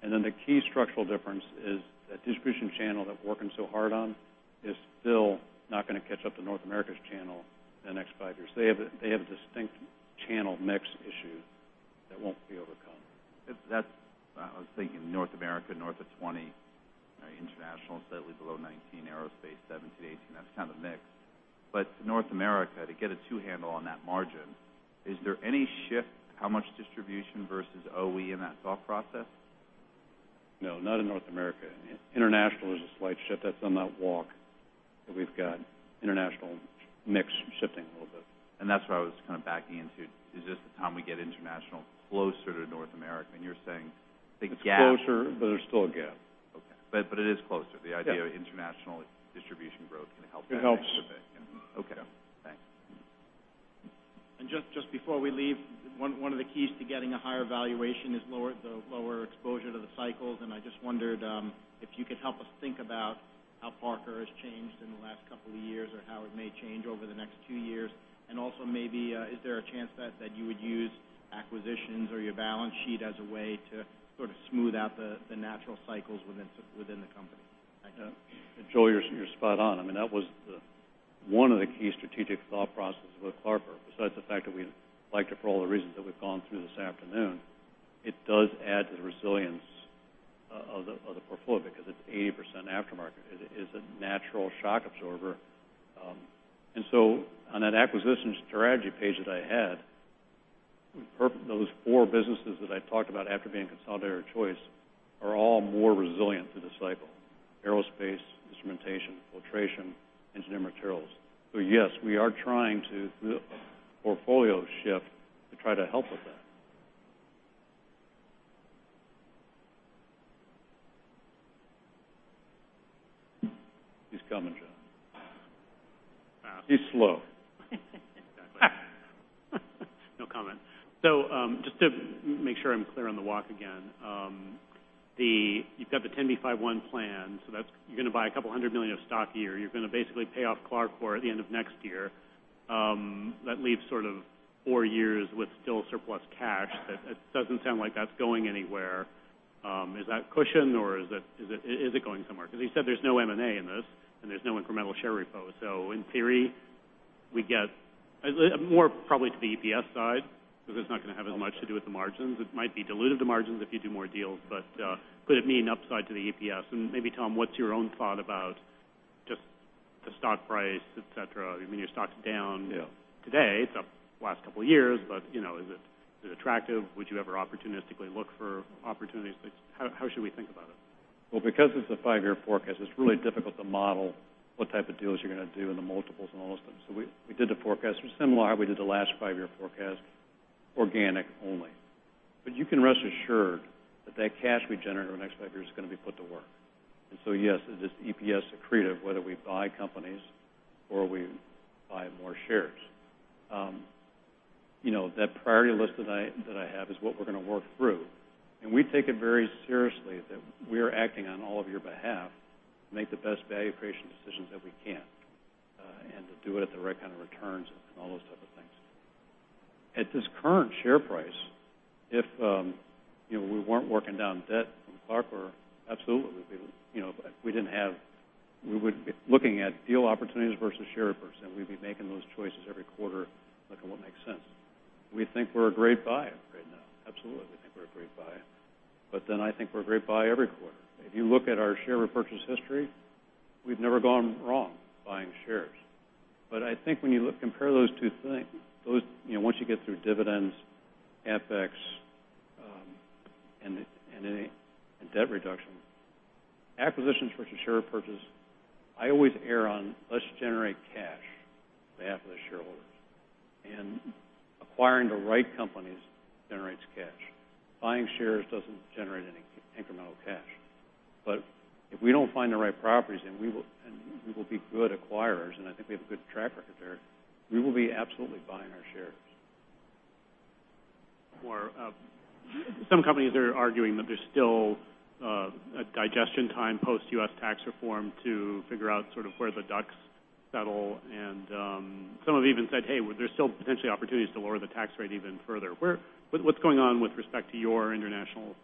The key structural difference is that distribution channel that we're working so hard on is still not going to catch up to North America's channel in the next five years. They have a distinct channel mix issue that won't be overcome. I was thinking North America, north of 20, international, slightly below 19, aerospace, 17, 18. That's kind of the mix. North America, to get a two handle on that margin, is there any shift to how much distribution versus OE in that thought process? No, not in North America. International is a slight shift. That's on that walk that we've got international mix shifting a little bit. That's what I was kind of backing into, is this the time we get international closer to North America? You're saying the gap. It's closer, but there's still a gap. Okay. It is closer. Yeah. The idea of international distribution growth can help that a little bit. It helps. Okay. Thanks. Just before we leave, one of the keys to getting a higher valuation is the lower exposure to the cycles, I just wondered if you could help us think about how Parker has changed in the last couple of years, or how it may change over the next two years. Also maybe, is there a chance that you would use acquisitions or your balance sheet as a way to sort of smooth out the natural cycles within the company? Joe, you're spot on. I mean, that was the One of the key strategic thought processes with CLARCOR, besides the fact that we liked it for all the reasons that we've gone through this afternoon, it does add to the resilience of the portfolio because it's 80% aftermarket. It's a natural shock absorber. On that acquisition strategy page that I had, those four businesses that I talked about after being consolidated are choice, are all more resilient through this cycle: Aerospace, instrumentation, Filtration, Engineered Materials. Yes, we are trying to do a portfolio shift to try to help with that. He's coming, John. He's slow. No comment. Just to make sure I'm clear on the walk again. You've got the 10B5-1 plan, you're going to buy a couple of hundred million of stock a year. You're going to basically pay off CLARCOR at the end of next year. That leaves sort of four years with still surplus cash. It doesn't sound like that's going anywhere. Is that cushion or is it going somewhere? Because you said there's no M&A in this, and there's no incremental share repo. In theory, we get more probably to the EPS side because it's not going to have as much to do with the margins. It might be dilutive to margins if you do more deals, but could it mean upside to the EPS? Maybe, Tom, what's your own thought about just the stock price, et cetera? I mean, your stock's down today- Yeah The last couple of years, is it attractive? Would you ever opportunistically look for opportunities? How should we think about it? Well, because it's a five-year forecast, it's really difficult to model what type of deals you're going to do and the multiples and all those things. We did the forecast similar how we did the last five-year forecast, organic only. You can rest assured that that cash we generate over the next five years is going to be put to work. Yes, it is EPS accretive, whether we buy companies or we buy more shares. That priority list that I have is what we're going to work through. We take it very seriously that we are acting on all of your behalf to make the best value creation decisions that we can, and to do it at the right kind of returns and all those type of things. At this current share price, if we weren't working down debt from CLARCOR or absolutely, we would be looking at deal opportunities versus share repurchases, and we'd be making those choices every quarter, looking at what makes sense. We think we're a great buy right now. Absolutely, we think we're a great buy. I think we're a great buy every quarter. If you look at our share repurchase history, we've never gone wrong buying shares. I think when you compare those two things, once you get through dividends, CapEx, and debt reduction, acquisitions versus share repurchase, I always err on let's generate cash on behalf of the shareholders. Acquiring the right companies generates cash. Buying shares doesn't generate any incremental cash. If we don't find the right properties, and we will be good acquirers, and I think we have a good track record there, we will be absolutely buying our shares. Some companies are arguing that there's still a digestion time post-U.S. tax reform to figure out sort of where the ducks settle, and some have even said, "Hey, there's still potentially opportunities to lower the tax rate even further." What's going on with respect to your international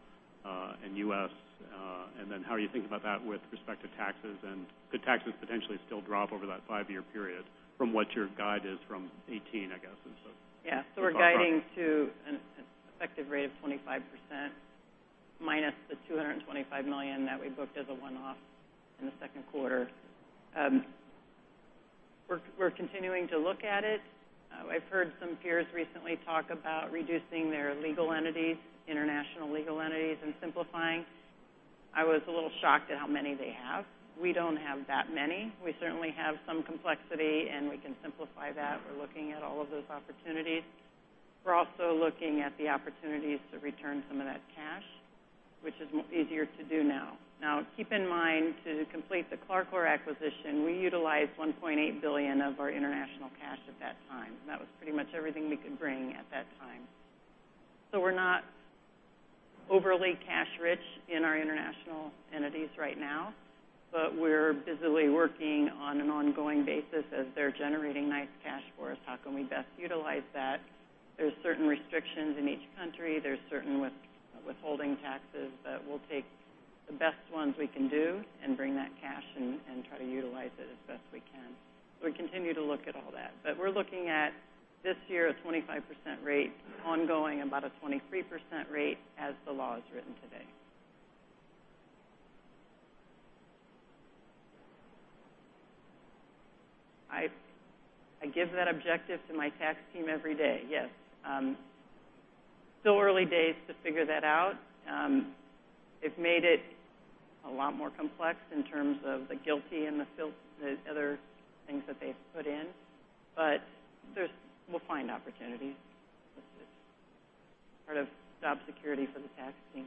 and U.S., and then how are you thinking about that with respect to taxes, and could taxes potentially still drop over that five-year period from what your guide is from 2018, I guess? Yeah. We're guiding to an effective rate of 25% minus the $225 million that we booked as a one-off in the second quarter. We're continuing to look at it. I've heard some peers recently talk about reducing their legal entities, international legal entities, and simplifying. I was a little shocked at how many they have. We don't have that many. We certainly have some complexity, and we can simplify that. We're looking at all of those opportunities. We're also looking at the opportunities to return some of that cash, which is easier to do now. Now, keep in mind, to complete the CLARCOR acquisition, we utilized $1.8 billion of our international cash at that time. That was pretty much everything we could bring at that time. We're not overly cash-rich in our international entities right now, but we're busily working on an ongoing basis as they're generating nice cash for us. How can we best utilize that? There's certain restrictions in each country. There's certain withholding taxes, but we'll take the best ones we can do and bring that cash in and try to utilize it as best we can. We continue to look at all that. We're looking at this year, a 25% rate ongoing, about a 23% rate as the law is written today. I give that objective to my tax team every day, yes. Still early days to figure that out. It made it a lot more complex in terms of the GILTI and the other things that they've put in. We'll find opportunities. It's part of job security for the tax team.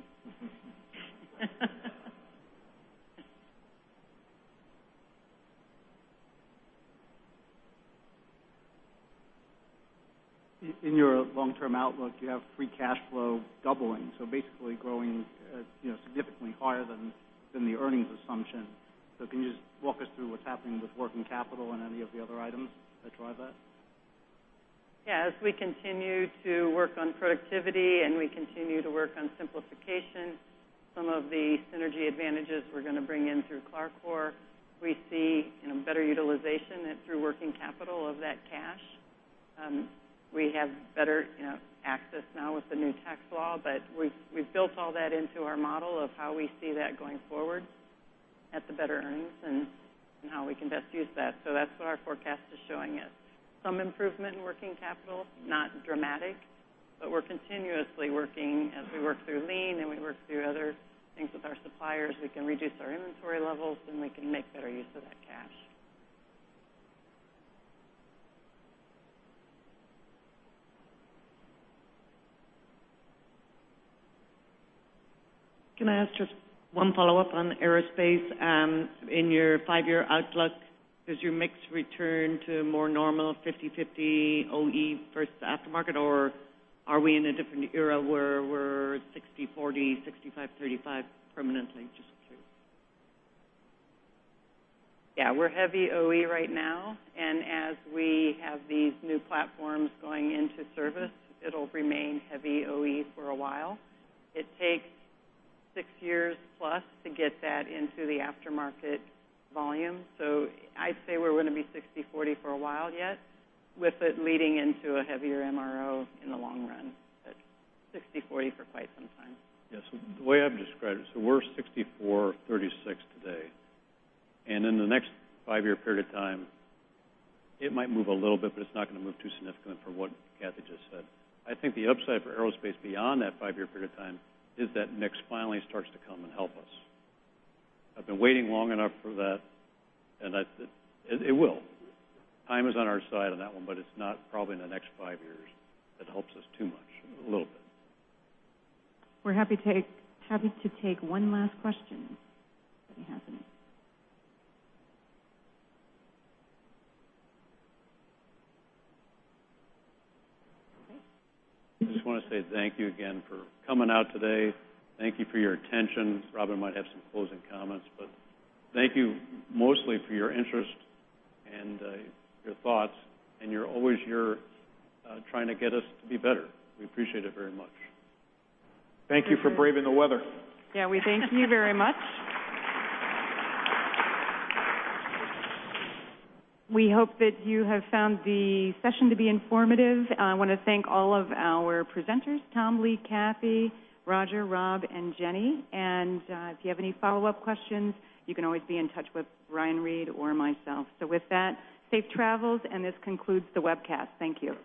In your long-term outlook, you have free cash flow doubling, basically growing significantly higher than the earnings assumption. Can you just walk us through what's happening with working capital and any of the other items that drive that? As we continue to work on productivity and we continue to work on simplification, some of the synergy advantages we're going to bring in through CLARCOR, we see better utilization through working capital of that cash. We have better access now with the new tax law, we've built all that into our model of how we see that going forward at the better earnings and how we can best use that. That's what our forecast is showing us. Some improvement in working capital, not dramatic, but we're continuously working as we work through Lean and we work through other things with our suppliers. We can reduce our inventory levels, and we can make better use of that cash. Can I ask just one follow-up on aerospace? In your five-year outlook, does your mix return to a more normal 50/50 OE versus aftermarket? Are we in a different era where we're 60/40, 65/35 permanently? Just curious. We're heavy OE right now, as we have these new platforms going into service, it'll remain heavy OE for a while. It takes six years plus to get that into the aftermarket volume. I'd say we're going to be 60/40 for a while yet, with it leading into a heavier MRO in the long run. 60/40 for quite some time. Yes. The way I've described it, we're 64/36 today, in the next five-year period of time, it might move a little bit, it's not going to move too significant for what Kathy just said. I think the upside for aerospace beyond that five-year period of time is that mix finally starts to come and help us. I've been waiting long enough for that, it will. Time is on our side on that one, it's not probably in the next five years that helps us too much. A little bit. We're happy to take one last question, if anybody has any. Okay. I just want to say thank you again for coming out today. Thank you for your attention. Robin might have some closing comments, thank you mostly for your interest and your thoughts and you're always here trying to get us to be better. We appreciate it very much. Thank you for braving the weather. Yeah, we thank you very much. We hope that you have found the session to be informative. I want to thank all of our presenters, Tom, Lee, Kathy, Roger, Rob, and Jenny. If you have any follow-up questions, you can always be in touch with Brian Reid or myself. With that, safe travels, and this concludes the webcast. Thank you.